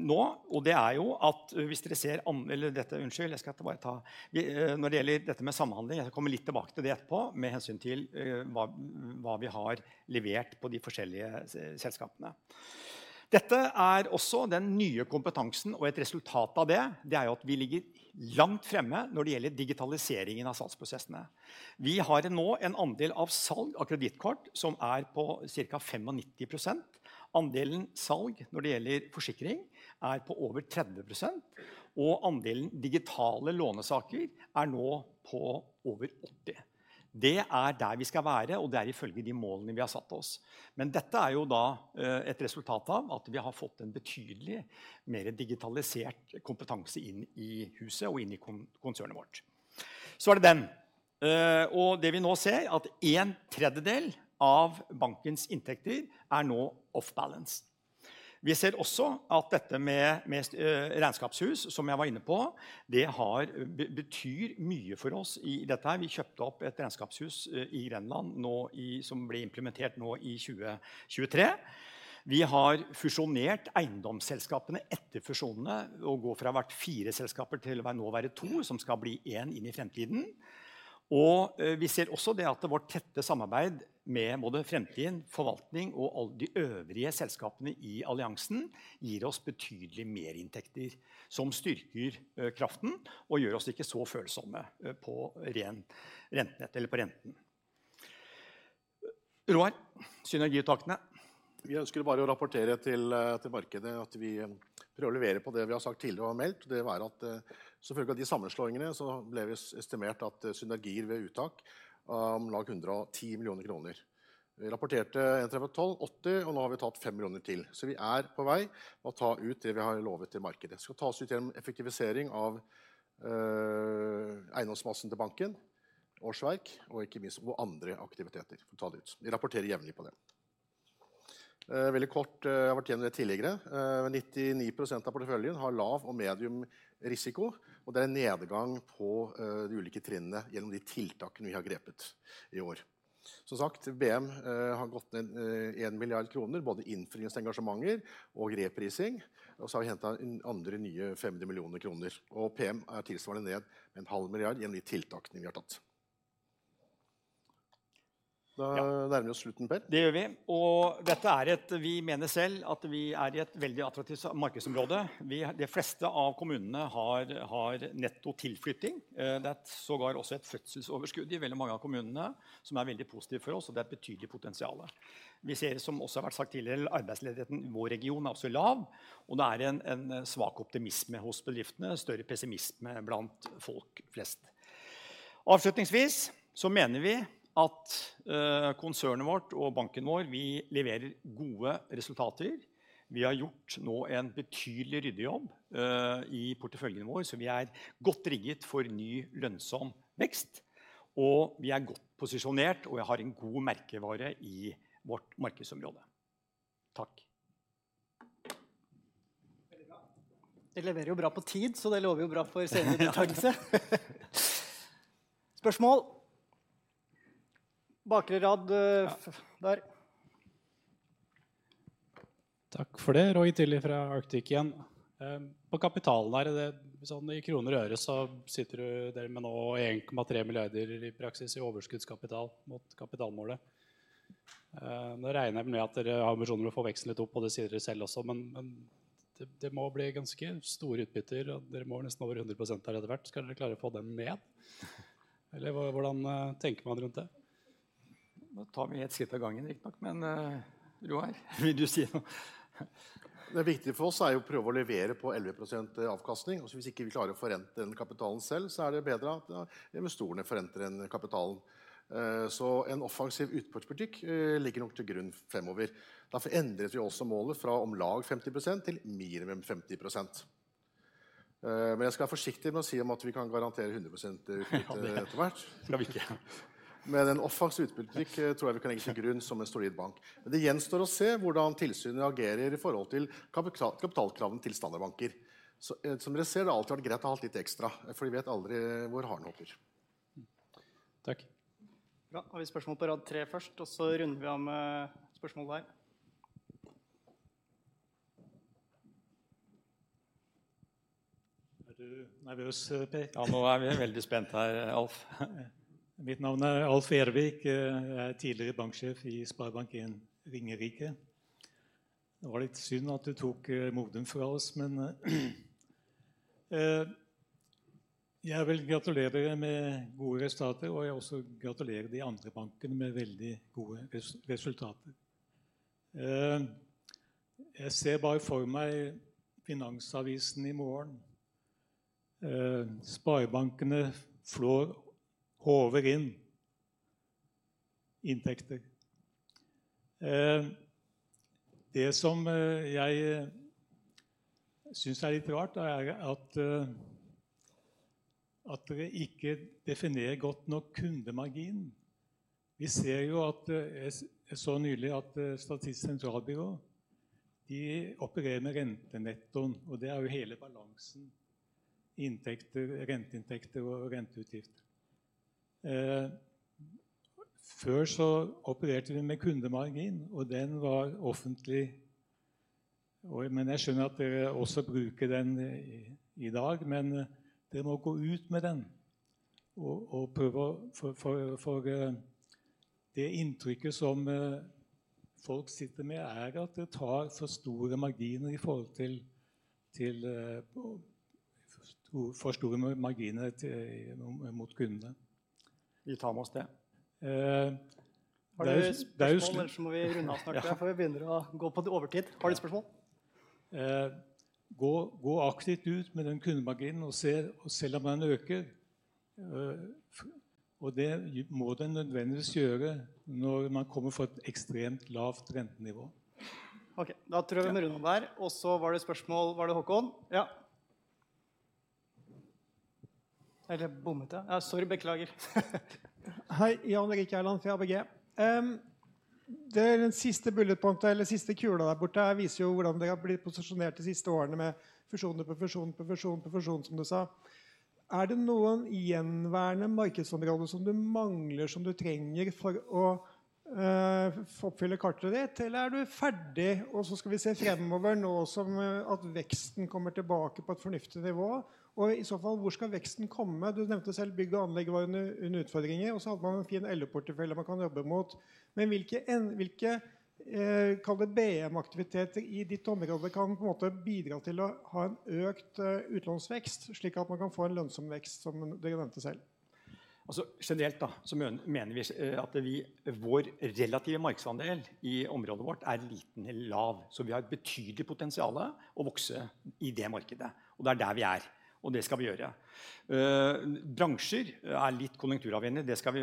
nå. Det er jo at hvis dere ser dette. Unnskyld, jeg skal etterpå ta. Når det gjelder dette med samhandling. Jeg skal komme litt tilbake til det etterpå. Med hensyn til hva, hva vi har levert på de forskjellige selskapene. Dette er også den nye kompetansen, og et resultat av det, det er jo at vi ligger langt fremme når det gjelder digitaliseringen av salgsprosessene. Vi har nå en andel av salg av kredittkort som er på cirka 95%. Andelen salg når det gjelder forsikring er på over 30%, og andelen digitale lånesaker er nå på over 80%. Det er der vi skal være, og det er ifølge de målene vi har satt oss. Dette er jo da et resultat av at vi har fått en betydelig mer digitalisert kompetanse inn i huset og inn i konsernet vårt. Det er den og det vi nå ser at one-third av bankens inntekter er nå off balance. Vi ser også at dette med, med regnskapshus som jeg var inne på. Det har betyr mye for oss i dette. Vi kjøpte opp et regnskapshus i Grenland nå i som ble implementert nå i 2023. Vi har fusjonert eiendomsselskapene etter fusjonene og går fra å vært fire selskaper til å være nå være to, som skal bli en inn i fremtiden. Vi ser også det at vårt tette samarbeid med både fremtiden, forvaltning og alle de øvrige selskapene i alliansen gir oss betydelige merinntekter som styrker kraften og gjør oss ikke så følsomme på ren rentenett eller på renten. Roar. Synergiuttakene. Vi ønsker bare å rapportere til markedet at vi prøver å levere på det vi har sagt tidligere og meldt. Det være at som følge av de sammenslåingene så ble det estimert at synergier ved uttak om lag 110 million kroner. Vi rapporterte en trettetolv åtti, nå har vi tatt 5 million til. Vi er på vei med å ta ut det vi har lovet til markedet. Det skal tas ut gjennom effektivisering av eiendomsmassen til banken, årsverk og ikke minst noen andre aktiviteter for å ta det ut. Vi rapporterer jevnlig på det. Veldig kort. Jeg har vært gjennom det tidligere. 99% av porteføljen har lav og medium risiko, det er en nedgang på de ulike trinnene gjennom de tiltakene vi har grepet i år. Som sagt, BM har gått ned 1 billion kroner, både innfrielse av engasjementer og reprising. Så har vi hentet inn andre nye 50 millioner kroner. PM er tilsvarende ned med 0.5 milliard gjennom de tiltakene vi har tatt. Nærmer oss slutten, Per. Det gjør vi. Dette er et. Vi mener selv at vi er i et veldig attraktivt markedsområde. De fleste av kommunene har, har netto tilflytting. Det er sågar også et fødselsoverskudd i veldig mange av kommunene, som er veldig positivt for oss. Det er et betydelig potensial. Vi ser, som også har vært sagt tidligere, arbeidsledigheten i vår region er også lav. Det er en en svak optimisme hos bedriftene. Større pessimisme blant folk flest. Avslutningsvis mener vi at konsernet vårt og banken vår vi leverer gode resultater. Vi har gjort nå en betydelig ryddejobb i porteføljen vår. Vi er godt rigget for ny, lønnsom vekst. Vi er godt posisjonert og har en god merkevare i vårt markedsområde. Takk! Veldig bra. De leverer jo bra på tid, så det lover jo bra for senere deltakelse. Spørsmål? Bakre rad der. Takk for det. Roy Telle fra Arctic igjen. På kapitalen er det sånn i kroner og øre. Sitter jo dere med nå 1.3 billion i praksis i overskudd på kapital mot kapitalmålet. Regner jeg med at dere har ambisjoner om å få veksten litt opp, og det sier dere selv også. Det må bli ganske store utbytter, og dere må jo nesten over 100% her etter hvert. Skal dere klare å få den ned, eller hvordan tenker man rundt det? Tar vi 1 skritt av gangen riktignok. Roar, vil du si noe? Det er viktig for oss er jo å prøve å levere på 11% avkastning. Hvis ikke vi klarer å forrente den kapitalen selv, er det bedre at investorene forrenter den kapitalen. En offensiv utbyttepolitikk ligger nok til grunn fremover. Derfor endret vi også målet fra om lag 50% til minimum 50%. Jeg skal være forsiktig med å si om at vi kan garantere 100% utbytte etter hvert. Det skal vi ikke. En offensiv utbyttepolitikk tror jeg vi kan legge til grunn som en solid bank. Det gjenstår å se hvordan tilsynet reagerer i forhold til kapital, kapitalkravene til standard banker. Som dere ser det alltid vært greit å ha litt ekstra, for vi vet aldri hvor håret nokker. Takk! Har vi spørsmål på rad tre først, og så runder vi av med spørsmål der. Er du nervøs Per? Nå er vi veldig spent her Alf. Mitt navn er Alf Ervik. Jeg er tidligere banksjef i SpareBank 1 Ringerike. Det var litt synd at du tok moden fra oss, men jeg vil gratulere med gode resultater og jeg også gratulere de andre bankene med veldig gode resultater. Jeg ser bare for meg Finansavisen i morgen. SpareBankene flår hover inn inntekter. Det som jeg synes er litt rart er at dere ikke definerer godt nok kundemargin. Vi ser jo at jeg så nylig at Statistisk sentralbyrå de opererer med rentenettoen, og det er jo hele balansen. Inntekter, renteinntekter og renteutgifter. Før så opererte vi med kundemargin, og den var offentlig. Men jeg skjønner at dere også bruker den i dag. dere må gå ut med den og, og prøve å for, for det inntrykket som folk sitter med er at det tar for store marginer i forhold til, til for store marginer mot kundene. Vi tar med oss det. Det er jo, så må vi runde av snart her, for vi begynner å gå på overtid. Har du et spørsmål? Gå, gå aktivt ut med den kundemarginen og se og se om den øker. Det må den nødvendigvis gjøre når man kommer fra et ekstremt lavt rentenivå. Okay, da tror jeg vi runder av der. Så var det spørsmål. Var det Håkon? Ja. Bommet jeg? Sorry, beklager. Hei Jan Erik Gjerland fra ABG. Den siste bulletpointen eller siste kula der borte viser jo hvordan dere har blitt posisjonert de siste årene, med fusjoner på fusjon, på fusjon, på fusjon som du sa. Er det noen gjenværende markedsområder som du mangler, som du trenger for å oppfylle kartet ditt? Eller er du ferdig? Så skal vi se fremover nå som at veksten kommer tilbake på et fornuftig nivå. I så fall, hvor skal veksten komme? Du nevnte selv bygg og anlegg var under utfordringer, og så hadde man en fin LP portefølje man kan jobbe mot. Hvilke, hvilke kall det BM aktiviteter i ditt område kan på en måte bidra til å ha en økt utlånsvekst slik at man kan få en lønnsom vekst, som du nevnte selv? Generelt sett så mener vi at vi vår relative markedsandel i området vårt er liten eller lav, så vi har et betydelig potensiale å vokse i det markedet. Det er der vi er, og det skal vi gjøre. Bransjer er litt konjunkturavhengig, det skal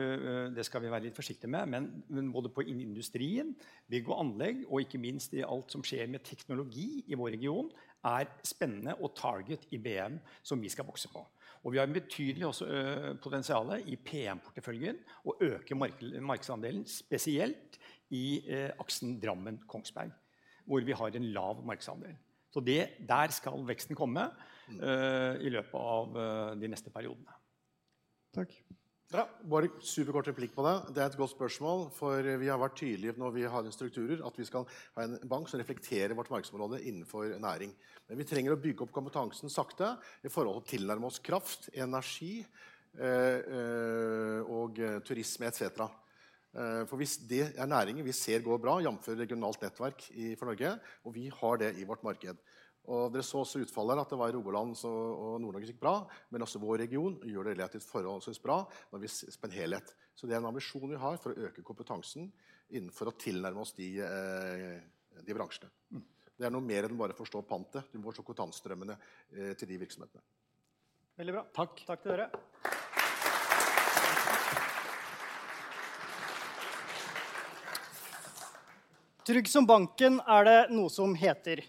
vi være litt forsiktig med. Både på innen industrien, bygg og anlegg og ikke minst i alt som skjer med teknologi i vår region, er spennende og target i BM som vi skal vokse på. Vi har en betydelig også potensiale i PM porteføljen å øke markedsandelen, spesielt i aksen Drammen-Kongsberg, hvor vi har en lav markedsandel. Det der skal veksten komme i løpet av de neste periodene. Takk! Bra. Bare superkort replikk på det. Det er et godt spørsmål, for vi har vært tydelige når vi har strukturer, at vi skal ha en bank som reflekterer vårt markedsområde innenfor næring. Vi trenger å bygge opp kompetansen sakte i forhold til å tilnærme oss kraft, energi, og turisme et cetera. Hvis det er næringer vi ser går bra, jamfør regionalt nettverk i for Norge, og vi har det i vårt marked. Dere så også utfallet her at det var i Rogaland og Nord-Norge gikk bra. Også vår region gjør det relativt forholdsvis bra når vi ser på en helhet. Det er en ambisjon vi har for å øke kompetansen innenfor å tilnærme oss de, de bransjene. Det er noe mer enn bare å forstå pantet. Du må også kontantstrømmene til de virksomhetene. Veldig bra! Takk, takk til dere. Trygg som banken er det noe som heter.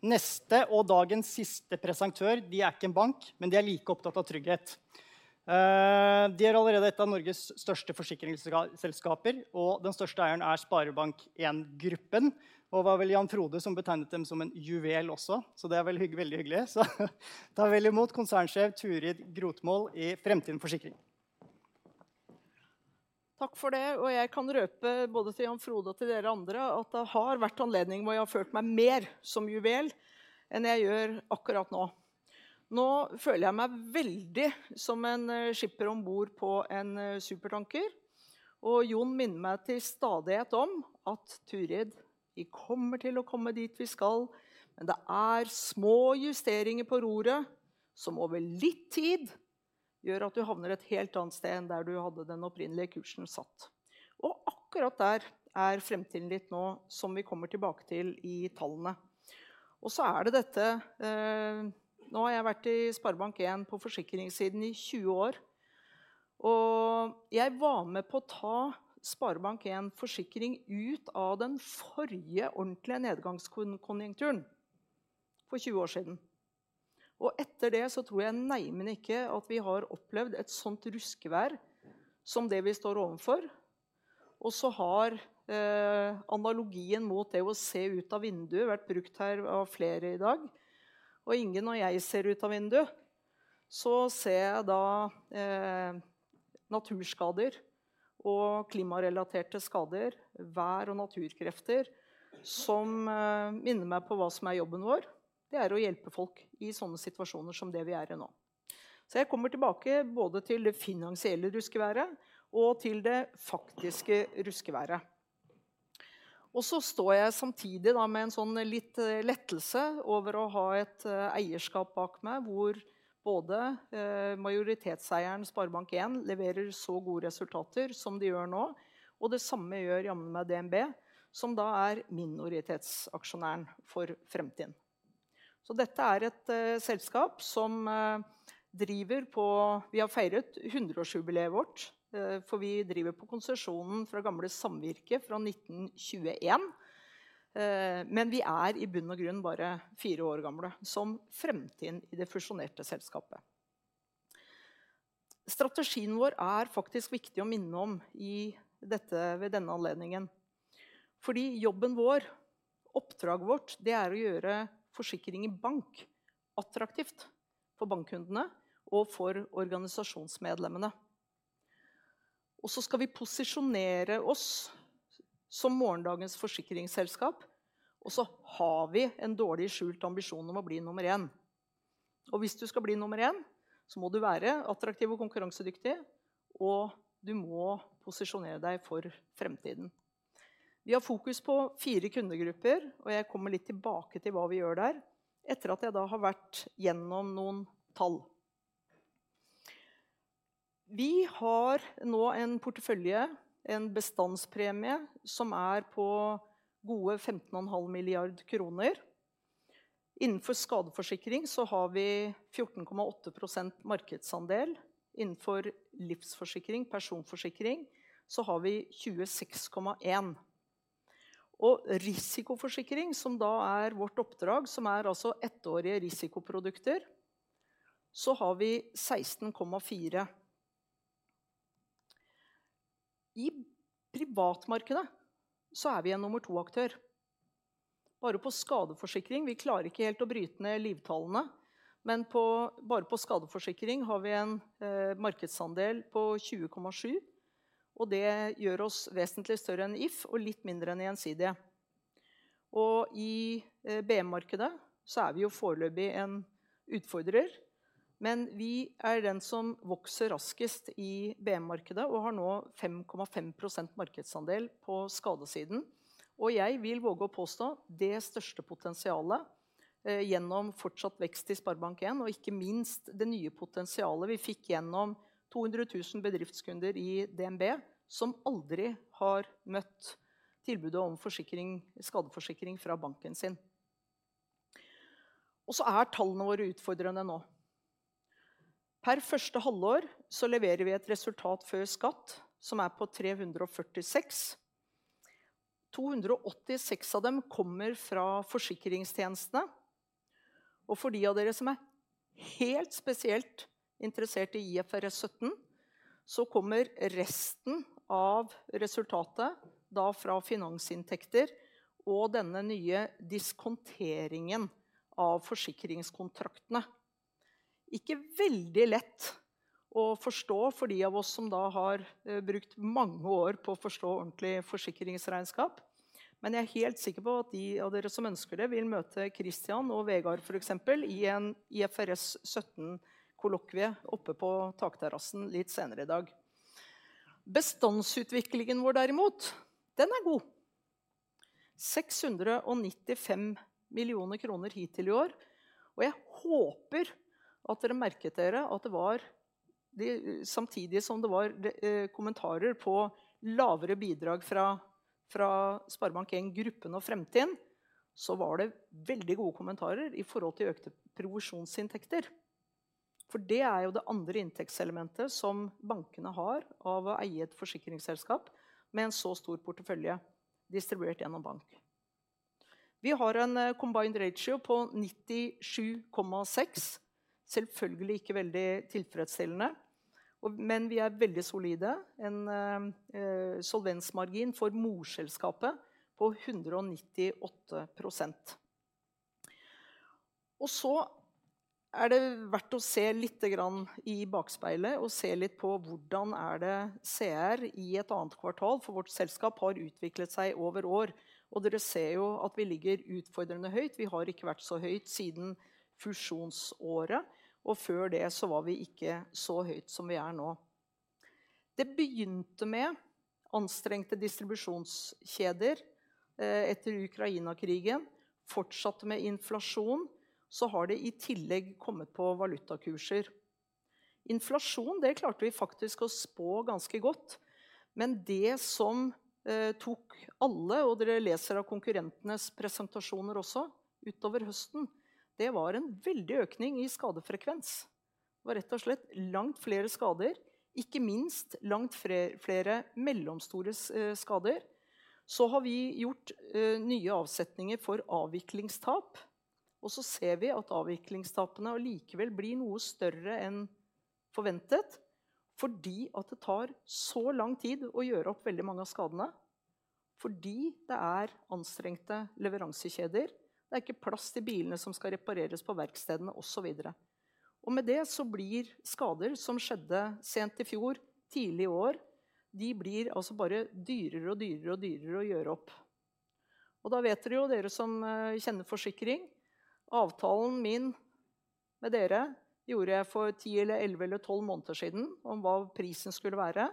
Dagens siste presentatør, de er ikke en bank, men de er like opptatt av trygghet. De er allerede et av Norges største forsikringsselskaper, og den største eieren er SpareBank 1 Gruppen. Det var vel Jan Frode som betegnet dem som en juvel også, så det er vel veldig hyggelig. Ta vel i mot Konsernsjef Turid Grotmol i Fremtind Forsikring. Takk for det! I can reveal both to Jan Frode and to you others, that there have been occasions where I have felt more like a jewel than I do right now. Now I feel very much like a skipper on board a supertanker, and John constantly reminds me that Turid, we will get to where we are going. It is small adjustments to the rudder that over time make you end up in a completely different place than where you had the original course set. Exactly there is Fremtiden a bit now, which we will return to in the numbers. There is this. Now I have been in SpareBank 1 on the insurance side for 20 years. I was with taking SpareBank 1 Forsikring out of the previous proper downturn 20 years ago. Etter det så tror jeg neimen ikke at vi har opplevd et sånt ruskevær som det vi står ovenfor. Så har analogien mot det å se ut av vinduet vært brukt her av flere i dag. Ingen når jeg ser ut av vinduet, så ser jeg da naturskader og klimarelaterte skader. Vær og naturkrefter som minner meg på hva som er jobben vår. Det er å hjelpe folk i sånne situasjoner som det vi er i nå. Jeg kommer tilbake både til det finansielle ruskeværet og til det faktiske ruskeværet. Så står jeg samtidig da med en sånn litt lettelse over å ha et eierskap bak meg, hvor både majoritetseieren SpareBank 1 leverer så gode resultater som de gjør nå. Det samme gjør jammen meg DNB, som da er minoritetsaksjonæren for fremtiden. Dette er et selskap som driver på, vi har feiret hundreårsjubileet vårt, for vi driver på konsesjonen fra gamle Samvirke fra 1921. Vi er i bunn og grunn bare four år gamle som Fremtind i det fusjonerte selskapet. Strategien vår er faktisk viktig å minne om i dette ved denne anledningen, fordi jobben vår, oppdraget vårt, det er å gjøre forsikring i bank attraktivt for bankkundene og for organisasjonsmedlemmene. Skal vi posisjonere oss som morgendagens forsikringsselskap. Har vi en dårlig skjult ambisjon om å bli nummer one. Hvis du skal bli nummer one, så må du være attraktiv og konkurransedyktig, og du må posisjonere deg for fremtiden. Vi har fokus på four kundegrupper, og jeg kommer litt tilbake til hva vi gjør der. Etter at jeg da har vært gjennom noen tall. Vi har nå en portefølje, en bestandspremie som er på gode 15.5 milliarder kroner. Innenfor skadeforsikring så har vi 14.8% markedsandel. Innenfor livsforsikring, personforsikring så har vi 26.1%. Risikoforsikring, som da er vårt oppdrag, som er altså ettårige risikoprodukter, så har vi 16.4%. I privatmarkedet så er vi en nummer to aktør, bare på skadeforsikring. Vi klarer ikke helt å bryte ned livstallene, men på bare på skadeforsikring har vi en markedsandel på 20.7%. Det gjør oss vesentlig større enn If og litt mindre enn Gjensidige. I BM-markedet så er vi jo foreløpig en utfordrer, men vi er den som vokser raskest i BM-markedet og har nå 5.5% markedsandel på skadesiden. Jeg vil våge å påstå det største potensialet gjennom fortsatt vekst i SpareBank 1 og ikke minst det nye potensialet vi fikk gjennom 200,000 bedriftskunder i DNB, som aldri har møtt tilbudet om forsikring, skadeforsikring fra banken sin. Så er tallene våre utfordrende nå. Per første halvår så leverer vi et resultat før skatt, som er på 346. 286 av dem kommer fra forsikringstjenestene. For de av dere som er helt spesielt interessert i IFRS 17, så kommer resten av resultatet da fra finansinntekter og denne nye diskonteringen av forsikringskontraktene. Ikke veldig lett å forstå for de av oss som da har brukt mange år på å forstå ordentlig forsikringsregnskap. Jeg er helt sikker på at de av dere som ønsker det, vil møte Kristian og Vegard, for eksempel i en IFRS 17 kollokvie oppe på takterrassen litt senere i dag. Bestandsutviklingen vår derimot, den er god. 695 million kroner hittil i år, jeg håper at dere merket dere at det var de, samtidig som det var kommentarer på lavere bidrag fra, fra SpareBank 1 Gruppen og Fremtiden, det var veldig gode kommentarer i forhold til økte provisjonsinntekter. Det er jo det andre inntektselementet som bankene har av å eie et forsikringsselskap med en så stor portefølje distribuert gjennom bank. Vi har en combined ratio på 97.6%. Selvfølgelig ikke veldig tilfredsstillende, vi er veldig solide. En solvensmargin for morselskapet på 198%. Så er det verdt å se littegrann i bakspeilet og se litt på hvordan er det ser i et 2. kvartal. Vårt selskap har utviklet seg over år, og dere ser jo at vi ligger utfordrende høyt. Vi har ikke vært så høyt siden fusjonsåret, og før det så var vi ikke så høyt som vi er nå. Det begynte med anstrengte distribusjonskjeder etter Ukraina krigen, fortsatte med inflasjon. Det har i tillegg kommet på valutakurser. Inflasjon, det klarte vi faktisk å spå ganske godt. Det som tok alle, og dere leser av konkurrentenes presentasjoner også utover høsten. Det var en veldig økning i skadefrekvens. Det var rett og slett langt flere skader, ikke minst langt flere mellomstore skader. Vi har gjort nye avsetninger for avviklingstap. Så ser vi at avviklingstapene allikevel blir noe større enn forventet, fordi at det tar så lang tid å gjøre opp veldig mange av skadene. Fordi det er anstrengte leveransekjeder. Det er ikke plass til bilene som skal repareres på verkstedene og så videre. Med det så blir skader som skjedde sent i fjor, tidlig i år, de blir altså bare dyrere og dyrere og dyrere å gjøre opp. Da vet jo dere som kjenner forsikring. Avtalen min med dere gjorde jeg for 10 eller 11 eller 12 måneder siden om hva prisen skulle være.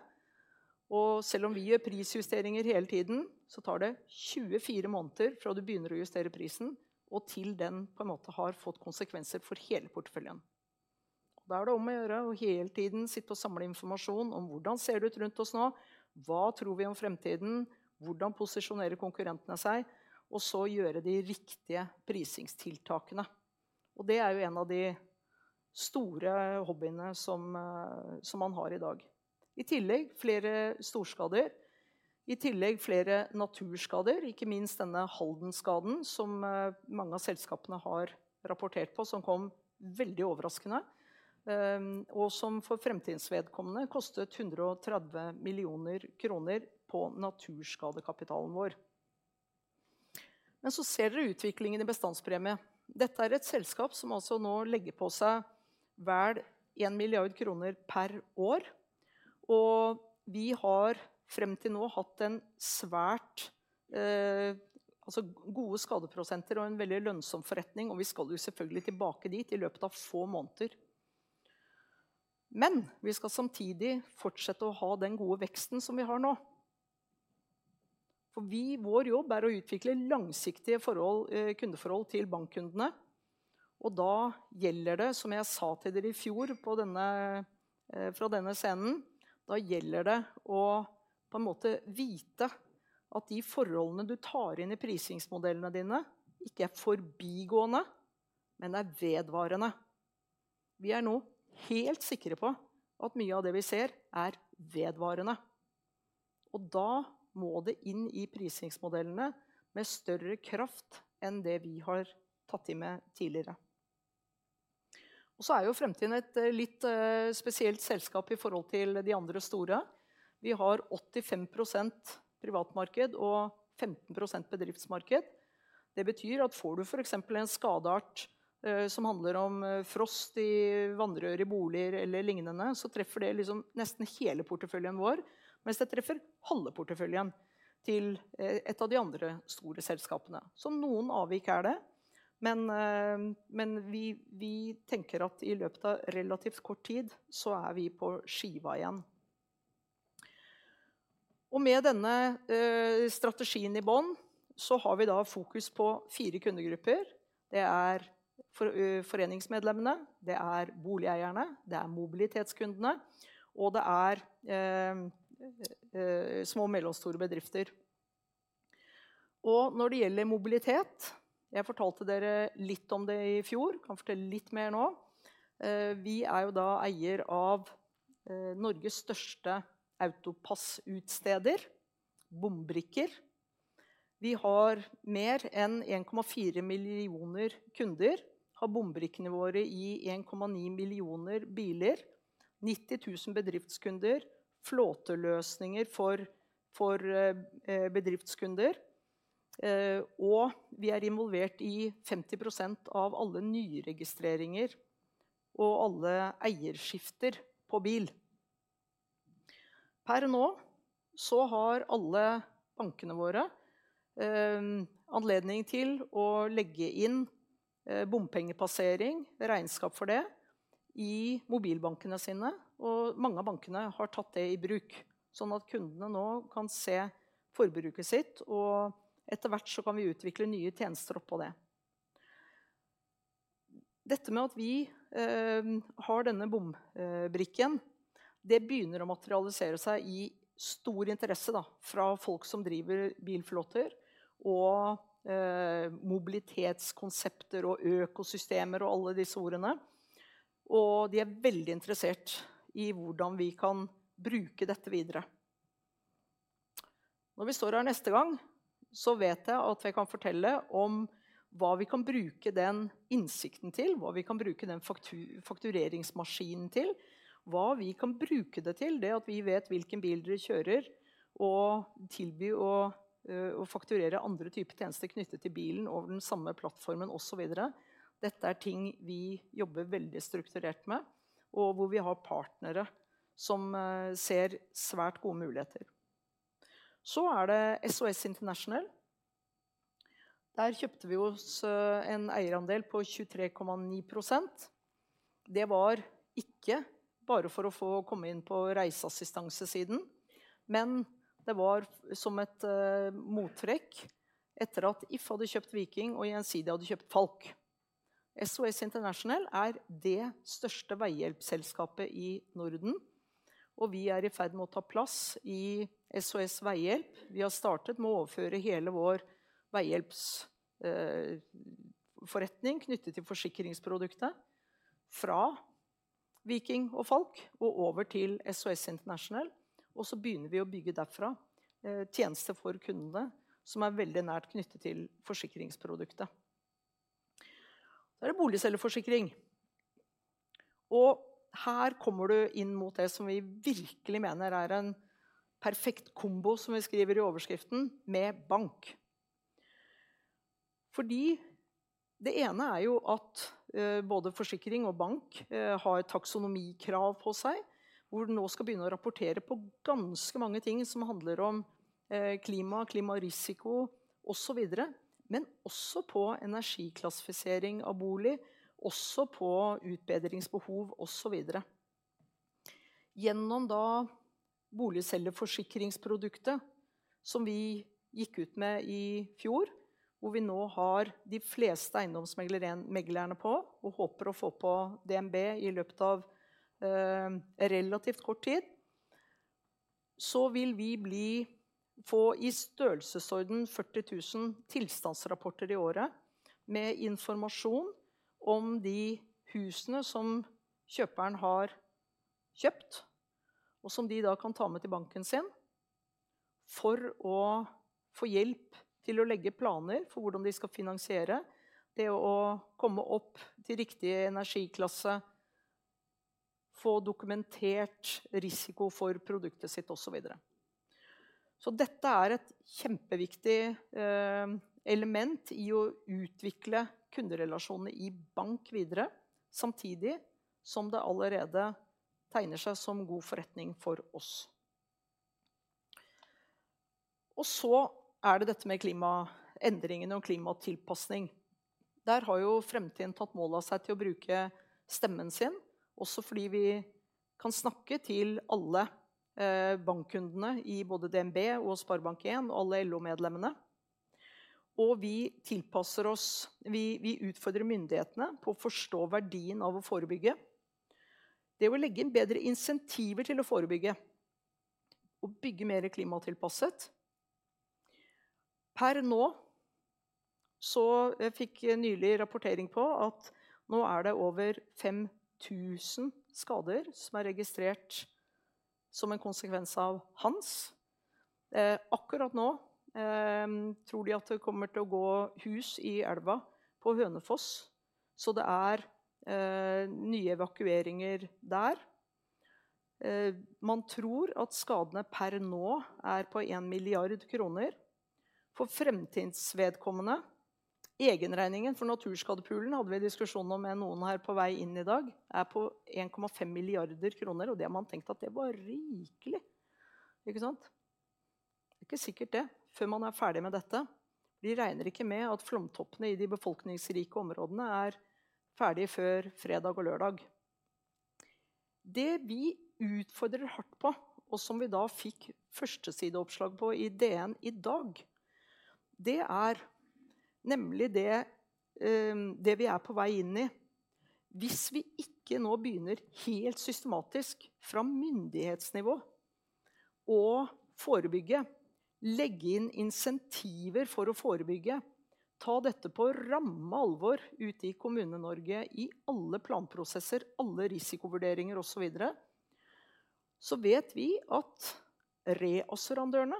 Selv om vi gjør prisjusteringer hele tiden, så tar det 24 måneder fra du begynner å justere prisen, og til den på en måte har fått konsekvenser for hele porteføljen. Da er det om å gjøre å hele tiden sitte og samle informasjon om hvordan ser det ut rundt oss nå? Hva tror vi om fremtiden? Hvordan posisjonerer konkurrentene seg? Så gjøre de riktige prisingstiltakene. Det er jo en av de store hobbyene som, som man har i dag. I tillegg flere storskader. I tillegg flere naturskader, ikke minst denne Haldenskaden som mange av selskapene har rapportert på, som kom veldig overraskende, eh, og som for Fremtind vedkommende kostet NOK 130 millioner på naturskade kapitalen vår. Så ser dere utviklingen i bestands premie. Dette er et selskap som altså nå legger på seg vel 1 milliard kroner per år, og vi har frem til nå hatt en svært, eh, altså gode skadeprosenter og en veldig lønnsom forretning. Vi skal jo selvfølgelig tilbake dit i løpet av få måneder. Vi skal samtidig fortsette å ha den gode veksten som vi har nå, for vi, vår jobb er å utvikle langsiktige forhold, kundeforhold til bankkundene. Da gjelder det, som jeg sa til dere i fjor, på denne fra denne scenen. Da gjelder det å på en måte vite at de forholdene du tar inn i prisingsmodellene dine ikke er forbigående, men er vedvarende. Vi er nå helt sikre på at mye av det vi ser er vedvarende, da må det inn i prisingsmodellene med større kraft enn det vi har tatt med tidligere. Så er jo Fremtiden et litt spesielt selskap i forhold til de andre store. Vi har 85% privatmarked og 15% bedriftsmarked. Det betyr at får du for eksempel en skadeart som handler om frost i vannrør i boliger eller lignende, så treffer det liksom nesten hele porteføljen vår, mens det treffer halve porteføljen til et av de andre store selskapene. Noen avvik er det. Vi tenker at i løpet av relativt kort tid så er vi på skiva igjen. Med denne strategien i bunn så har vi da fokus på 4 kundegrupper. Det er foreningsmedlemmene, det er boligeierne, det er mobilitetskundene, og det er små og mellomstore bedrifter. Når det gjelder mobilitet. Jeg fortalte dere litt om det i fjor. Kan fortelle litt mer nå. Vi er jo da eier av Norges største AutoPASS utsteder. Bombrikker. Vi har mer enn 1.4 million kunder. Har bombrikene våre i 1.9 million biler, 90,000 bedriftskunder. Flåteløsninger for bedriftskunder. Vi er involvert i 50% av alle nyregistreringer og alle eierskifter på bil. Per nå så har alle bankene våre anledning til å legge inn bompengepassering, regnskap for det i mobilbankene sine. Mange av bankene har tatt det i bruk. Sånn at kundene nå kan se forbruket sitt, og etter hvert så kan vi utvikle nye tjenester oppå det. Dette med at vi har denne bombrikken. Det begynner å materialisere seg i stor interesse da, fra folk som driver bilflåter og mobilitetskonsepter og økosystemer og alle disse ordene. De er veldig interessert i hvordan vi kan bruke dette videre. Når vi står her neste gang, så vet jeg at jeg kan fortelle om hva vi kan bruke den innsikten til, hva vi kan bruke den faktureringsmaskinen til, hva vi kan bruke det til. Det at vi vet hvilken bil dere kjører og tilby å fakturere andre typer tjenester knyttet til bilen over den samme plattformen og så videre. Dette er ting vi jobber veldig strukturert med og hvor vi har partnere som ser svært gode muligheter. Det er SOS International. Der kjøpte vi oss en eierandel på 23.9%. Det var ikke bare for å få komme inn på reiseassistancesiden, men det var som et mottrekk. Etter at If hadde kjøpt Viking og Gjensidige hadde kjøpt Falck. SOS International er det største veihjelpselskapet i Norden, og vi er i ferd med å ta plass i SOS Veihjelp. Vi har startet med å overføre hele vår veihjelpsforretning knyttet til forsikringsproduktet fra Viking og Falck og over til SOS International. Så begynner vi å bygge derfra. Tjenester for kundene som er veldig nært knyttet til forsikringsproduktet. Da er det boligselgerforsikring. Her kommer du inn mot det som vi virkelig mener er en perfekt kombo, som vi skriver i overskriften, med bank. Fordi det ene er jo at både forsikring og bank har taksonomikrav på seg, hvor du nå skal begynne å rapportere på ganske mange ting som handler om klima, klimarisiko og så videre. Men også på energiklassifisering av bolig, også på utbedringsbehov og så videre. Gjennom da boligselgerforsikringsproduktet som vi gikk ut med i fjor, hvor vi nå har de fleste eiendomsmeglere, meglerne på og håper å få på DNB i løpet av relativt kort tid, så vil vi bli, få i størrelsesorden 40,000 tilstandsrapporter i året med informasjon om de husene som kjøperen har kjøpt, og som de da kan ta med til banken sin for å få hjelp til å legge planer for hvordan de skal finansiere det å komme opp til riktig energiklasse, få dokumentert risiko for produktet sitt og så videre. Dette er et kjempeviktig element i å utvikle kunderelasjonene i bank videre, samtidig som det allerede tegner seg som god forretning for oss. Det er dette med klimaendringene og klimatilpasning. Der har jo Fremtiden tatt mål av seg til å bruke stemmen sin. Også fordi vi kan snakke til alle bankkundene i både DNB og SpareBank 1 og alle LO medlemmene. Vi tilpasser oss, vi utfordrer myndighetene på å forstå verdien av å forebygge. Det å legge inn bedre insentiver til å forebygge og bygge mer klimatilpasset. Per nå, fikk jeg nylig rapportering på at nå er det over 5,000 skader som er registrert som en konsekvens av Hans. Akkurat nå tror de at det kommer til å gå hus i elva på Hønefoss. Det er nye evakueringer der. Man tror at skadene per nå er på 1 billion kroner. For Fremtindens vedkommende, egenregningen for naturskade poolen hadde vi diskusjoner om med noen her på vei inn i dag, er på 1.5 billion kroner, og det har man tenkt at det var rikelig. Ikke sant? Det er ikke sikkert det, før man er ferdig med dette. Vi regner ikke med at flomtoppene i de befolkningsrike områdene er ferdig før fredag og lørdag. Det vi utfordrer hardt på, og som vi da fikk førstesideoppslag på i DN i dag. Det er nemlig det, det vi er på vei inn i. Hvis vi ikke nå begynner helt systematisk fra myndighetsnivå å forebygge, legge inn insentiver for å forebygge, ta dette på ramme alvor ute i Kommune-Norge, i alle planprosesser, alle risikovurderinger og så videre. Vet vi at reassurandørene,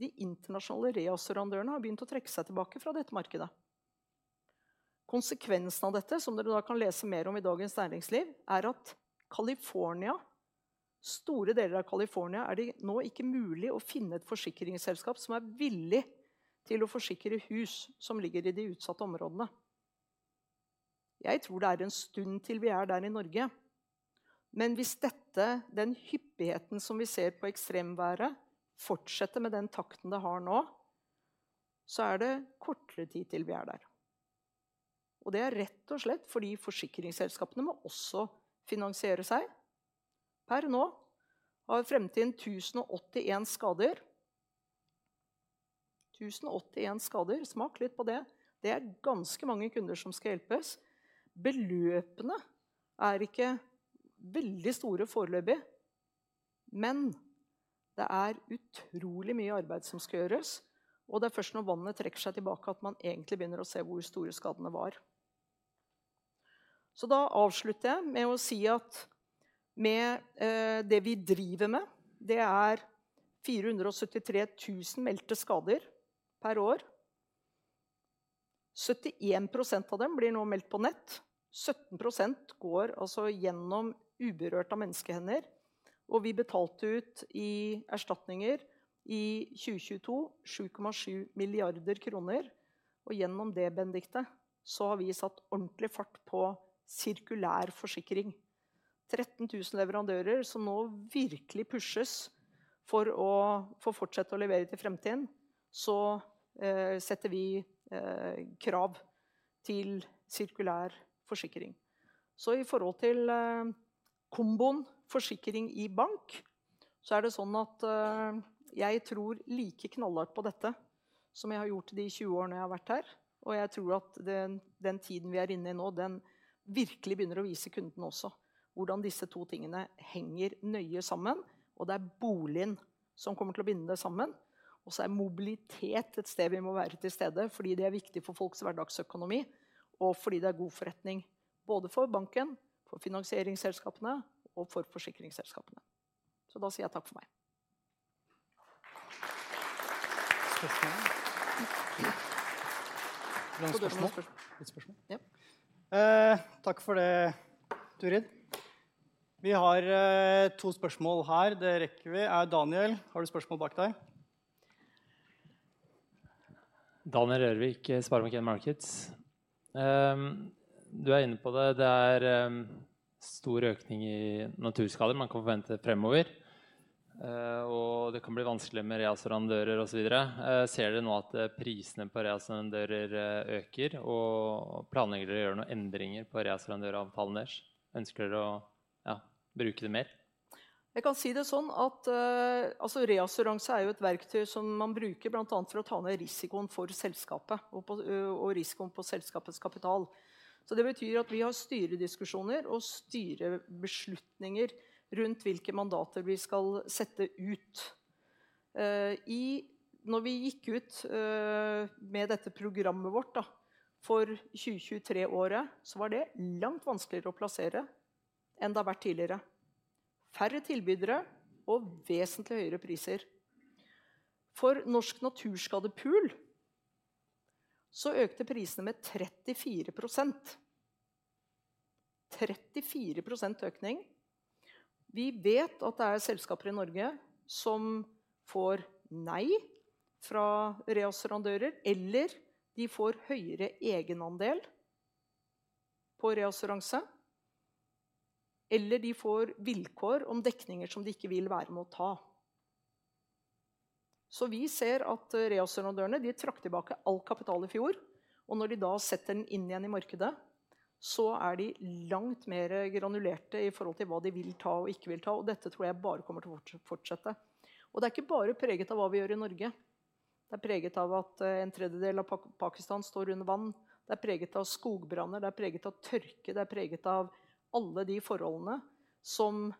de internasjonale reassurandørene har begynt å trekke seg tilbake fra dette markedet. Konsekvensen av dette, som dere da kan lese mer om i Dagens Næringsliv, er at California, store deler av California er det nå ikke mulig å finne et forsikringsselskap som er villig til å forsikre hus som ligger i de utsatte områdene. Jeg tror det er en stund til vi er der i Norge. Hvis dette, den hyppigheten som vi ser på ekstremværet, fortsetter med den takten det har nå, så er det kortere tid til vi er der. Det er rett og slett fordi forsikringsselskapene må også finansiere seg. Per nå har Fremtind 1,081 skader. 1,081 skader. Smak litt på det. Det er ganske mange kunder som skal hjelpes. Beløpene er ikke veldig store foreløpig, men det er utrolig mye arbeid som skal gjøres, og det er først når vannet trekker seg tilbake at man egentlig begynner å se hvor store skadene var. Da avslutter jeg med å si at med det vi driver med, det er 473,000 meldte skader per år. 71% av dem blir nå meldt på nett. 17% går altså gjennom uberørt av menneskehender, og vi betalte ut i erstatninger i 2022, 7.7 billion kroner. Gjennom det, Benedicte, så har vi satt ordentlig fart på sirkulær forsikring. 13,000 leverandører som nå virkelig pushes for å få fortsette å levere til Fremtiden. Setter vi krav til sirkulær forsikring. I forhold til komboen forsikring i bank. Det er sånn at jeg tror like knallhardt på dette som jeg har gjort de 20 årene jeg har vært her. Jeg tror at den, den tiden vi er inne i nå, den virkelig begynner å vise kundene også, hvordan disse to tingene henger nøye sammen. Det er boligen som kommer til å binde det sammen. Mobilitet er et sted vi må være til stede, fordi det er viktig for folks hverdagsøkonomi, og fordi det er god forretning både for banken, for finansieringsselskapene og for forsikringsselskapene. Da sier jeg takk for meg. Spørsmål. 1 spørsmål. Ja. Takk for det, Turid. Vi har 2 spørsmål her. Det rekker vi. Daniel, har du spørsmål bak deg? Daniel Rørvik i SpareBank 1 Markets. Du er inne på det, det er stor økning i naturskader man kan forvente fremover. Det kan bli vanskelig med reassurandører og så videre. Ser dere nå at prisene på reassurandører øker? Planlegger dere å gjøre noen endringer på reassurandør avtalen deres? Ønsker dere å, ja, bruke det mer? Jeg kan si det sånn at reassuranse er et verktøy som man bruker blant annet for å ta ned risikoen for selskapet og risikoen på selskapets kapital. Det betyr at vi har styrediskusjoner og styrebeslutninger rundt hvilke mandater vi skal sette ut. Når vi gikk ut med dette programmet vårt for 2023-året, var det langt vanskeligere å plassere enn det har vært tidligere. Færre tilbydere og vesentlig høyere priser. For norsk naturskade pool, økte prisene med 34%. 34% økning. Vi vet at det er selskaper i Norge som får nei fra reassurandører, eller de får høyere egenandel, på reassuranse, eller de får vilkår om dekninger som de ikke vil være med å ta. Vi ser at reassurandørene de trakk tilbake all kapital i fjor. Når de da setter den inn igjen i markedet, så er de langt mer granulerte i forhold til hva de vil ta og ikke vil ta. Dette tror jeg bare kommer til å fortsette. Det er ikke bare preget av hva vi gjør i Norge. Det er preget av at en tredjedel av Pakistan står under vann. Det er preget av skogbranner. Det er preget av tørke. Det er preget av alle de forholdene som,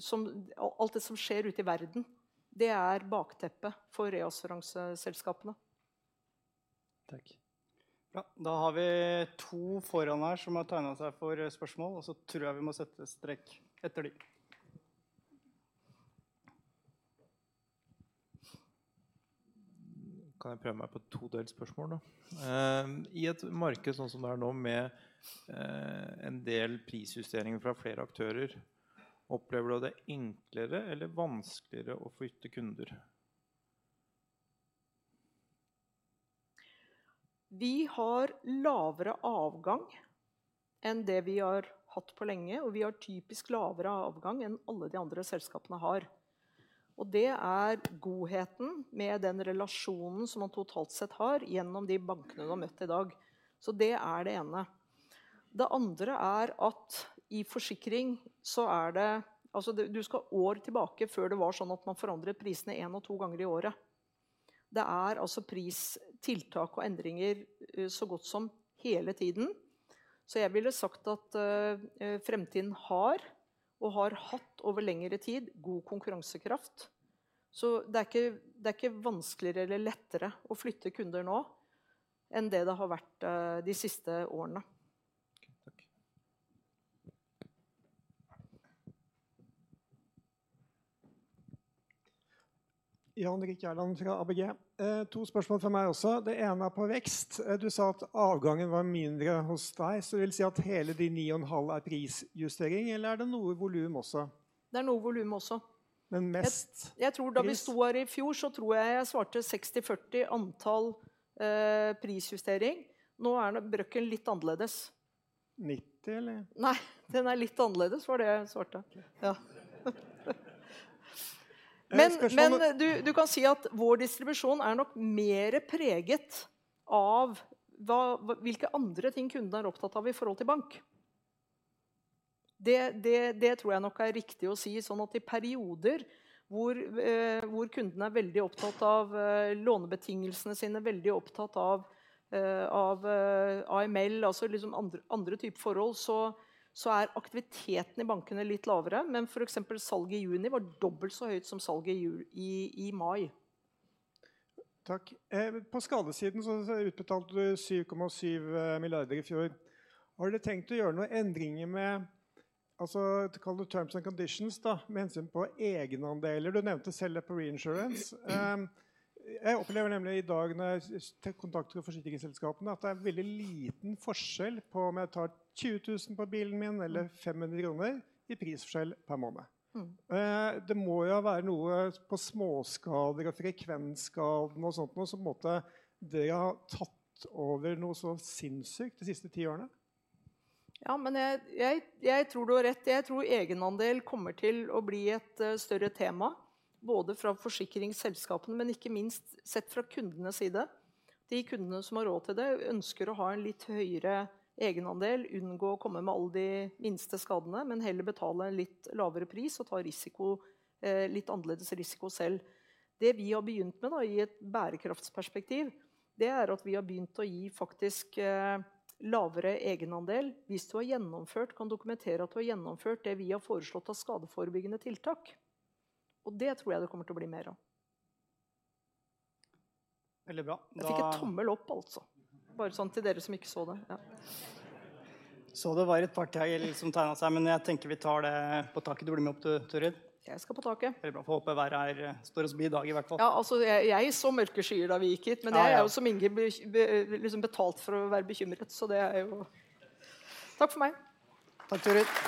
som alt det som skjer ute i verden. Det er bakteppet for reassuranse selskapene. Takk! Da har vi 2 foran her som har tegnet seg for spørsmål. Så tror jeg vi må sette strek etter de. Kan jeg prøve meg på et todelt spørsmål da? I et marked sånn som det er nå, med en del prisjustering fra flere aktører, opplever du det enklere eller vanskeligere å flytte kunder? Vi har lavere avgang enn det vi har hatt på lenge, og vi har typisk lavere avgang enn alle de andre selskapene har. Det er godheten med den relasjonen som man totalt sett har gjennom de bankene du har møtt i dag. Det er det ene. Det andre er at i forsikring så er det, altså, du skal år tilbake før det var sånn at man forandret prisene en og to ganger i året. Det er altså pristiltak og endringer så godt som hele tiden. Jeg ville sagt at Fremtind har, og har hatt over lengre tid, god konkurransekraft. Det er ikke, det er ikke vanskeligere eller lettere å flytte kunder nå enn det det har vært de siste årene. Takk. Jan Erik Gjerdland fra ABG. 2 spørsmål fra meg også. Det ene er på vekst. Du sa at avgangen var mindre hos deg, så vil si at hele de 9.5 er prisjustering. Eller er det noe volum også? Det er noe volum også. Men mest- Jeg tror da vi sto her i fjor, så tror jeg jeg svarte 60/40 antall prisjustering. Nå er brøken litt annerledes. 90 eller? Nei, den er litt annerledes var det jeg svarte. Ja. Du kan si at vår distribusjon er nok mer preget av hva, hvilke andre ting kundene er opptatt av i forhold til bank. Det tror jeg nok er riktig å si. I perioder hvor kundene er veldig opptatt av lånebetingelsene sine, veldig oppatt av AML, altså liksom andre typer forhold, er aktiviteten i bankene litt lavere. For eksempel salget i juni var dobbelt så høyt som salget i mai. Takk. På skadesiden så utbetalte du 7.7 billion i fjor. Har dere tenkt å gjøre noen endringer med, altså kall det terms and conditions da, med hensyn på egenandeler? Du nevnte selve reinsurance. Jeg opplever nemlig i dag når jeg tar kontakt med forsikringsselskapene, at det er veldig liten forskjell på om jeg tar 20,000 på bilen min eller 500 kroner i prisforskjell per måned. Mm. Det må jo være noe på småskader og frekvensskaden og sånt noe, som måtte det ha tatt over noe så sinnssykt de siste 10 årene. Ja, jeg tror du har rett. Jeg tror egenandel kommer til å bli et større tema, både fra forsikringsselskapene, men ikke minst sett fra kundenes side. De kundene som har råd til det ønsker å ha en litt høyere egenandel. Unngå å komme med alle de minste skadene, men heller betale en litt lavere pris og ta risiko, litt annerledes risiko selv. Det vi har begynt med da i et bærekraftsperspektiv, det er at vi har begynt å gi faktisk lavere egenandel. Hvis du har gjennomført, kan dokumentere at du har gjennomført det vi har foreslått av skadeforebyggende tiltak. Det tror jeg det kommer til å bli mer av. Veldig bra. Jeg fikk en tommel opp også. Bare sånn til dere som ikke så det. Ja. Det var et par til som tegnet seg, men jeg tenker vi tar det på taket. Du blir med opp, du, Turid? Jeg skal på taket. Veldig bra! Få håpe været er, står oss bi i dag i hvert fall. Jeg så mørke skyer da vi gikk hit. Jeg er jo som ingen, liksom betalt for å være bekymret. Det er jo. Takk for meg! Takk, Turid.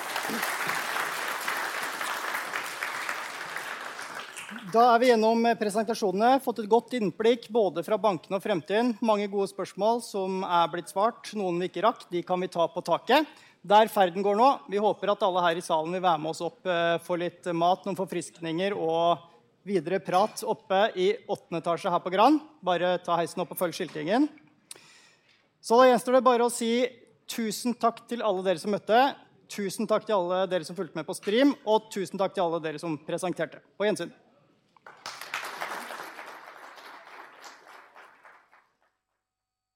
Da er vi gjennom presentasjonene. Fått et godt innblikk både fra bankene og Fremtind. Mange gode spørsmål som er blitt svart. Noen vi ikke rakk, de kan vi ta på taket, der ferden går nå. Vi håper at alle her i salen vil være med oss opp, få litt mat, noen forfriskninger og videre prat oppe i åttende etasje her på Grand. Bare ta heisen opp og følg skiltingen. Da gjenstår det bare å si tusen takk til alle dere som møtte. Tusen takk til alle dere som fulgte med på stream! Tusen takk til alle dere som presenterte. På gjensyn!